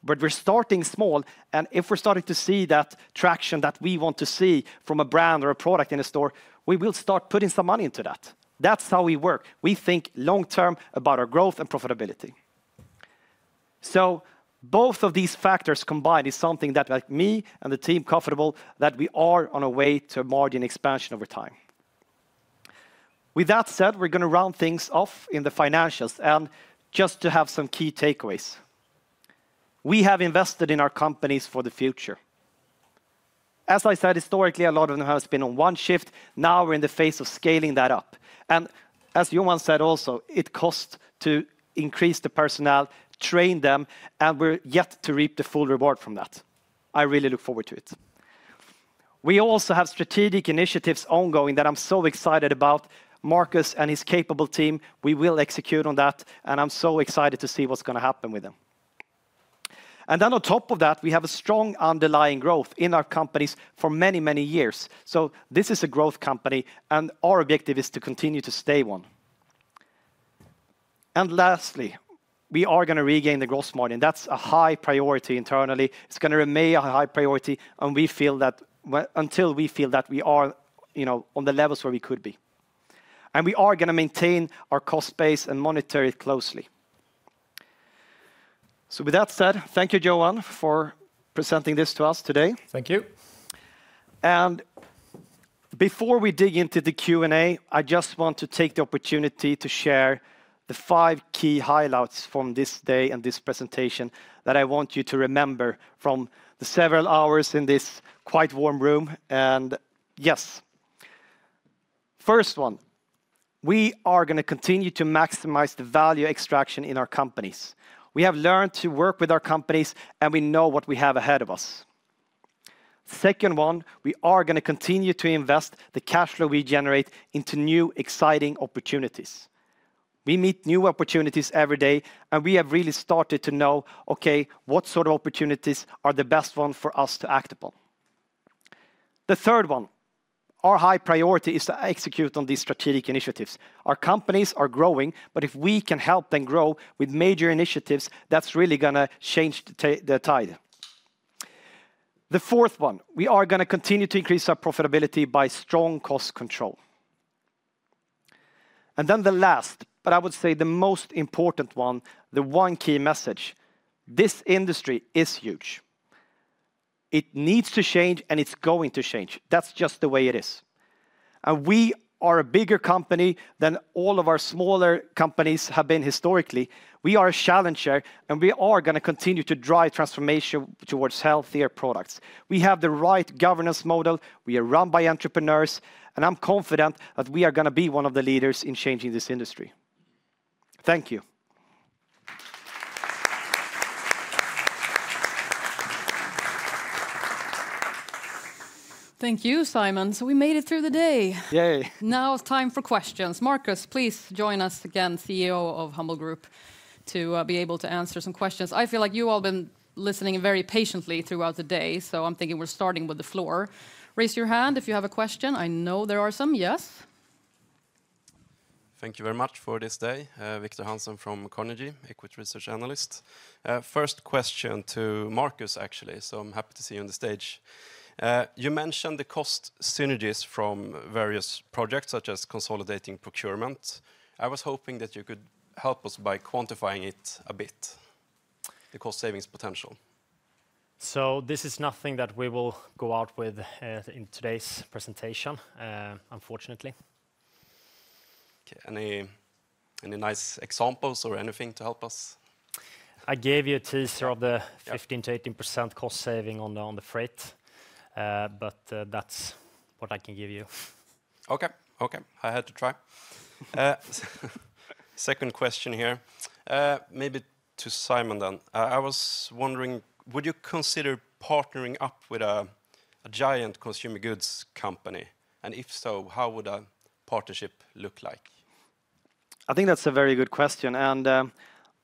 But we're starting small, and if we're starting to see that traction that we want to see from a brand or a product in a store, we will start putting some money into that. That's how we work. We think long-term about our growth and profitability. So both of these factors combined is something that make me and the team comfortable that we are on a way to margin expansion over time. With that said, we're gonna round things off in the financials, and just to have some key takeaways. We have invested in our companies for the future. As I said, historically, a lot of them has been on one shift. Now we're in the phase of scaling that up. And as Johan said also, it costs to increase the personnel, train them, and we're yet to reap the full reward from that. I really look forward to it. We also have strategic initiatives ongoing that I'm so excited about. Marcus and his capable team, we will execute on that, and I'm so excited to see what's gonna happen with them. And then on top of that, we have a strong underlying growth in our companies for many, many years. So this is a growth company, and our objective is to continue to stay one. And lastly, we are gonna regain the gross margin. That's a high priority internally. It's gonna remain a high priority, and we feel that until we feel that we are, you know, on the levels where we could be, and we are gonna maintain our cost base and monitor it closely, so with that said, thank you, Johan, for presenting this to us today. Thank you. And before we dig into the Q&A, I just want to take the opportunity to share the five key highlights from this day and this presentation, that I want you to remember from the several hours in this quite warm room, and yes. First one, we are gonna continue to maximize the value extraction in our companies. We have learned to work with our companies, and we know what we have ahead of us. Second one, we are gonna continue to invest the cash flow we generate into new, exciting opportunities. We meet new opportunities every day, and we have really started to know, okay, what sort of opportunities are the best one for us to act upon? The third one, our high priority is to execute on these strategic initiatives. Our companies are growing, but if we can help them grow with major initiatives, that's really gonna change the tide. The fourth one, we are gonna continue to increase our profitability by strong cost control, and then the last, but I would say the most important one, the one key message: this industry is huge. It needs to change, and it's going to change. That's just the way it is, and we are a bigger company than all of our smaller companies have been historically. We are a challenger, and we are gonna continue to drive transformation towards healthier products. We have the right governance model, we are run by entrepreneurs, and I'm confident that we are gonna be one of the leaders in changing this industry. Thank you. Thank you, Simon. So we made it through the day. Yay! Now it's time for questions. Marcus, please join us again, CEO of Humble Group, to be able to answer some questions. I feel like you all been listening very patiently throughout the day, so I'm thinking we're starting with the floor. Raise your hand if you have a question. I know there are some. Yes? Thank you very much for this day. Viktor Hansen from Carnegie, Equity Research Analyst. First question to Marcus, actually, so I'm happy to see you on the stage. You mentioned the cost synergies from various projects, such as consolidating procurement. I was hoping that you could help us by quantifying it a bit, the cost savings potential. So this is nothing that we will go out with, in today's presentation, unfortunately. Okay. Any nice examples or anything to help us? I gave you a teaser of the- Yeah... 15%-18% cost saving on the freight, but that's what I can give you. Okay, okay. I had to try. Second question here. Maybe to Simon, then. I was wondering, would you consider partnering up with a giant consumer goods company? And if so, how would a partnership look like? I think that's a very good question, and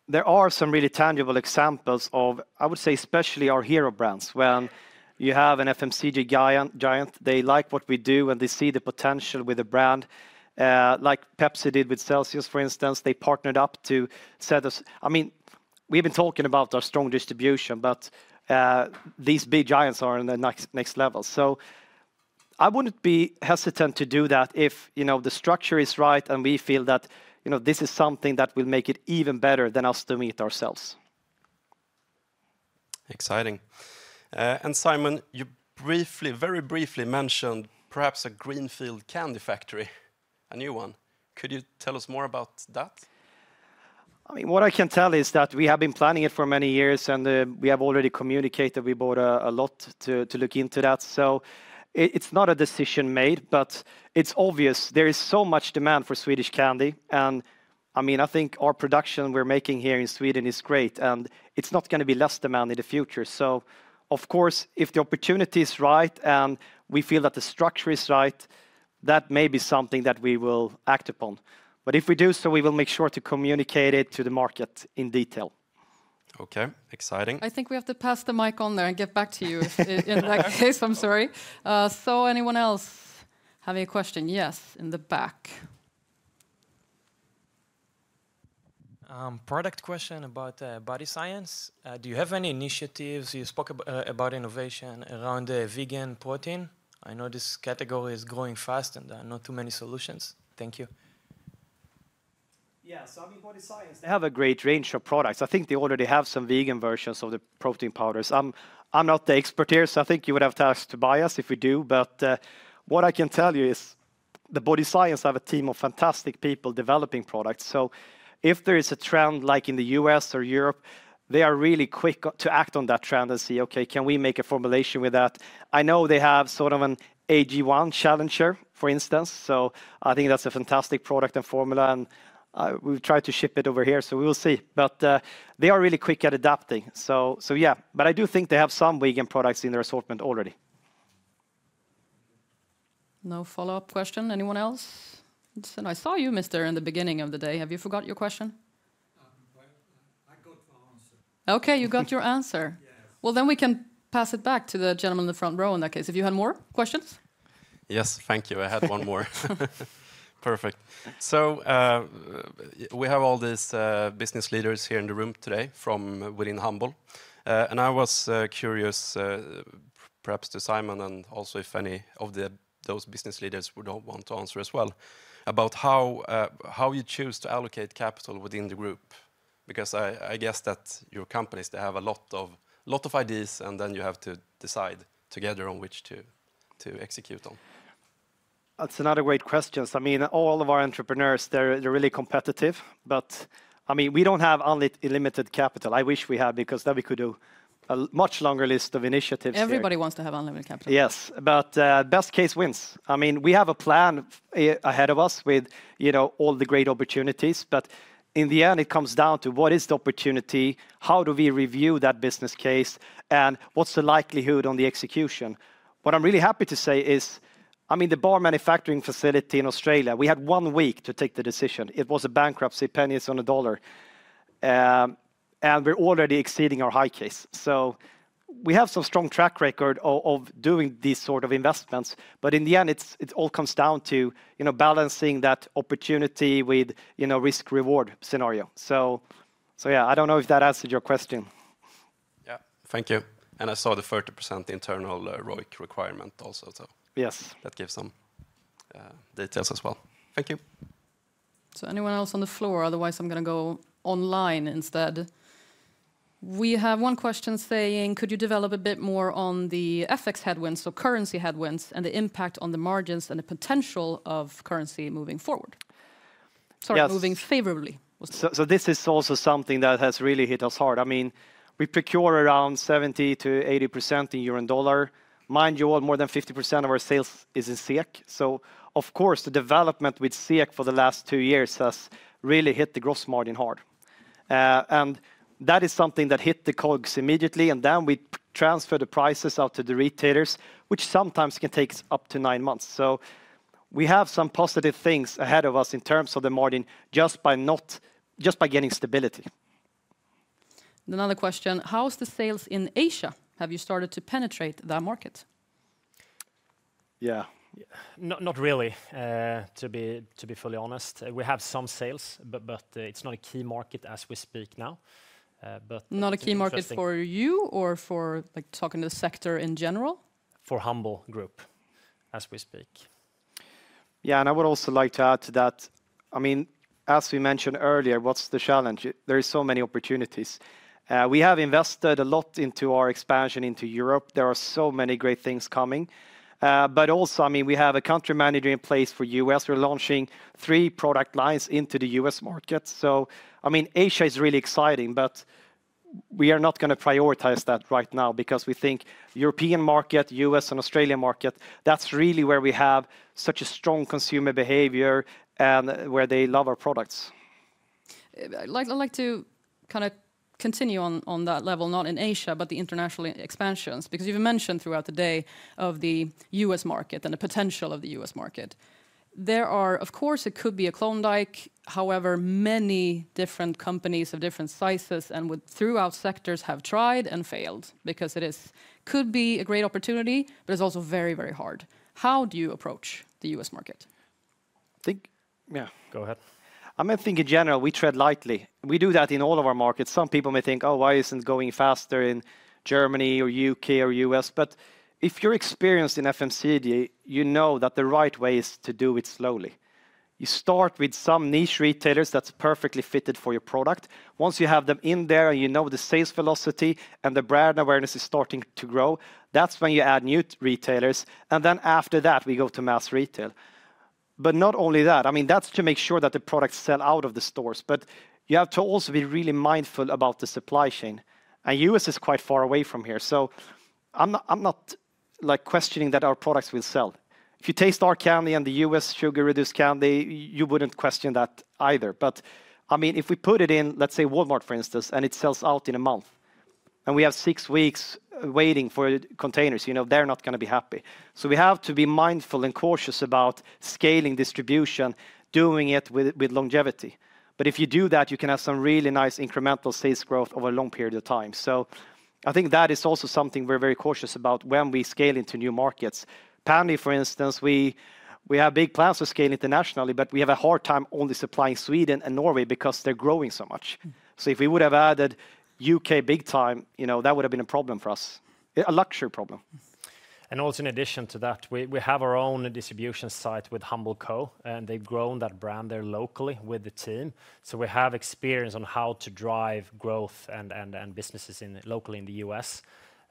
there are some really tangible examples of, I would say, especially our hero brands. When you have an FMCG giant, they like what we do, and they see the potential with the brand, like Pepsi did with Celsius, for instance. They partnered up to set us... I mean, we've been talking about our strong distribution, but these big giants are on the next level. So I wouldn't be hesitant to do that if, you know, the structure is right, and we feel that, you know, this is something that will make it even better than us doing it ourselves. Exciting. And Simon, you briefly, very briefly mentioned perhaps a greenfield candy factory, a new one. Could you tell us more about that? I mean, what I can tell is that we have been planning it for many years, and we have already communicated we bought a lot to look into that. So it's not a decision made, but it's obvious there is so much demand for Swedish candy, and I mean, I think our production we're making here in Sweden is great, and it's not gonna be less demand in the future. So of course, if the opportunity is right, and we feel that the structure is right, that may be something that we will act upon, but if we do so, we will make sure to communicate it to the market in detail. Okay, exciting. I think we have to pass the mic on there and get back to you... in that case, I'm sorry. So anyone else have a question? Yes, in the back. ... Product question about Body Science. Do you have any initiatives? You spoke about innovation around vegan protein. I know this category is growing fast, and there are not too many solutions. Thank you. Yeah, so I mean, Body Science, they have a great range of products. I think they already have some vegan versions of the protein powders. I'm not the expert here, so I think you would have to ask Tobias if we do. But, what I can tell you is the Body Science have a team of fantastic people developing products. So if there is a trend like in the U.S. or Europe, they are really quick to act on that trend and say, "Okay, can we make a formulation with that?" I know they have sort of an AG1 challenger, for instance, so I think that's a fantastic product and formula, and, we've tried to ship it over here, so we will see. But, they are really quick at adapting, so, so yeah. But I do think they have some vegan products in their assortment already. No follow-up question. Anyone else? And I saw you, mister, in the beginning of the day. Have you forgot your question? Well, I got your answer. Okay, you got your answer. Yes. Well, then we can pass it back to the gentleman in the front row in that case. If you had more questions? Yes, thank you. I had one more. Perfect. So, we have all these business leaders here in the room today from within Humble. And I was curious, perhaps to Simon, and also if any of those business leaders would all want to answer as well, about how you choose to allocate capital within the group. Because I guess that your companies, they have a lot of ideas, and then you have to decide together on which to execute on. That's another great question. I mean, all of our entrepreneurs, they're really competitive, but, I mean, we don't have unlimited capital. I wish we had, because then we could do a much longer list of initiatives here. Everybody wants to have unlimited capital. Yes, but, best case wins. I mean, we have a plan ahead of us with, you know, all the great opportunities, but in the end, it comes down to: What is the opportunity? How do we review that business case, and what's the likelihood on the execution? What I'm really happy to say is, I mean, the bar manufacturing facility in Australia, we had one week to take the decision. It was a bankruptcy, pennies on the dollar. And we're already exceeding our high case. So we have some strong track record of doing these sort of investments, but in the end, it's all comes down to, you know, balancing that opportunity with, you know, risk/reward scenario. So yeah, I don't know if that answered your question. Yeah. Thank you. And I saw the 30% internal ROIC requirement also, so- Yes... That gives some details as well. Thank you. So anyone else on the floor? Otherwise, I'm gonna go online instead. We have one question saying: "Could you develop a bit more on the FX headwinds, so currency headwinds, and the impact on the margins and the potential of currency moving forward? Yes. Sorry, moving favorably. This is also something that has really hit us hard. I mean, we procure around 70%-80% in euro and dollar. Mind you, well, more than 50% of our sales is in SEK. So of course, the development with SEK for the last two years has really hit the gross margin hard. And that is something that hit the COGS immediately, and then we transfer the prices out to the retailers, which sometimes can take up to nine months. So we have some positive things ahead of us in terms of the margin, just by not... just by getting stability. Another question: "How is the sales in Asia? Have you started to penetrate that market? Yeah. Not really, to be fully honest. We have some sales, but it's not a key market as we speak now. But- Not a key market for you or for, like, talking to the sector in general? For Humble Group, as we speak. Yeah, and I would also like to add to that. I mean, as we mentioned earlier, what's the challenge? There is so many opportunities. We have invested a lot into our expansion into Europe. There are so many great things coming. But also, I mean, we have a country manager in place for U.S.. We're launching three product lines into the U.S. market. So I mean, Asia is really exciting, but we are not gonna prioritize that right now because we think European market, U.S., and Australian market, that's really where we have such a strong consumer behavior and where they love our products. I'd like to kind of continue on that level, not in Asia, but the international expansions, because you've mentioned throughout the day the U.S. market and the potential of the U.S. market. There are... Of course, it could be a Klondike. However, many different companies of different sizes and with throughout sectors have tried and failed because it could be a great opportunity, but it's also very, very hard. How do you approach the U.S. market? I think... Yeah. Go ahead. I mean, I think in general, we tread lightly. We do that in all of our markets. Some people may think, "Oh, why isn't going faster in Germany or U.K. or U.S.?" But if you're experienced in FMCG, you know that the right way is to do it slowly. You start with some niche retailers that's perfectly fitted for your product. Once you have them in there, you know the sales velocity and the brand awareness is starting to grow, that's when you add new retailers, and then after that, we go to mass retail. But not only that, I mean, that's to make sure that the products sell out of the stores, but you have to also be really mindful about the supply chain, and U.S. is quite far away from here. So I'm not, like, questioning that our products will sell. If you taste our candy and the U.S. sugar-reduced candy, you wouldn't question that either. But, I mean, if we put it in, let's say, Walmart, for instance, and it sells out in a month, and we have six weeks waiting for containers, you know, they're not gonna be happy. So we have to be mindful and cautious about scaling distribution, doing it with longevity. But if you do that, you can have some really nice incremental sales growth over a long period of time. So I think that is also something we're very cautious about when we scale into new markets. Pändy, for instance, we have big plans to scale internationally, but we have a hard time only supplying Sweden and Norway because they're growing so much. So if we would have added U.K. big time, you know, that would have been a problem for us, a luxury problem. And also, in addition to that, we have our own distribution site with Humble Co., and they've grown that brand there locally with the team. So we have experience on how to drive growth and businesses locally in the U.S.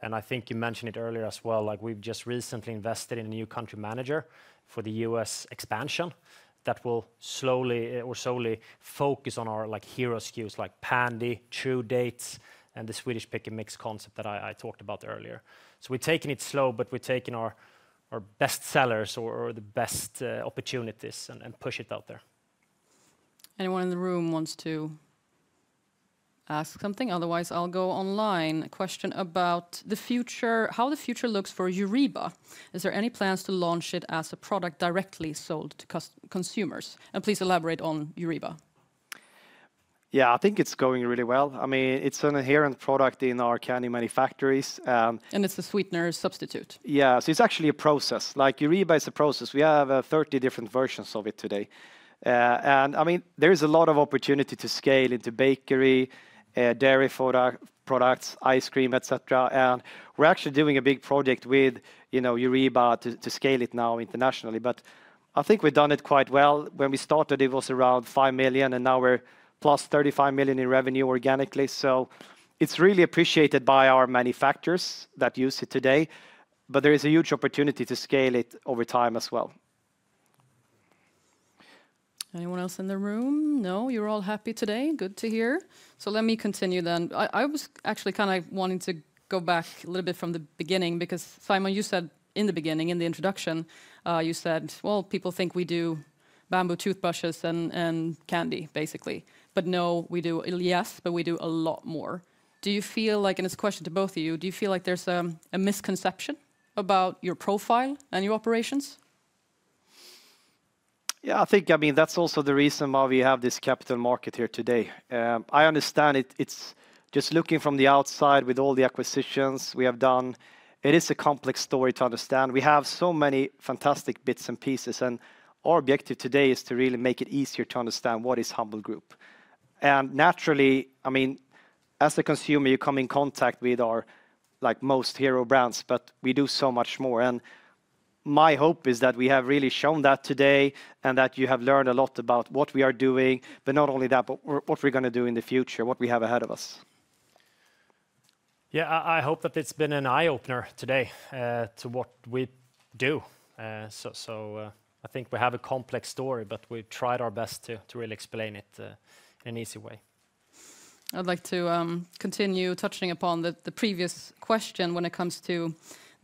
And I think you mentioned it earlier as well, like, we've just recently invested in a new country manager for the U.S. expansion that will slowly or solely focus on our, like, hero SKUs, like Pändy, True Dates, and the Swedish Pick & Mix concept that I talked about earlier. So we're taking it slow, but we're taking our best sellers or the best opportunities and push it out there. Anyone in the room wants to ask something? Otherwise, I'll go online. A question about the future, how the future looks for Eureba. Is there any plans to launch it as a product directly sold to consumers? And please elaborate on Eureba. Yeah, I think it's going really well. I mean, it's an inherent product in our candy manufacturers. It's a sweetener substitute. Yeah, so it's actually a process. Like, Eureba is a process. We have 30 different versions of it today. And, I mean, there is a lot of opportunity to scale into bakery, dairy product, products, ice cream, et cetera. And we're actually doing a big project with, you know, Eureba to scale it now internationally, but I think we've done it quite well. When we started, it was around 5 million, and now we're +35 million in revenue organically. So it's really appreciated by our manufacturers that use it today, but there is a huge opportunity to scale it over time as well. Anyone else in the room? No, you're all happy today. Good to hear. So let me continue then. I was actually kind of wanting to go back a little bit from the beginning, because Simon, you said in the beginning, in the introduction, you said, "Well, people think we do bamboo toothbrushes and candy, basically. But no, we do... Yes, but we do a lot more." Do you feel like, and it's a question to both of you, do you feel like there's a misconception about your profile and your operations? Yeah, I think, I mean, that's also the reason why we have this capital market here today. I understand it, it's just looking from the outside with all the acquisitions we have done, it is a complex story to understand. We have so many fantastic bits and pieces, and our objective today is to really make it easier to understand what is Humble Group. And naturally, I mean, as a consumer, you come in contact with our, like, most hero brands, but we do so much more, and my hope is that we have really shown that today, and that you have learned a lot about what we are doing, but not only that, but what we're gonna do in the future, what we have ahead of us. Yeah, I hope that it's been an eye-opener today to what we do. So, I think we have a complex story, but we've tried our best to really explain it in an easy way. I'd like to continue touching upon the previous question when it comes to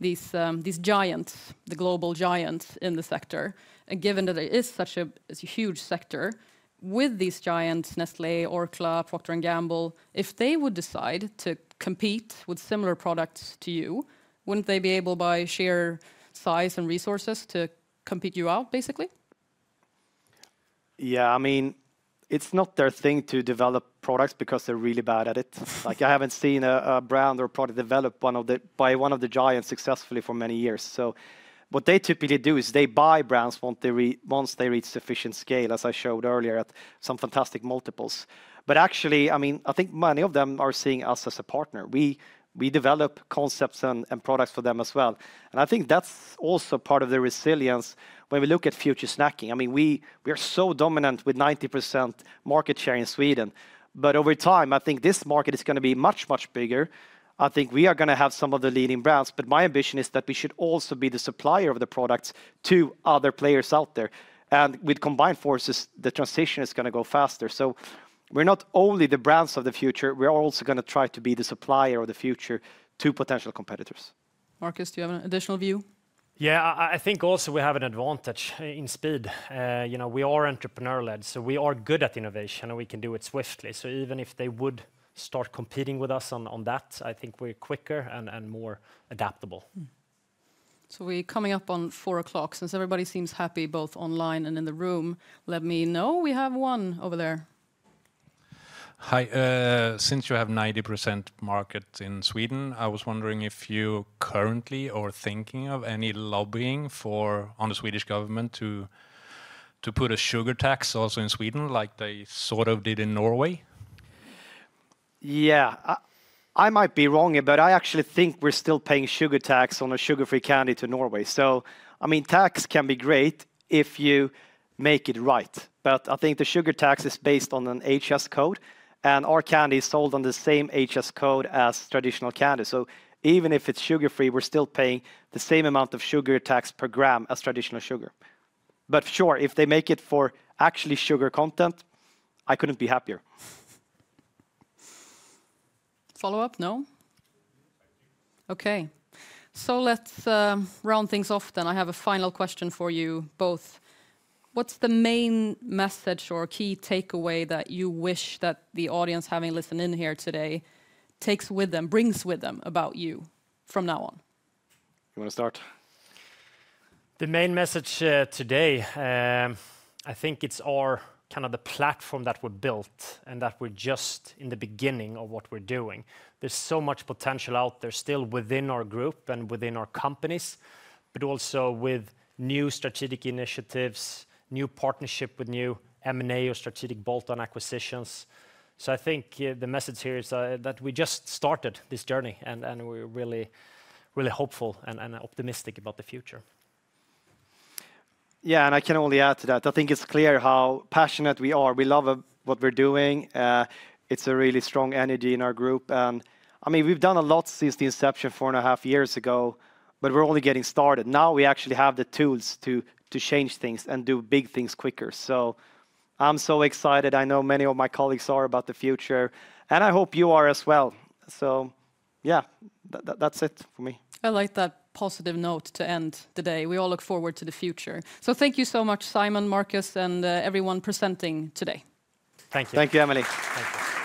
these giants, the global giants in the sector. And given that it is such a huge sector, with these giants, Nestlé, Orkla, Procter & Gamble, if they would decide to compete with similar products to you, wouldn't they be able, by sheer size and resources, to compete you out, basically? Yeah, I mean, it's not their thing to develop products because they're really bad at it. Like, I haven't seen a brand or product developed by one of the giants successfully for many years. So what they typically do is they buy brands once they reach sufficient scale, as I showed earlier, at some fantastic multiples. But actually, I mean, I think many of them are seeing us as a partner. We develop concepts and products for them as well, and I think that's also part of the resilience when we look at future snacking. I mean, we are so dominant with 90% market share in Sweden, but over time, I think this market is gonna be much bigger. I think we are gonna have some of the leading brands, but my ambition is that we should also be the supplier of the products to other players out there, and with combined forces, the transition is gonna go faster, so we're not only the brands of the future, we're also gonna try to be the supplier of the future to potential competitors. Marcus, do you have an additional view? Yeah, I think also we have an advantage in speed. You know, we are entrepreneur-led, so we are good at innovation, and we can do it swiftly. So even if they would start competing with us on that, I think we're quicker and more adaptable. Mm-hmm. So we're coming up on 4:00 P.M. Since everybody seems happy, both online and in the room, let me know. We have one over there. Hi, since you have 90% market in Sweden, I was wondering if you currently are thinking of any lobbying for, on the Swedish government to put a sugar tax also in Sweden, like they sort of did in Norway? Yeah, I might be wrong here, but I actually think we're still paying sugar tax on a sugar-free candy to Norway. So, I mean, tax can be great if you make it right, but I think the sugar tax is based on an HS code, and our candy is sold on the same HS code as traditional candy. So even if it's sugar-free, we're still paying the same amount of sugar tax per gram as traditional sugar. But sure, if they make it for actually sugar content, I couldn't be happier. Follow-up? No. Thank you. Okay. So let's round things off then. I have a final question for you both. What's the main message or key takeaway that you wish that the audience, having listened in here today, takes with them, brings with them about you from now on? You wanna start? The main message today, I think it's our kind of the platform that we've built, and that we're just in the beginning of what we're doing. There's so much potential out there still within our group and within our companies, but also with new strategic initiatives, new partnership with new M&A or strategic bolt-on acquisitions. So I think the message here is that we just started this journey, and we're really, really hopeful and optimistic about the future. Yeah, and I can only add to that. I think it's clear how passionate we are. We love what we're doing. It's a really strong energy in our group. And, I mean, we've done a lot since the inception four and a half years ago, but we're only getting started. Now, we actually have the tools to change things and do big things quicker. So I'm so excited, I know many of my colleagues are, about the future, and I hope you are as well. So yeah, that, that's it for me. I like that positive note to end the day. We all look forward to the future. So thank you so much, Simon, Marcus, and everyone presenting today. Thank you. Thank you, Emily. Thank you.